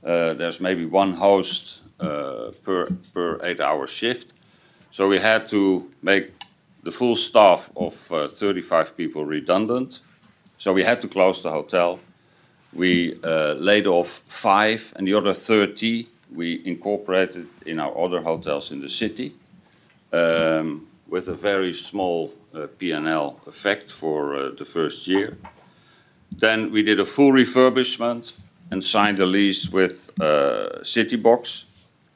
There's maybe one host per 8-hour shift. We had to make the full staff of 35 people redundant. We had to close the hotel. We laid off 5, and the other 30 we incorporated in our other hotels in the city, with a very small P&L effect for the first year. We did a full refurbishment and signed a lease with Citybox.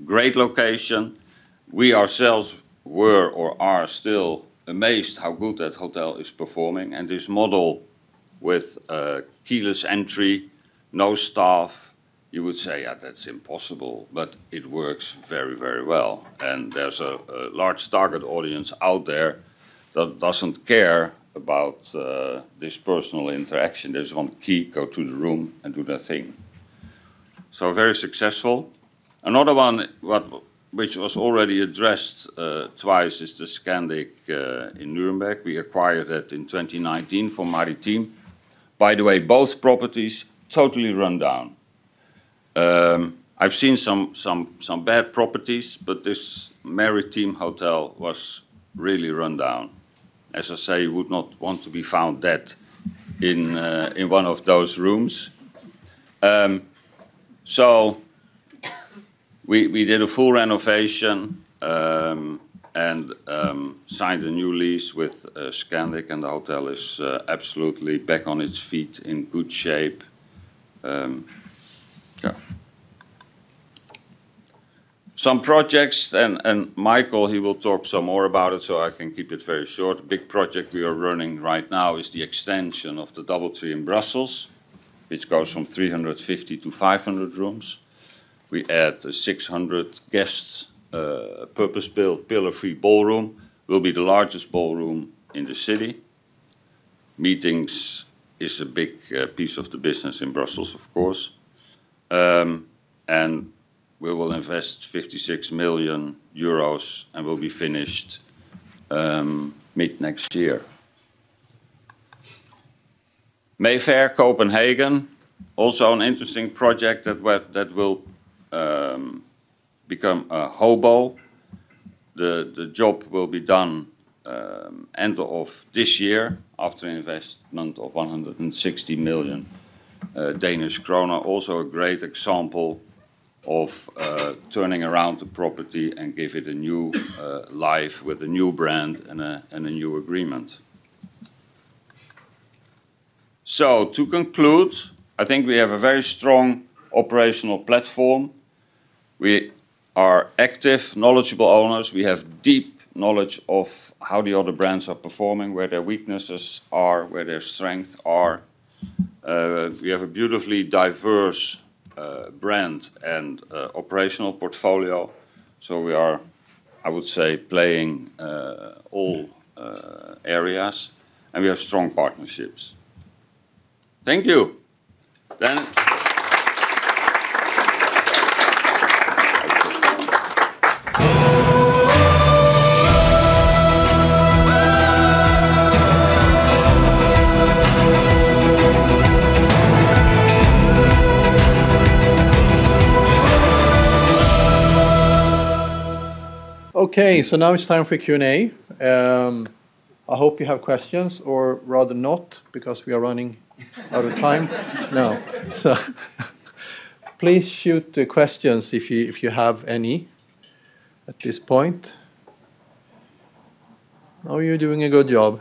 Great location. We ourselves were or are still amazed how good that hotel is performing and this model with keyless entry, no staff, you would say, "Yeah, that's impossible," but it works very, very well. There's a large target audience out there that doesn't care about this personal interaction. There's one key, go to the room, and do their thing. Very successful. Another one, which was already addressed twice is the Scandic in Nürnberg. We acquired that in 2019 from Maritim. By the way, both properties, totally run down. I've seen some bad properties, but this Maritim hotel was really run down. As I say, you would not want to be found dead in one of those rooms. We did a full renovation and signed a new lease with Scandic, and the hotel is absolutely back on its feet in good shape. Some projects. Mikael, he will talk some more about it, so I can keep it very short. Big project we are running right now is the extension of the DoubleTree in Brussels, which goes from 350 to 500 rooms. We add a 600-guest purpose-built pillar-free ballroom. It will be the largest ballroom in the city. Meetings is a big piece of the business in Brussels, of course. We will invest 56 million euros and will be finished mid-next year. Mayfair Copenhagen, also an interesting project that will become a Hobo. The job will be done end of this year after investment of 160 million Danish kroner. Also a great example of turning around the property and give it a new life with a new brand and a new agreement. To conclude, I think we have a very strong operational platform. We are active, knowledgeable owners. We have deep knowledge of how the other brands are performing, where their weaknesses are, where their strength are. We have a beautifully diverse brand and operational portfolio. We are, I would say, playing all areas, and we have strong partnerships. Thank you. Then Okay. Now it's time for Q&A. I hope you have questions, or rather not, because we are running out of time now. Please shoot the questions if you have any at this point. No, you're doing a good job.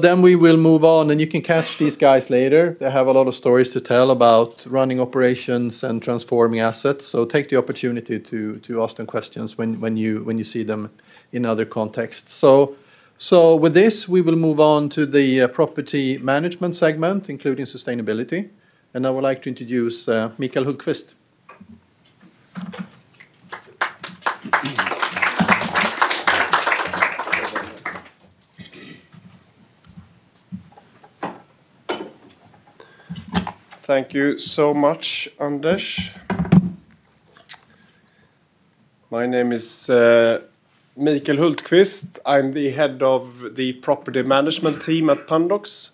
Then we will move on, and you can catch these guys later. They have a lot of stories to tell about running operations and transforming assets. Take the opportunity to ask them questions when you see them in other contexts. With this, we will move on to the Property Management segment, including sustainability. I would like to introduce Mikael Hultqvist. Thank you so much, Anders. My name is Mikael Hultqvist. I'm the head of the property management team at Pandox.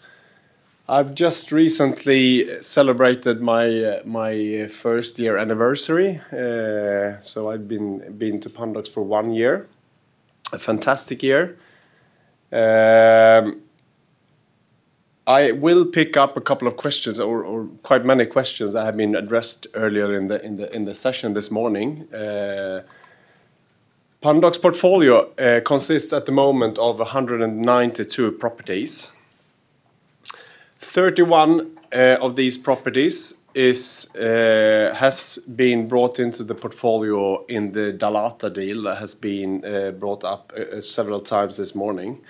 I've just recently celebrated my first year anniversary. I've been to Pandox for one year. A fantastic year. I will pick up a couple of questions or quite many questions that have been addressed earlier in the session this morning. Pandox portfolio consists at the moment of 192 properties. 31 of these properties has been brought into the portfolio in the Dalata deal that has been brought up several times this morning.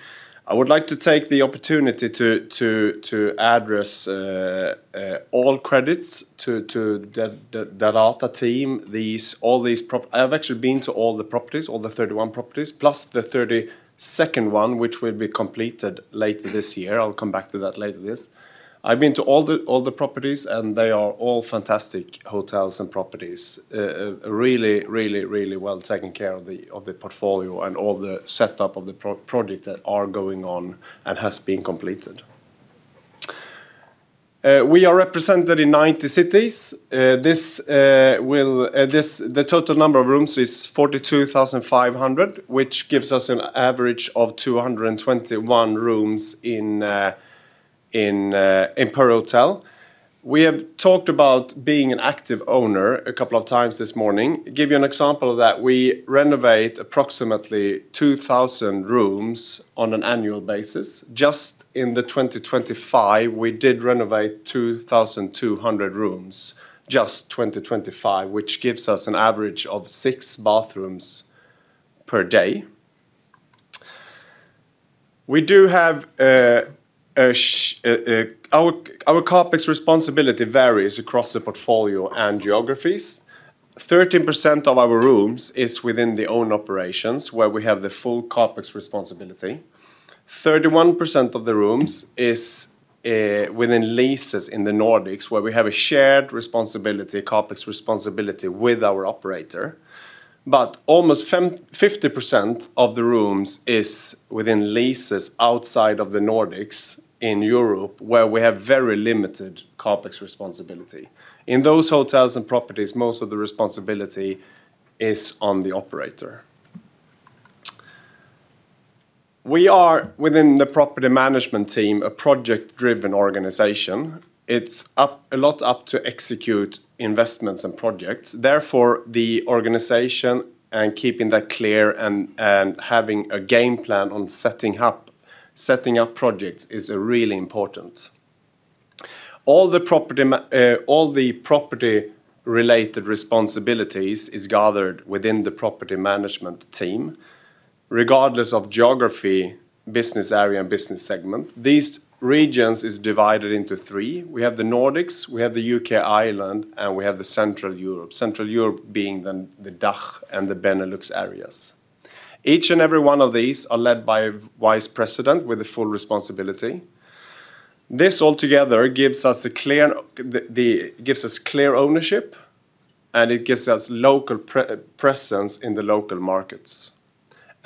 I would like to take the opportunity to address all credits to the Dalata team. I've actually been to all the properties, all the 31 properties, plus the 32nd one, which will be completed later this year. I'll come back to that later this. I've been to all the properties, and they are all fantastic hotels and properties. Really well taken care of the portfolio and all the setup of the projects that are going on and has been completed. We are represented in 90 cities. This, the total number of rooms is 42,500, which gives us an average of 221 rooms per hotel. We have talked about being an active owner a couple of times this morning. Give you an example of that. We renovate approximately 2,000 rooms on an annual basis. Just in 2025, we did renovate 2,200 rooms, just 2025, which gives us an average of 6 bathrooms per day. We do have our CapEx responsibility varies across the portfolio and geographies. 13% of our rooms is within the owned operations where we have the full CapEx responsibility. 31% of the rooms is within leases in the Nordics, where we have a shared responsibility, CapEx responsibility with our operator. Almost 50% of the rooms is within leases outside of the Nordics in Europe, where we have very limited CapEx responsibility. In those hotels and properties, most of the responsibility is on the operator. We are, within the property management team, a project-driven organization. It's a lot to execute investments and projects. Therefore, the organization and keeping that clear and having a game plan on setting up projects is really important. All the property-related responsibilities is gathered within the Property Management team, regardless of geography, Business Area, and Business segment. These regions is divided into 3. We have the Nordics, we have the U.K./Ireland, and we have the Central Europe. Central Europe being the DACH and the Benelux areas. Each and every one of these are led by a vice president with a full responsibility. This altogether gives us a clear, gives us clear ownership, and it gives us local presence in the local markets.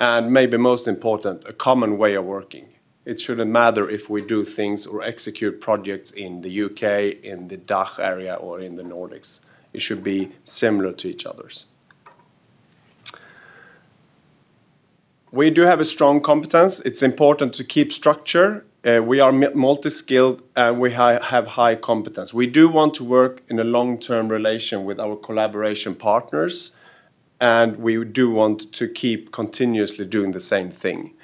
Maybe most important, a common way of working. It shouldn't matter if we do things or execute projects in the U.K., in the DACH area, or in the Nordics. It should be similar to each other. We do have a strong competence. It's important to keep structure. We are multi-skilled, and we have high competence. We do want to work in a long-term relation with our collaboration partners, and we do want to keep continuously doing the same thing.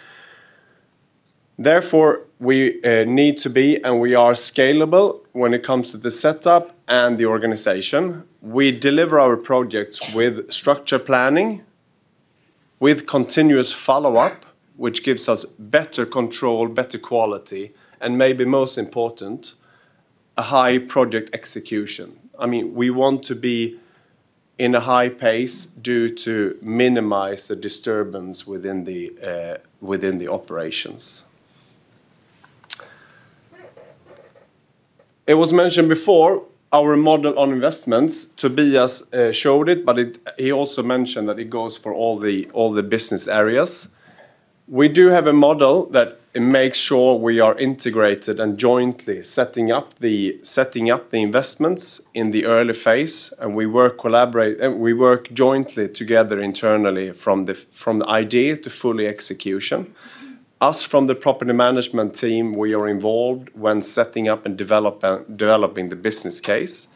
Therefore, we need to be, and we are scalable when it comes to the setup and the organization. We deliver our projects with structure planning, with continuous follow-up, which gives us better control, better quality, and maybe most important, a high project execution. I mean, we want to be in a high pace due to minimize the disturbance within the operations. It was mentioned before, our model on investments, Tobias showed it, but he also mentioned that it goes for all the business areas. We do have a model that makes sure we are integrated and jointly setting up the investments in the early phase, and we work jointly together internally from the idea to fully execution. Us from the property management team, we are involved when setting up and developing the business case.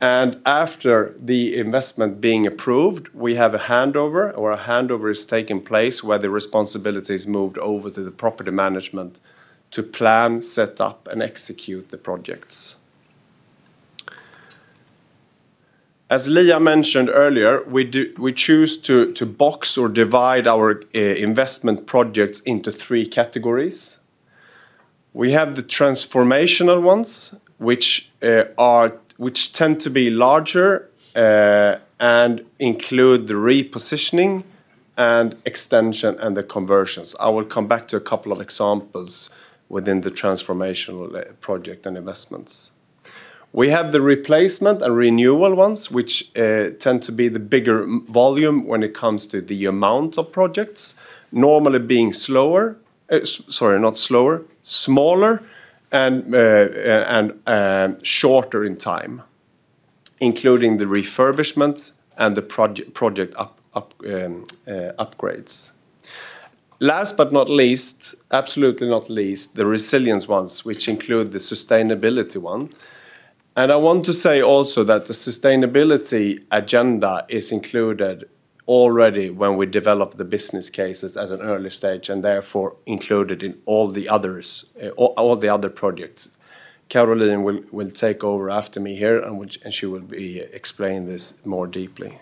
After the investment being approved, we have a handover or a handover is taking place where the responsibility is moved over to the property management to plan, set up, and execute the projects. As Liia mentioned earlier, we choose to box or divide our investment projects into 3 categories. We have the transformational ones, which tend to be larger and include the repositioning and extension and the conversions. I will come back to 2 examples within the transformational project and investments. We have the replacement and renewal ones, which tend to be the bigger volume when it comes to the amount of projects. Normally being slower. Sorry, not slower, smaller, and shorter in time, including the refurbishments and the project upgrades. Last but not least, absolutely not least, the resilience ones, which include the sustainability one. I want to say also that the sustainability agenda is included already when we develop the business cases at an early stage, and therefore included in all the other projects. Caroline Tivéus will take over after me here, and she will be explaining this more deeply.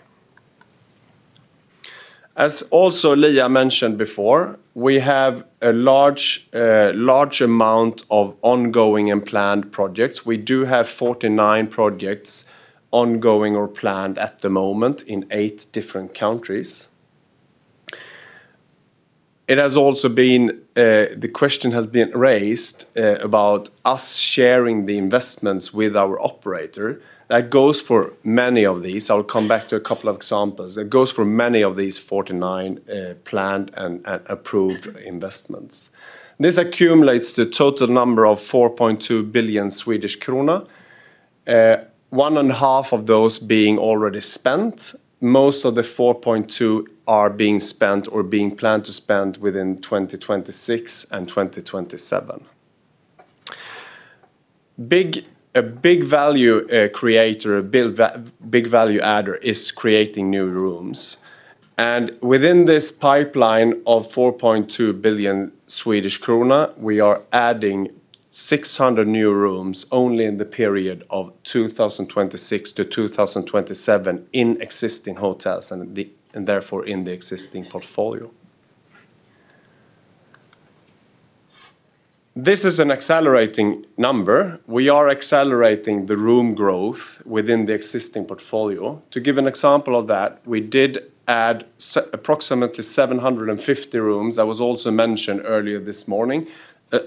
As also Liia mentioned before, we have a large amount of ongoing and planned projects. We do have 49 projects ongoing or planned at the moment in 8 different countries. It has also been, the question has been raised, about us sharing the investments with our operator. That goes for many of these. I'll come back to a couple of examples. That goes for many of these 49 planned and approved investments. This accumulates the total number of 4.2 billion Swedish krona. One and half of those being already spent. Most of the 4.2 are being spent or being planned to spend within 2026 and 2027. A big value creator, big value adder is creating new rooms. Within this pipeline of 4.2 billion Swedish krona, we are adding 600 new rooms only in the period of 2026 to 2027 in existing hotels and therefore in the existing portfolio. This is an accelerating number. We are accelerating the room growth within the existing portfolio. To give an example of that, we did add approximately 750 rooms. That was also mentioned earlier this morning.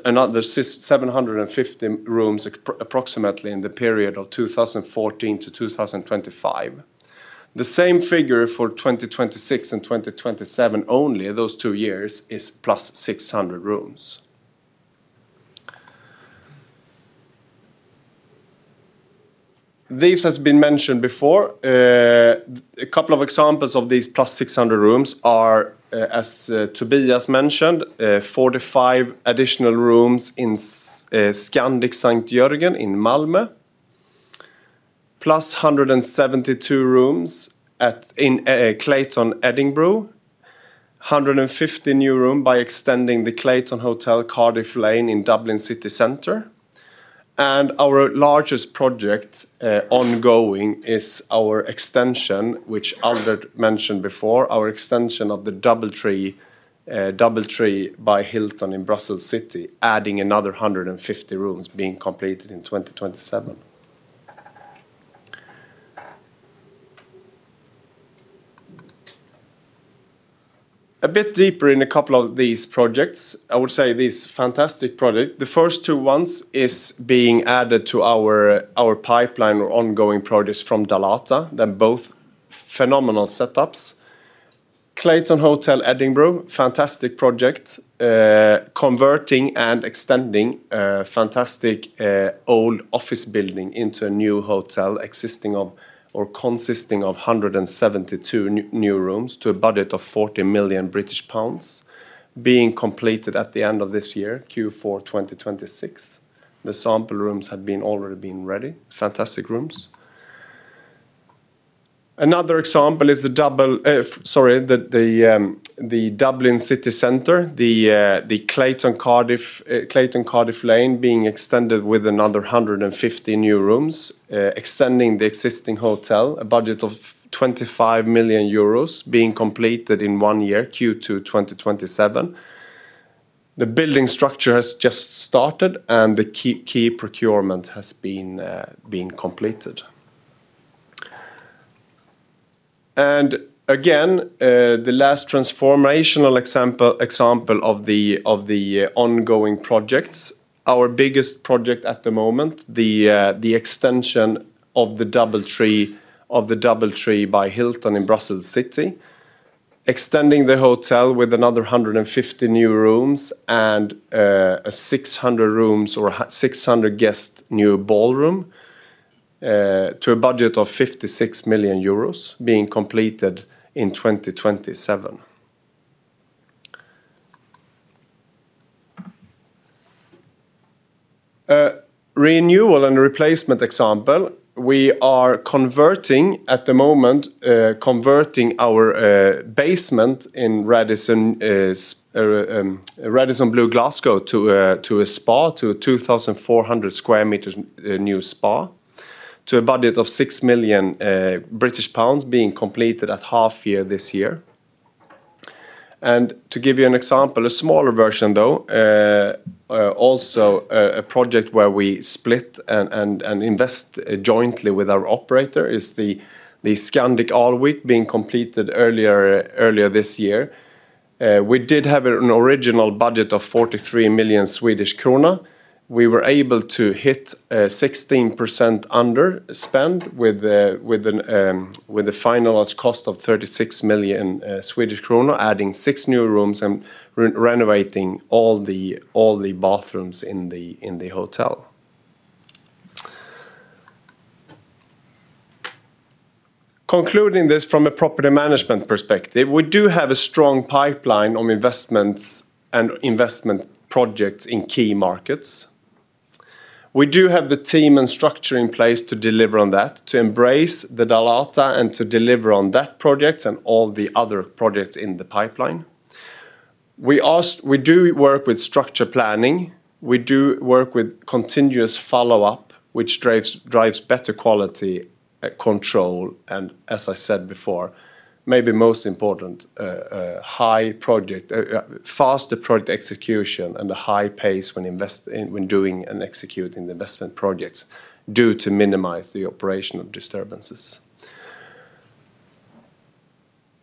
Another 750 rooms approximately in the period of 2014 to 2025. The same figure for 2026 and 2027 only, those two years, is plus 600 rooms. This has been mentioned before. A couple of examples of these plus 600 rooms are, as Tobias mentioned, 45 additional rooms in Scandic St. Jörgen in Malmö, plus 172 rooms in Clayton Edinburgh, 150 new rooms by extending the Clayton Hotel Cardiff Lane in Dublin City Center. Our largest project ongoing is our extension, which Aldert mentioned before, our extension of the DoubleTree by Hilton in Brussels City, adding another 150 rooms being completed in 2027. A bit deeper in a couple of these projects. I would say these fantastic project. The first two ones is being added to our pipeline or ongoing projects from Dalata. They're both phenomenal setups. Clayton Hotel Edinburgh, fantastic project. Converting and extending a fantastic old office building into a new hotel existing of, or consisting of 172 new rooms to a budget of 40 million British pounds being completed at the end of this year, Q4 2026. The sample rooms have been already been ready. Fantastic rooms. Another example is the double, the Dublin City Centre, the Clayton Cardiff, Clayton Cardiff Lane being extended with another 150 new rooms, extending the existing hotel. A budget of 25 million euros being completed in 1 year, Q2 2027. The building structure has just started, and the key procurement has been completed. Again, the last transformational example of the ongoing projects, our biggest project at the moment, the extension of the DoubleTree by Hilton in Brussels City. Extending the hotel with another 150 new rooms and a 600 rooms or 600 guest new ballroom to a budget of 56 million euros being completed in 2027. Renewal and replacement example, we are converting at the moment converting our basement in Radisson Blu Glasgow to a spa, to a 2,400 sq m new spa to a budget of 6 million British pounds being completed at half year this year. To give you an example, a smaller version though, also a project where we split and invest jointly with our operator is the Scandic Alvik being completed earlier this year. We did have an original budget of 43 million Swedish krona. We were able to hit 16% underspend with a finalized cost of 36 million Swedish krona, adding 6 new rooms and renovating all the bathrooms in the hotel. Concluding this from a property management perspective, we do have a strong pipeline on investments and investment projects in key markets. We do have the team and structure in place to deliver on that, to embrace the Dalata, and to deliver on that project and all the other projects in the pipeline. We do work with structured planning. We do work with continuous follow-up, which drives better quality control, and as I said before, maybe most important, high project faster project execution and a high pace when doing and executing the investment projects to minimize the operational disturbances.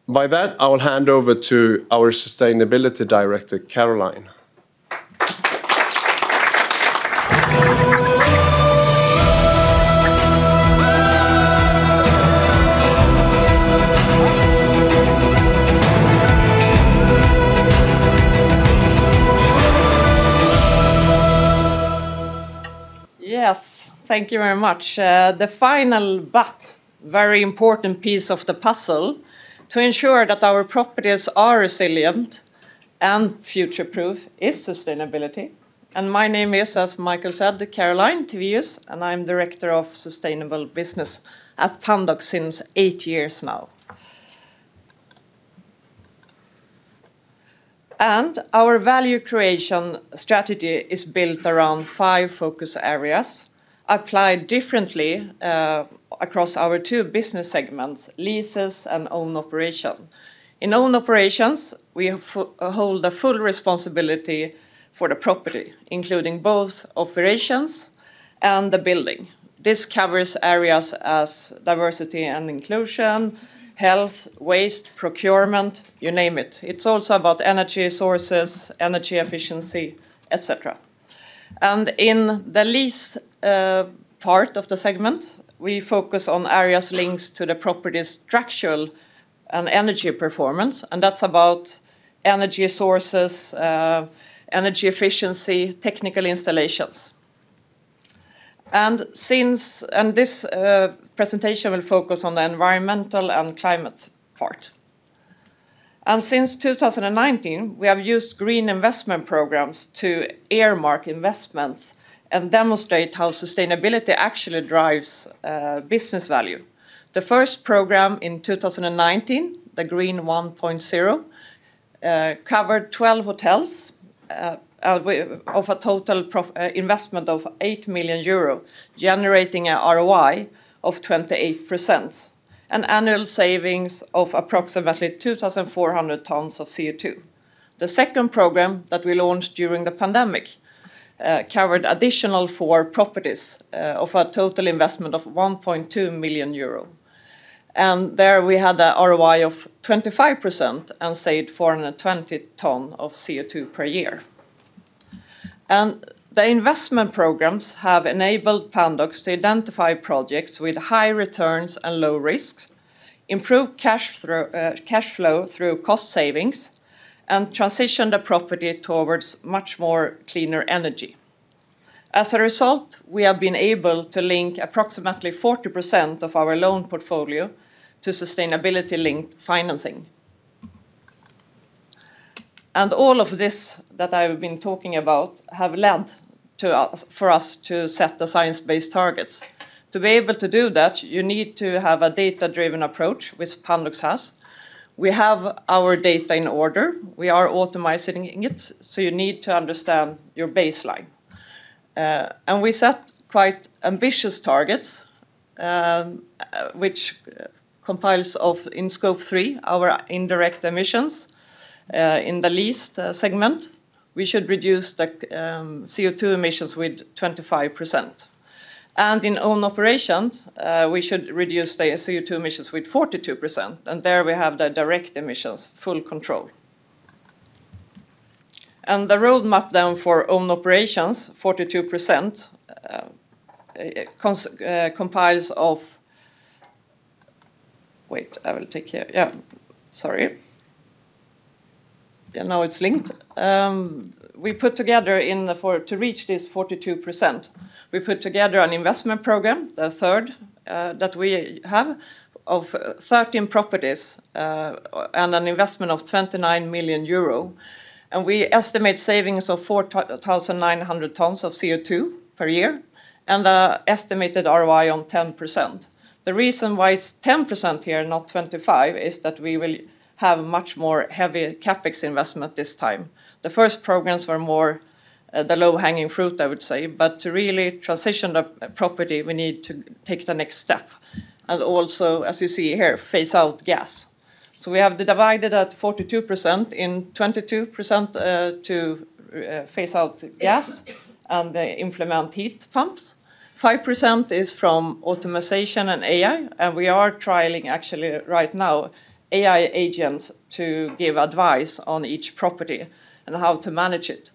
By that, I will hand over to our Sustainability Director, Caroline. Yes, thank you very much. The final but very important piece of the puzzle to ensure that our properties are resilient and future-proof is sustainability. My name is, as Mikael said, Caroline Tivéus, and I'm Director of Sustainable Business at Pandox since eight years now. Our value creation strategy is built around five focus areas applied differently, across our two business segments: Leases and Own Operation. In Own Operations, we hold a full responsibility for the property, including both operations and the building. This covers areas as diversity and inclusion, health, waste, procurement, you name it. It's also about energy sources, energy efficiency, et cetera. In the Lease, part of the segment, we focus on areas linked to the property's structural and energy performance, and that's about energy sources, energy efficiency, technical installations. This presentation will focus on the environmental and climate part. Since 2019, we have used green investment programs to earmark investments and demonstrate how sustainability actually drives business value. The first program in 2019, the Green 1.0, covered 12 hotels with a total investment of 8 million euro, generating a ROI of 28% and annual savings of approximately 2,400 tons of CO2. The second program that we launched during the pandemic, covered additional 4 properties of a total investment of 1.2 million euro. There we had a ROI of 25% and saved 420 tons of CO2 per year. The investment programs have enabled Pandox to identify projects with high returns and low risks, improve cash flow through cost savings, and transition the property towards much more cleaner energy. As a result, we have been able to link approximately 40% of our loan portfolio to sustainability-linked financing. All of this that I've been talking about have led to us to set the science-based targets. To be able to do that, you need to have a data-driven approach, which Pandox has. We have our data in order. We are optimizing it, so you need to understand your baseline. We set quite ambitious targets, which comprises of, in Scope 3, our indirect emissions. In the Lease segment, we should reduce the CO2 emissions with 25%. In own operations, we should reduce the CO2 emissions with 42%, and there we have the direct emissions, full control. The roadmap then for own operations, 42%, comprises of Wait, I will take care. Yeah, sorry. Yeah, now it's linked. We put together an investment program, the third that we have, of 13 properties, and an investment of 29 million euro to reach this 42%, and we estimate savings of 4,900 tons of CO2 per year, and an estimated ROI of 10%. The reason why it's 10% here, not 25%, is that we will have much more heavy CapEx investment this time. The first programs were more the low-hanging fruit, I would say, but to really transition the property, we need to take the next step, and also, as you see here, phase out gas. We have the divider at 42%, in 22%, to phase out gas and implement heat pumps. 5% is from automation and AI. We are trialing actually right now AI agents to give advice on each property and how to manage it.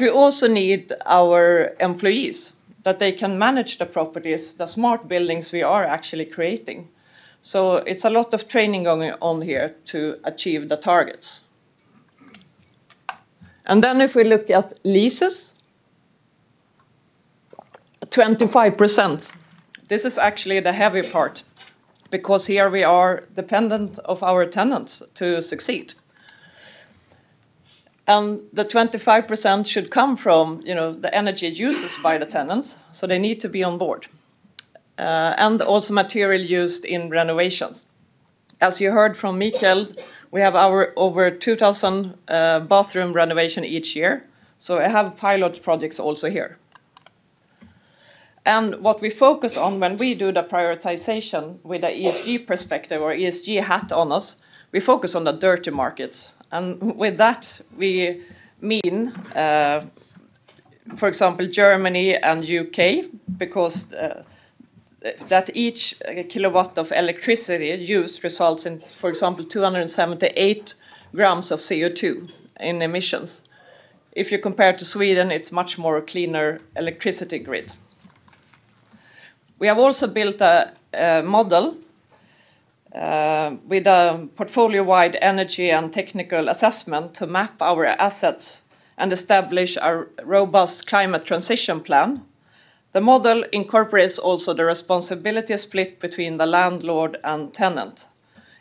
We also need our employees, that they can manage the properties, the smart buildings we are actually creating. It's a lot of training going on here to achieve the targets. If we look at leases, 25%. This is actually the heavy part because here we are dependent of our tenants to succeed. The 25% should come from, you know, the energy uses by the tenants. They need to be on board. Also material used in renovations. As you heard from Mikael, we have our over 2,000 bathroom renovation each year. I have pilot projects also here. What we focus on when we do the prioritization with the ESG perspective or ESG hat on us, we focus on the dirty markets. With that, we mean, for example, Germany and U.K. because that each kilowatt of electricity used results in, for example, 278 grams of CO2 in emissions. If you compare to Sweden, it's much more cleaner electricity grid. We have also built a model with a portfolio-wide energy and technical assessment to map our assets and establish a robust climate transition plan. The model incorporates also the responsibility split between the landlord and tenant.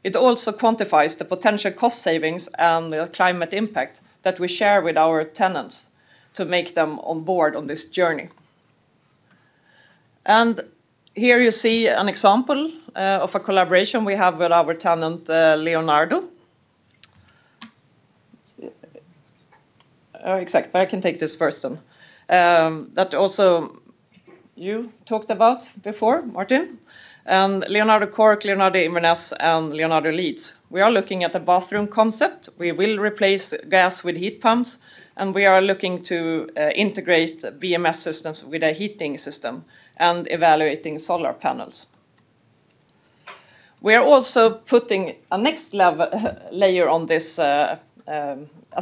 It also quantifies the potential cost savings and the climate impact that we share with our tenants to make them on board on this journey. Here you see an example of a collaboration we have with our tenant, Leonardo. Exactly. I can take this first then. That also you talked about before, Martin. Leonardo Hotel Cork, Leonardo Hotel Inverness, and Leonardo Hotel Leeds. We are looking at a bathroom concept. We will replace gas with heat pumps, and we are looking to integrate BMS systems with a heating system and evaluating solar panels. We are also putting a next layer on this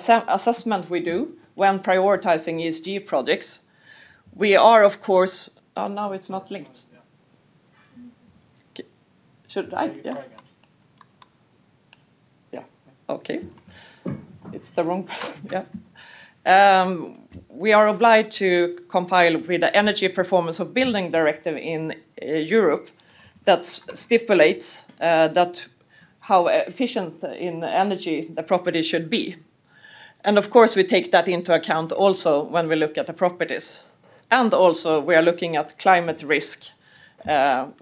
assessment we do when prioritizing ESG projects. We are, of course, now it's not linked. Yeah. Okay. Should I? Yeah. You can try again. We are obliged to comply with the Energy Performance of Buildings Directive in Europe that stipulates that how energy efficient the property should be. Of course, we take that into account also when we look at the properties. We are looking at climate risk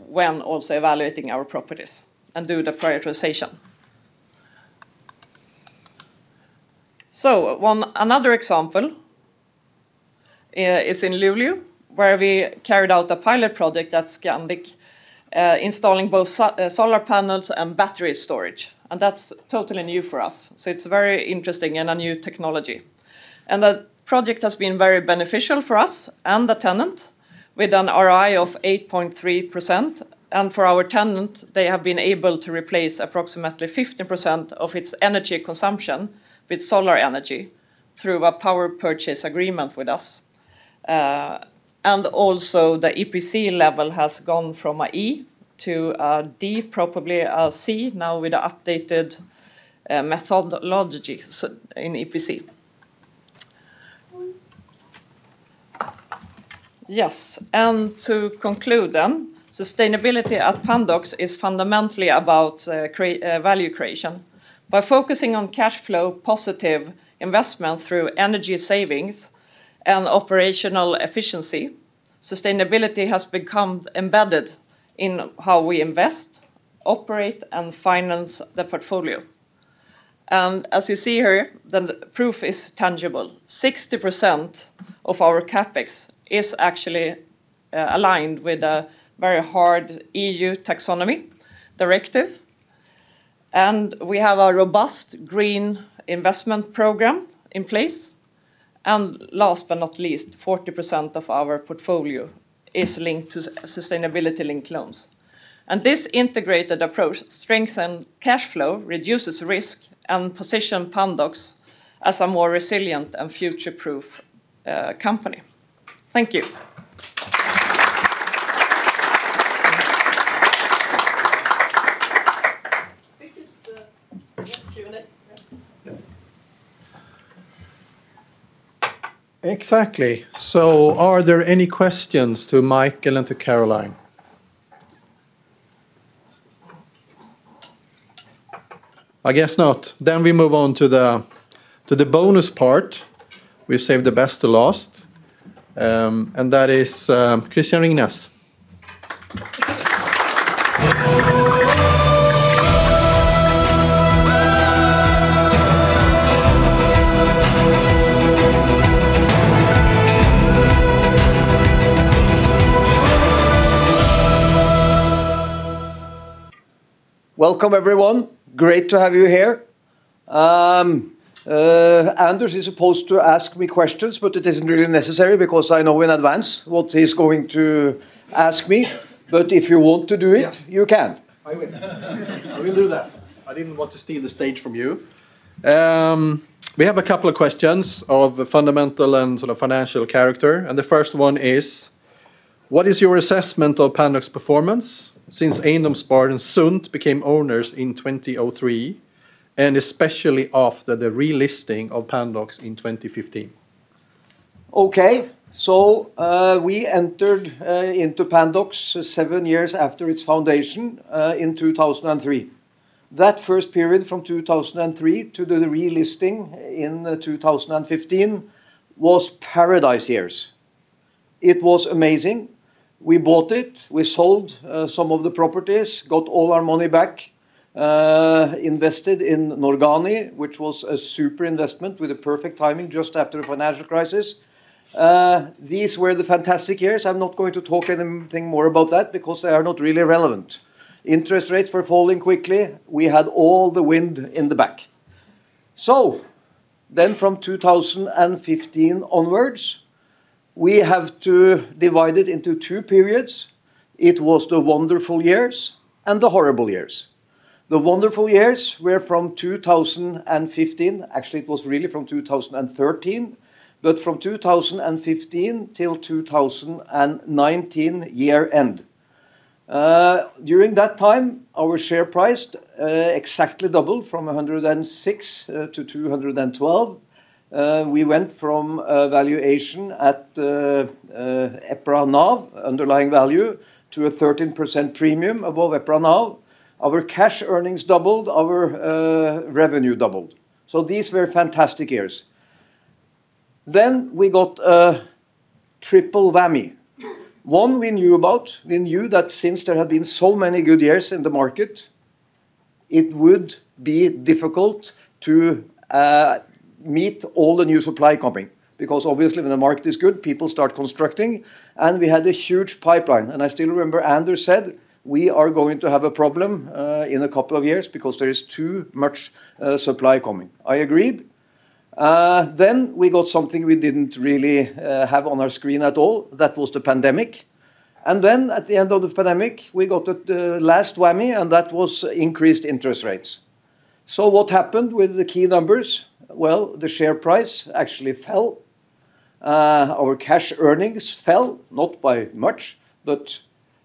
when evaluating our properties and do the prioritization. Another example is in Luleå, where we carried out a pilot project at Scandic, installing both solar panels and battery storage, and that's totally new for us, it's very interesting and a new technology. The project has been very beneficial for us and the tenant with an ROI of 8.3%. For our tenant, they have been able to replace approximately 50% of its energy consumption with solar energy through a power purchase agreement with us. The EPC level has gone from an E to a D, probably a C now with the updated methodology in EPC. Yes. To conclude then, sustainability at Pandox is fundamentally about value creation. By focusing on cash flow positive investment through energy savings and operational efficiency, sustainability has become embedded in how we invest, operate, and finance the portfolio. As you see here, the proof is tangible. 60% of our CapEx is actually aligned with a very hard EU Taxonomy directive. We have a robust green investment program in place. Last but not least, 40% of our portfolio is linked to sustainability-linked loans. This integrated approach strengthen cash flow, reduces risk, and position Pandox as a more resilient and future-proof company. Thank you. I think it's Yes, Q&A. Yeah. Yeah. Exactly. Are there any questions to Mikael and to Caroline? I guess not. We move on to the bonus part. We've saved the best to last, and that is Christian Ringnes. Welcome, everyone. Great to have you here. Anders is supposed to ask me questions, but it isn't really necessary because I know in advance what he's going to ask me. If you want to do it. Yeah You can. I will do that. I didn't want to steal the stage from you. We have a couple of questions of a fundamental and sort of financial character, and the first one is: what is your assessment of Pandox performance since Eiendomsspar and Sundt became owners in 2003, and especially after the relisting of Pandox in 2015? Okay. We entered into Pandox seven years after its foundation in 2003. That first period from 2003 to the relisting in 2015 was paradise years. It was amazing. We bought it. We sold some of the properties, got all our money back, invested in Norgani, which was a super investment with a perfect timing, just after the financial crisis. These were the fantastic years. I'm not going to talk anything more about that because they are not really relevant. Interest rates were falling quickly. We had all the wind in the back. From 2015 onwards, we have to divide it into two periods. It was the wonderful years and the horrible years. The wonderful years were from 2015. Actually, it was really from 2013, but from 2015 till 2019 year end. During that time, our share price exactly doubled from 106 to 212. We went from a valuation at EPRA NAV, underlying value, to a 13% premium above EPRA NAV. Our cash earnings doubled. Our revenue doubled. These were fantastic years. We got a triple whammy. One we knew about. We knew that since there had been so many good years in the market, it would be difficult to meet all the new supply coming because obviously when the market is good, people start constructing, and we had this huge pipeline. I still remember Anders said, "We are going to have a problem in a couple of years because there is too much supply coming." I agreed. We got something we didn't really have on our screen at all. That was the pandemic. Then at the end of the pandemic, we got the last whammy, and that was increased interest rates. What happened with the key numbers? Well, the share price actually fell. Our cash earnings fell, not by much, but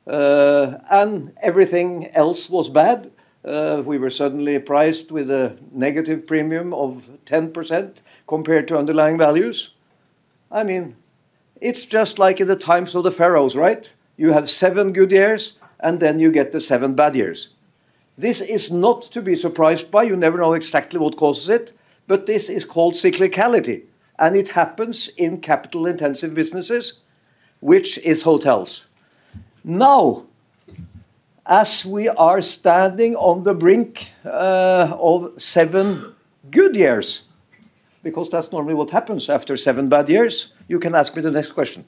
and everything else was bad. We were suddenly priced with a negative premium of 10% compared to underlying values. I mean, it's just like in the times of the pharaohs, right? You have seven good years, and then you get the seven bad years. This is not to be surprised by. You never know exactly what causes it, but this is called cyclicality, and it happens in capital-intensive businesses, which is hotels. Now, as we are standing on the brink of seven good years, because that's normally what happens after seven bad years, you can ask me the next question.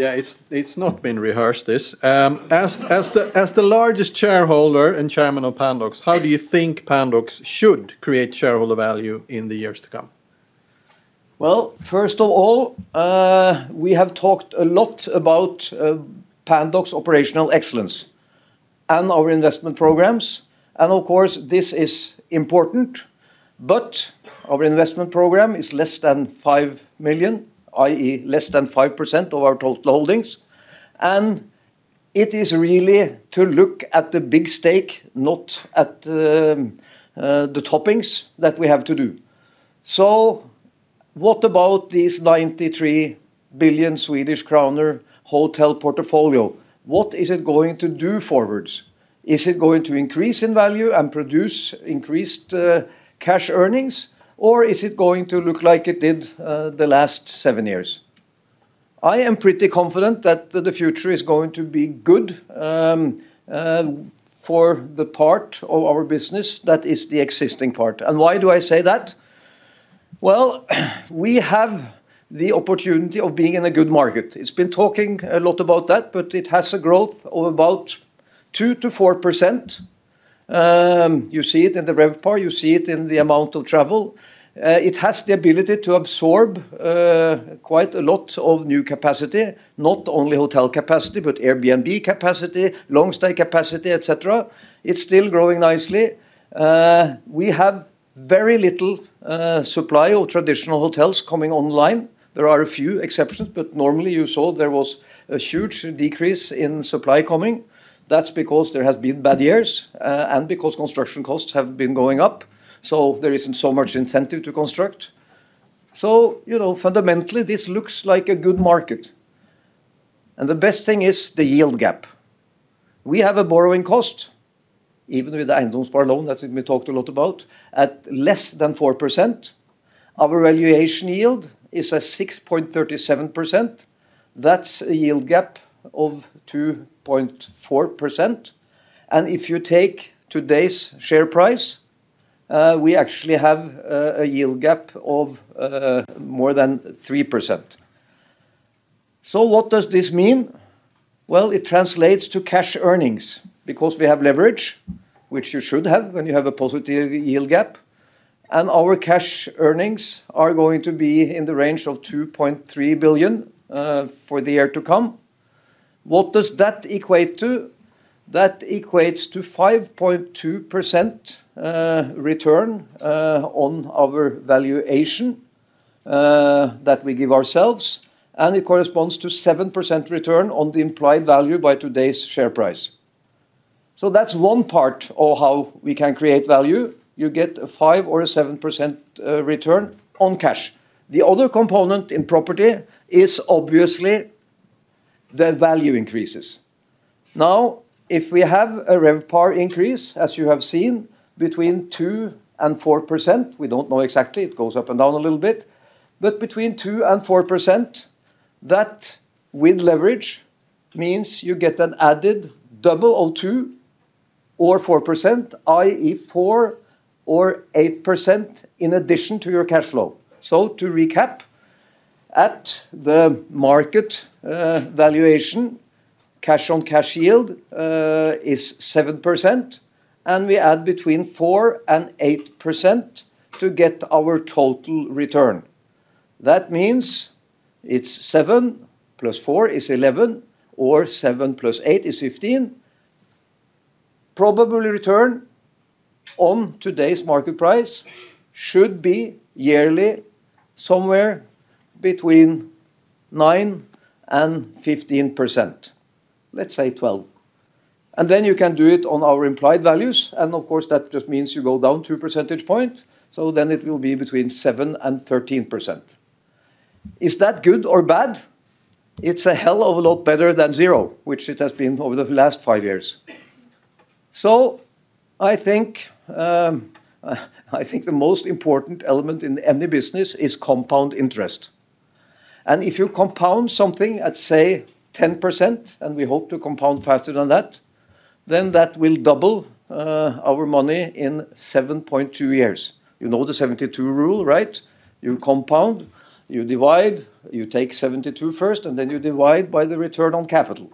It's not been rehearsed, this. As the largest shareholder and chairman of Pandox, how do you think Pandox should create shareholder value in the years to come? Well, first of all, we have talked a lot about Pandox operational excellence and our investment programs. Of course, this is important, but our investment program is less than 5 million, i.e. less than 5% of our total holdings. It is really to look at the big stake, not at the toppings that we have to do. What about these 93 billion Swedish kronor hotel portfolio? What is it going to do forwards? Is it going to increase in value and produce increased cash earnings, or is it going to look like it did the last seven years? I am pretty confident that the future is going to be good for the part of our business that is the existing part. Why do I say that? Well, we have the opportunity of being in a good market. It's been talking a lot about that, but it has a growth of about 2%-4%. You see it in the RevPAR, you see it in the amount of travel. It has the ability to absorb quite a lot of new capacity, not only hotel capacity, but Airbnb capacity, long-stay capacity, etc. It's still growing nicely. We have very little supply of traditional hotels coming online. There are a few exceptions, but normally you saw there was a huge decrease in supply coming. That's because there has been bad years, and because construction costs have been going up, so there isn't so much incentive to construct. You know, fundamentally, this looks like a good market. The best thing is the yield gap. We have a borrowing cost, even with the end of our loan, that's what we talked a lot about, at less than 4%. Our valuation yield is at 6.37%. That's a yield gap of 2.4%. If you take today's share price, we actually have a yield gap of more than 3%. What does this mean? Well, it translates to cash earnings because we have leverage, which you should have when you have a positive yield gap, and our cash earnings are going to be in the range of 2.3 billion for the year to come. What does that equate to? That equates to 5.2% return on our valuation that we give ourselves, and it corresponds to 7% return on the implied value by today's share price. That's one part of how we can create value. You get a 5% or 7% return on cash. The other component in property is obviously the value increases. If we have a RevPAR increase, as you have seen, between 2%-4%, we don't know exactly, it goes up and down a little bit, but between 2%-4%, that with leverage means you get an added double or 2%-4%, i.e., 4%-8% in addition to your cash flow. To recap, at the market valuation, cash on cash yield is 7%, and we add between 4%-8% to get our total return. That means it's 7 + 4 is 11 or 7 + 8 is 15. Probably return on today's market price should be yearly somewhere between 9%-15%. Let's say 12. Then you can do it on our implied values, and of course, that just means you go down two percentage points, so then it will be between 7% and 13%. Is that good or bad? It's a hell of a lot better than 0%, which it has been over the last five years. I think the most important element in any business is compound interest. If you compound something at, say, 10%, and we hope to compound faster than that, then that will double our money in 7.2 years. You know the 72 rule, right? You compound, you divide, you take 72 first, and then you divide by the return on capital.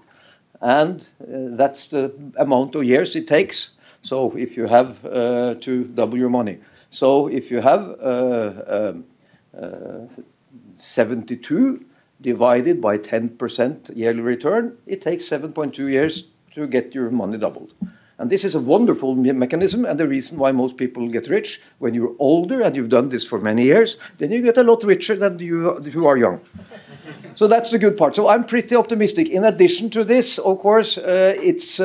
That's the amount of years it takes. If you have to double your money. If you have 72 divided by 10% yearly return, it takes 7.2 years to get your money doubled. This is a wonderful mechanism and the reason why most people get rich. When you're older and you've done this for many years, then you get a lot richer than you who are young. That's the good part. I'm pretty optimistic. In addition to this, of course, it's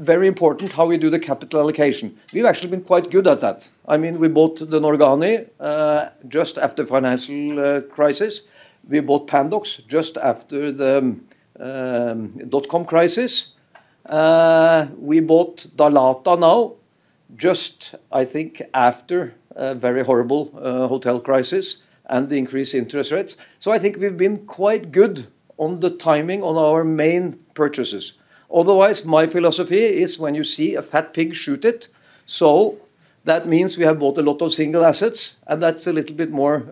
very important how we do the capital allocation. We've actually been quite good at that. I mean, we bought the Norrköping just after financial crisis. We bought Pandox just after the dotcom crisis. We bought Dalata now just, I think, after a very horrible hotel crisis and the increased interest rates. I think we've been quite good on the timing on our main purchases. Otherwise, my philosophy is when you see a fat pig, shoot it. That means we have bought a lot of single assets, and that's a little bit more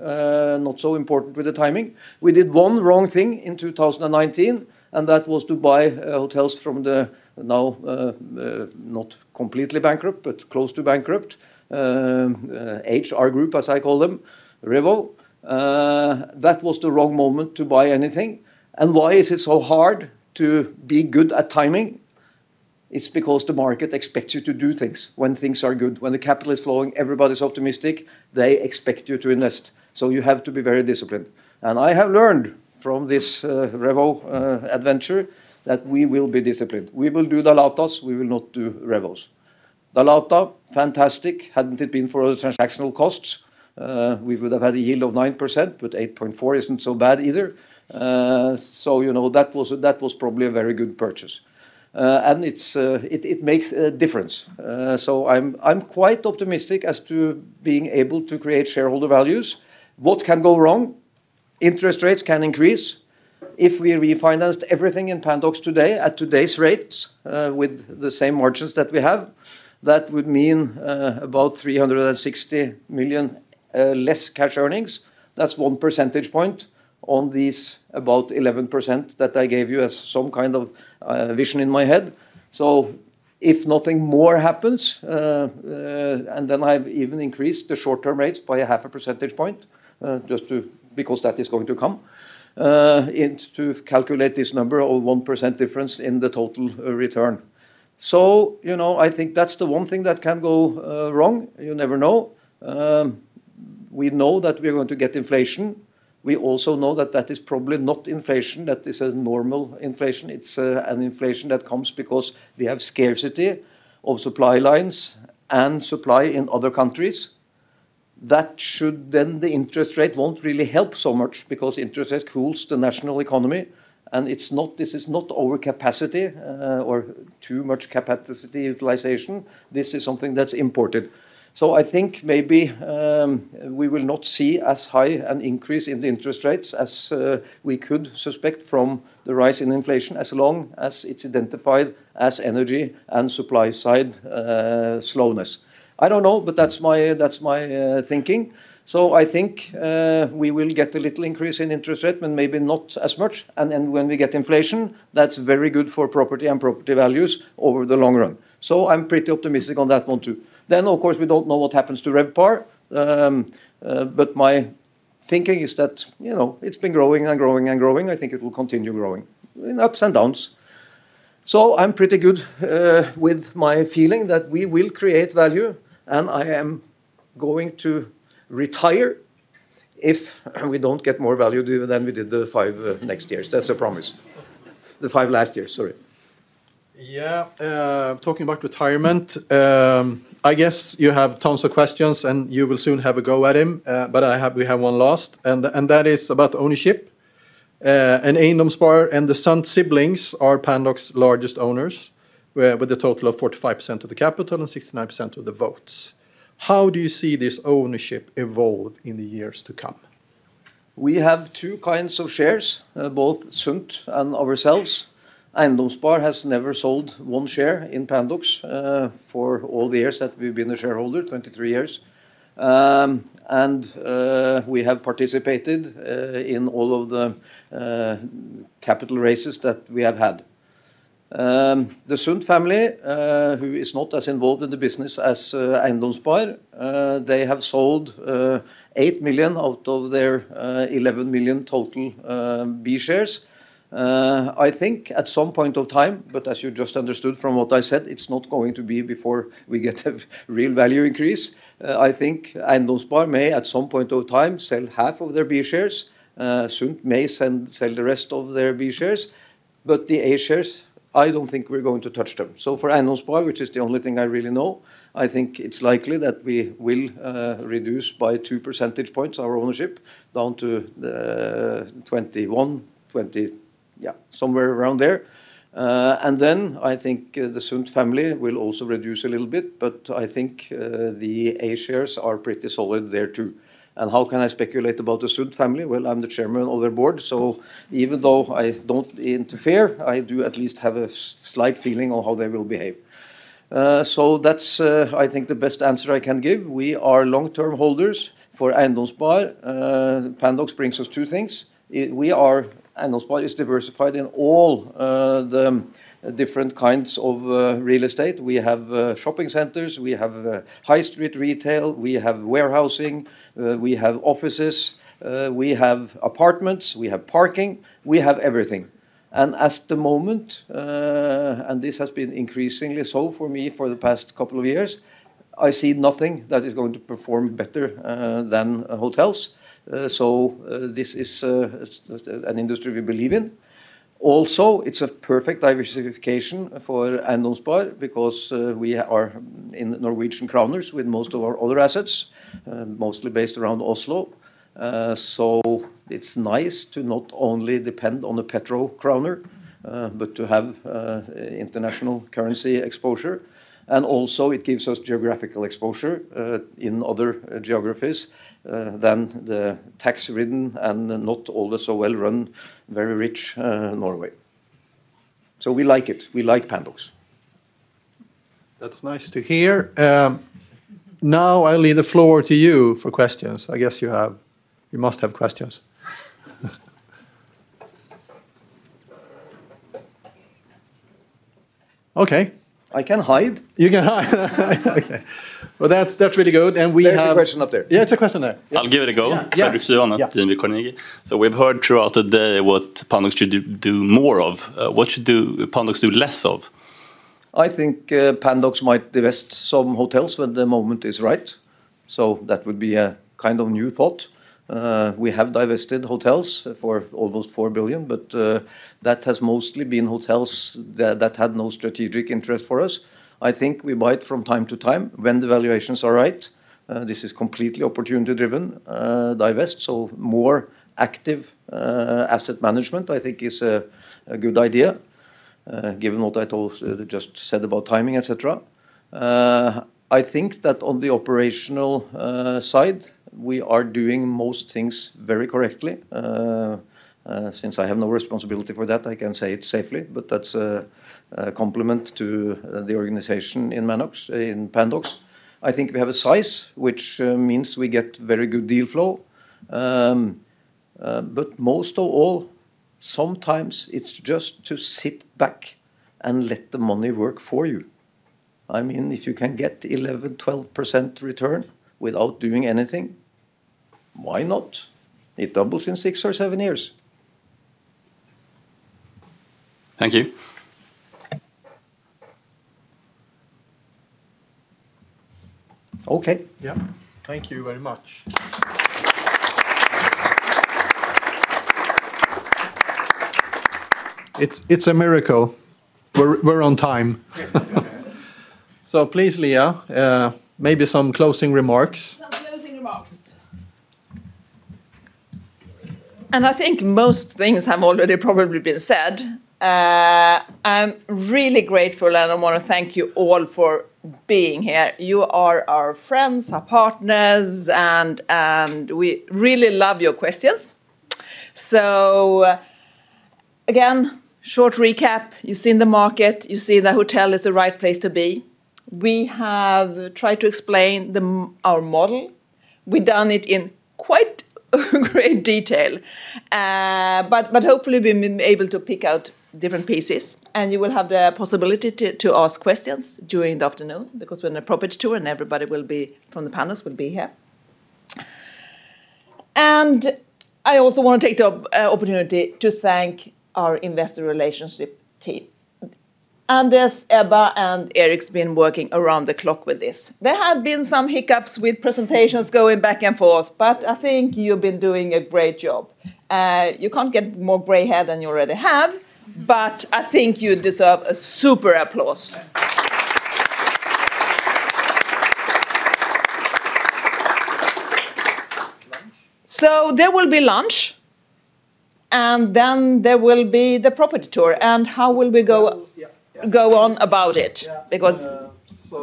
not so important with the timing. We did one wrong thing in 2019, and that was to buy hotels from the now not completely bankrupt, but close to bankrupt HR Group, as I call them, Revo. That was the wrong moment to buy anything. Why is it so hard to be good at timing? It's because the market expects you to do things when things are good. When the capital is flowing, everybody's optimistic, they expect you to invest, so you have to be very disciplined. I have learned from this Revo adventure that we will be disciplined. We will do Dalata, we will not do Revo. Dalata, fantastic. Hadn't it been for all the transactional costs, we would have had a yield of 9%, but 8.4% isn't so bad either. You know, that was probably a very good purchase. It makes a difference. I'm quite optimistic as to being able to create shareholder values. What can go wrong? Interest rates can increase. If we refinanced everything in Pandox today at today's rates, with the same margins that we have, that would mean about 360 million less cash earnings. That's one percentage point on these about 11% that I gave you as some kind of vision in my head. If nothing more happens, and then I've even increased the short-term rates by a half a percentage point, just to because that is going to come, and to calculate this number of 1% difference in the total return. You know, I think that's the one thing that can go wrong. You never know. We know that we're going to get inflation. We also know that that is probably not inflation, that is a normal inflation. It's an inflation that comes because we have scarcity of supply lines and supply in other countries. That should then the interest rate won't really help so much because interest rate cools the national economy, and it's not, this is not overcapacity or too much capacity utilization. This is something that's imported. I think maybe we will not see as high an increase in the interest rates as we could suspect from the rise in inflation as long as it's identified as energy and supply side slowness. I don't know, but that's my thinking. I think we will get a little increase in interest rate, but maybe not as much. When we get inflation, that's very good for property and property values over the long run. I'm pretty optimistic on that one too. Of course, we don't know what happens to RevPAR. My thinking is that, you know, it's been growing and growing and growing. I think it will continue growing, and ups and downs. I'm pretty good with my feeling that we will create value, and I am going to retire if we don't get more value than we did the five next years. That's a promise. The five last years, sorry. Yeah. Talking about retirement, I guess you have tons of questions, and you will soon have a go at him. But we have one last, and that is about ownership. Eiendomsspar and the Sundt siblings are Pandox's largest owners with a total of 45% of the capital and 69% of the votes. How do you see this ownership evolve in the years to come? We have two kinds of shares, both Sundt and ourselves. Eiendomsspar has never sold one share in Pandox for all the years that we've been a shareholder, 23 years. We have participated in all of the capital raises that we have had. The Sundt family, who is not as involved in the business as Eiendomsspar, they have sold 8 million out of their 11 million total B shares. I think at some point of time, but as you just understood from what I said, it's not going to be before we get a real value increase. I think Eiendomsspar may, at some point of time, sell half of their B shares. Sundt may sell the rest of their B shares. The A shares, I don't think we're going to touch them. For Eiendomsspar, which is the only thing I really know, I think it's likely that we will reduce by two percentage points our ownership down to 21, 20, somewhere around there. I think the Sundt family will also reduce a little bit, but I think the A shares are pretty solid there too. How can I speculate about the Sundt family? Well, I'm the chairman of their board, so even though I don't interfere, I do at least have a slight feeling of how they will behave. That's, I think the best answer I can give. We are long-term holders. For Eiendomsspar, Pandox brings us two things. Eiendomsspar is diversified in all the different kinds of real estate. We have shopping centers. We have high street retail. We have warehousing. We have offices. We have apartments. We have parking. We have everything. At the moment, and this has been increasingly so for me for the past couple of years, I see nothing that is going to perform better than hotels. This is an industry we believe in. Also, it's a perfect diversification for Eiendomsspar because we are in Norwegian kroner with most of our other assets, mostly based around Oslo. It's nice to not only depend on the petro kroner, but to have international currency exposure. Also it gives us geographical exposure in other geographies than the tax-ridden and not all that well run, very rich Norway. We like it. We like Pandox. That's nice to hear. Now I leave the floor to you for questions. I guess you must have questions. Okay. I can hide. You can hide. Okay. Well, that's really good. We have- There's a question up there. Yeah, it's a question there. I'll give it a go. Yeah. Fredrik Stuyvanont, DNB Carnegie. We've heard throughout the day what Pandox should do more of. What should Pandox do less of? I think Pandox might divest some hotels when the moment is right. That would be a kind of new thought. We have divested hotels for almost 4 billion, but that has mostly been hotels that had no strategic interest for us. I think we might from time to time when the valuations are right, this is completely opportunity driven, divest. More active asset management I think is a good idea, given what I just said about timing, et cetera. I think that on the operational side, we are doing most things very correctly. Since I have no responsibility for that, I can say it safely, but that's a compliment to the organization in Pandox. I think we have a size which means we get very good deal flow. Most of all, sometimes it's just to sit back and let the money work for you. I mean, if you can get 11%-12% return without doing anything, why not? It doubles in 6 or 7 years. Thank you. Okay. Yeah. Thank you very much. It's a miracle. We're on time. Please, Liia, maybe some closing remarks. Some closing remarks. I think most things have already probably been said. I'm really grateful, and I wanna thank you all for being here. You are our friends, our partners, and we really love your questions. Again, short recap. You've seen the market. You see that hotel is the right place to be. We have tried to explain our model. We've done it in quite great detail. Hopefully we've been able to pick out different pieces, and you will have the possibility to ask questions during the afternoon because we're on a property tour, and everybody from the panels will be here. I also wanna take the opportunity to thank our Investor Relationship team. Anders, Ebba, and Erik's been working around the clock with this. There have been some hiccups with presentations going back and forth, but I think you've been doing a great job. You can't get more gray hair than you already have, but I think you deserve a super applause. Lunch? There will be lunch, and then there will be the property tour. How will we go? Yeah, yeah. go on about it? Yeah. Because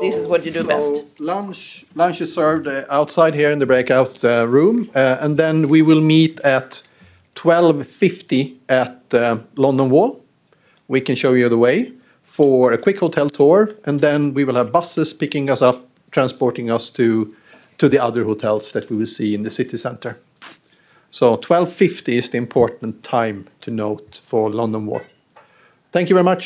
this is what you do best. Lunch is served outside here in the breakout room. Then we will meet at 12:50 at London Wall. We can show you the way for a quick hotel tour, and then we will have buses picking us up, transporting us to the other hotels that we will see in the city center. 12:50 is the important time to note for London Wall. Thank you very much.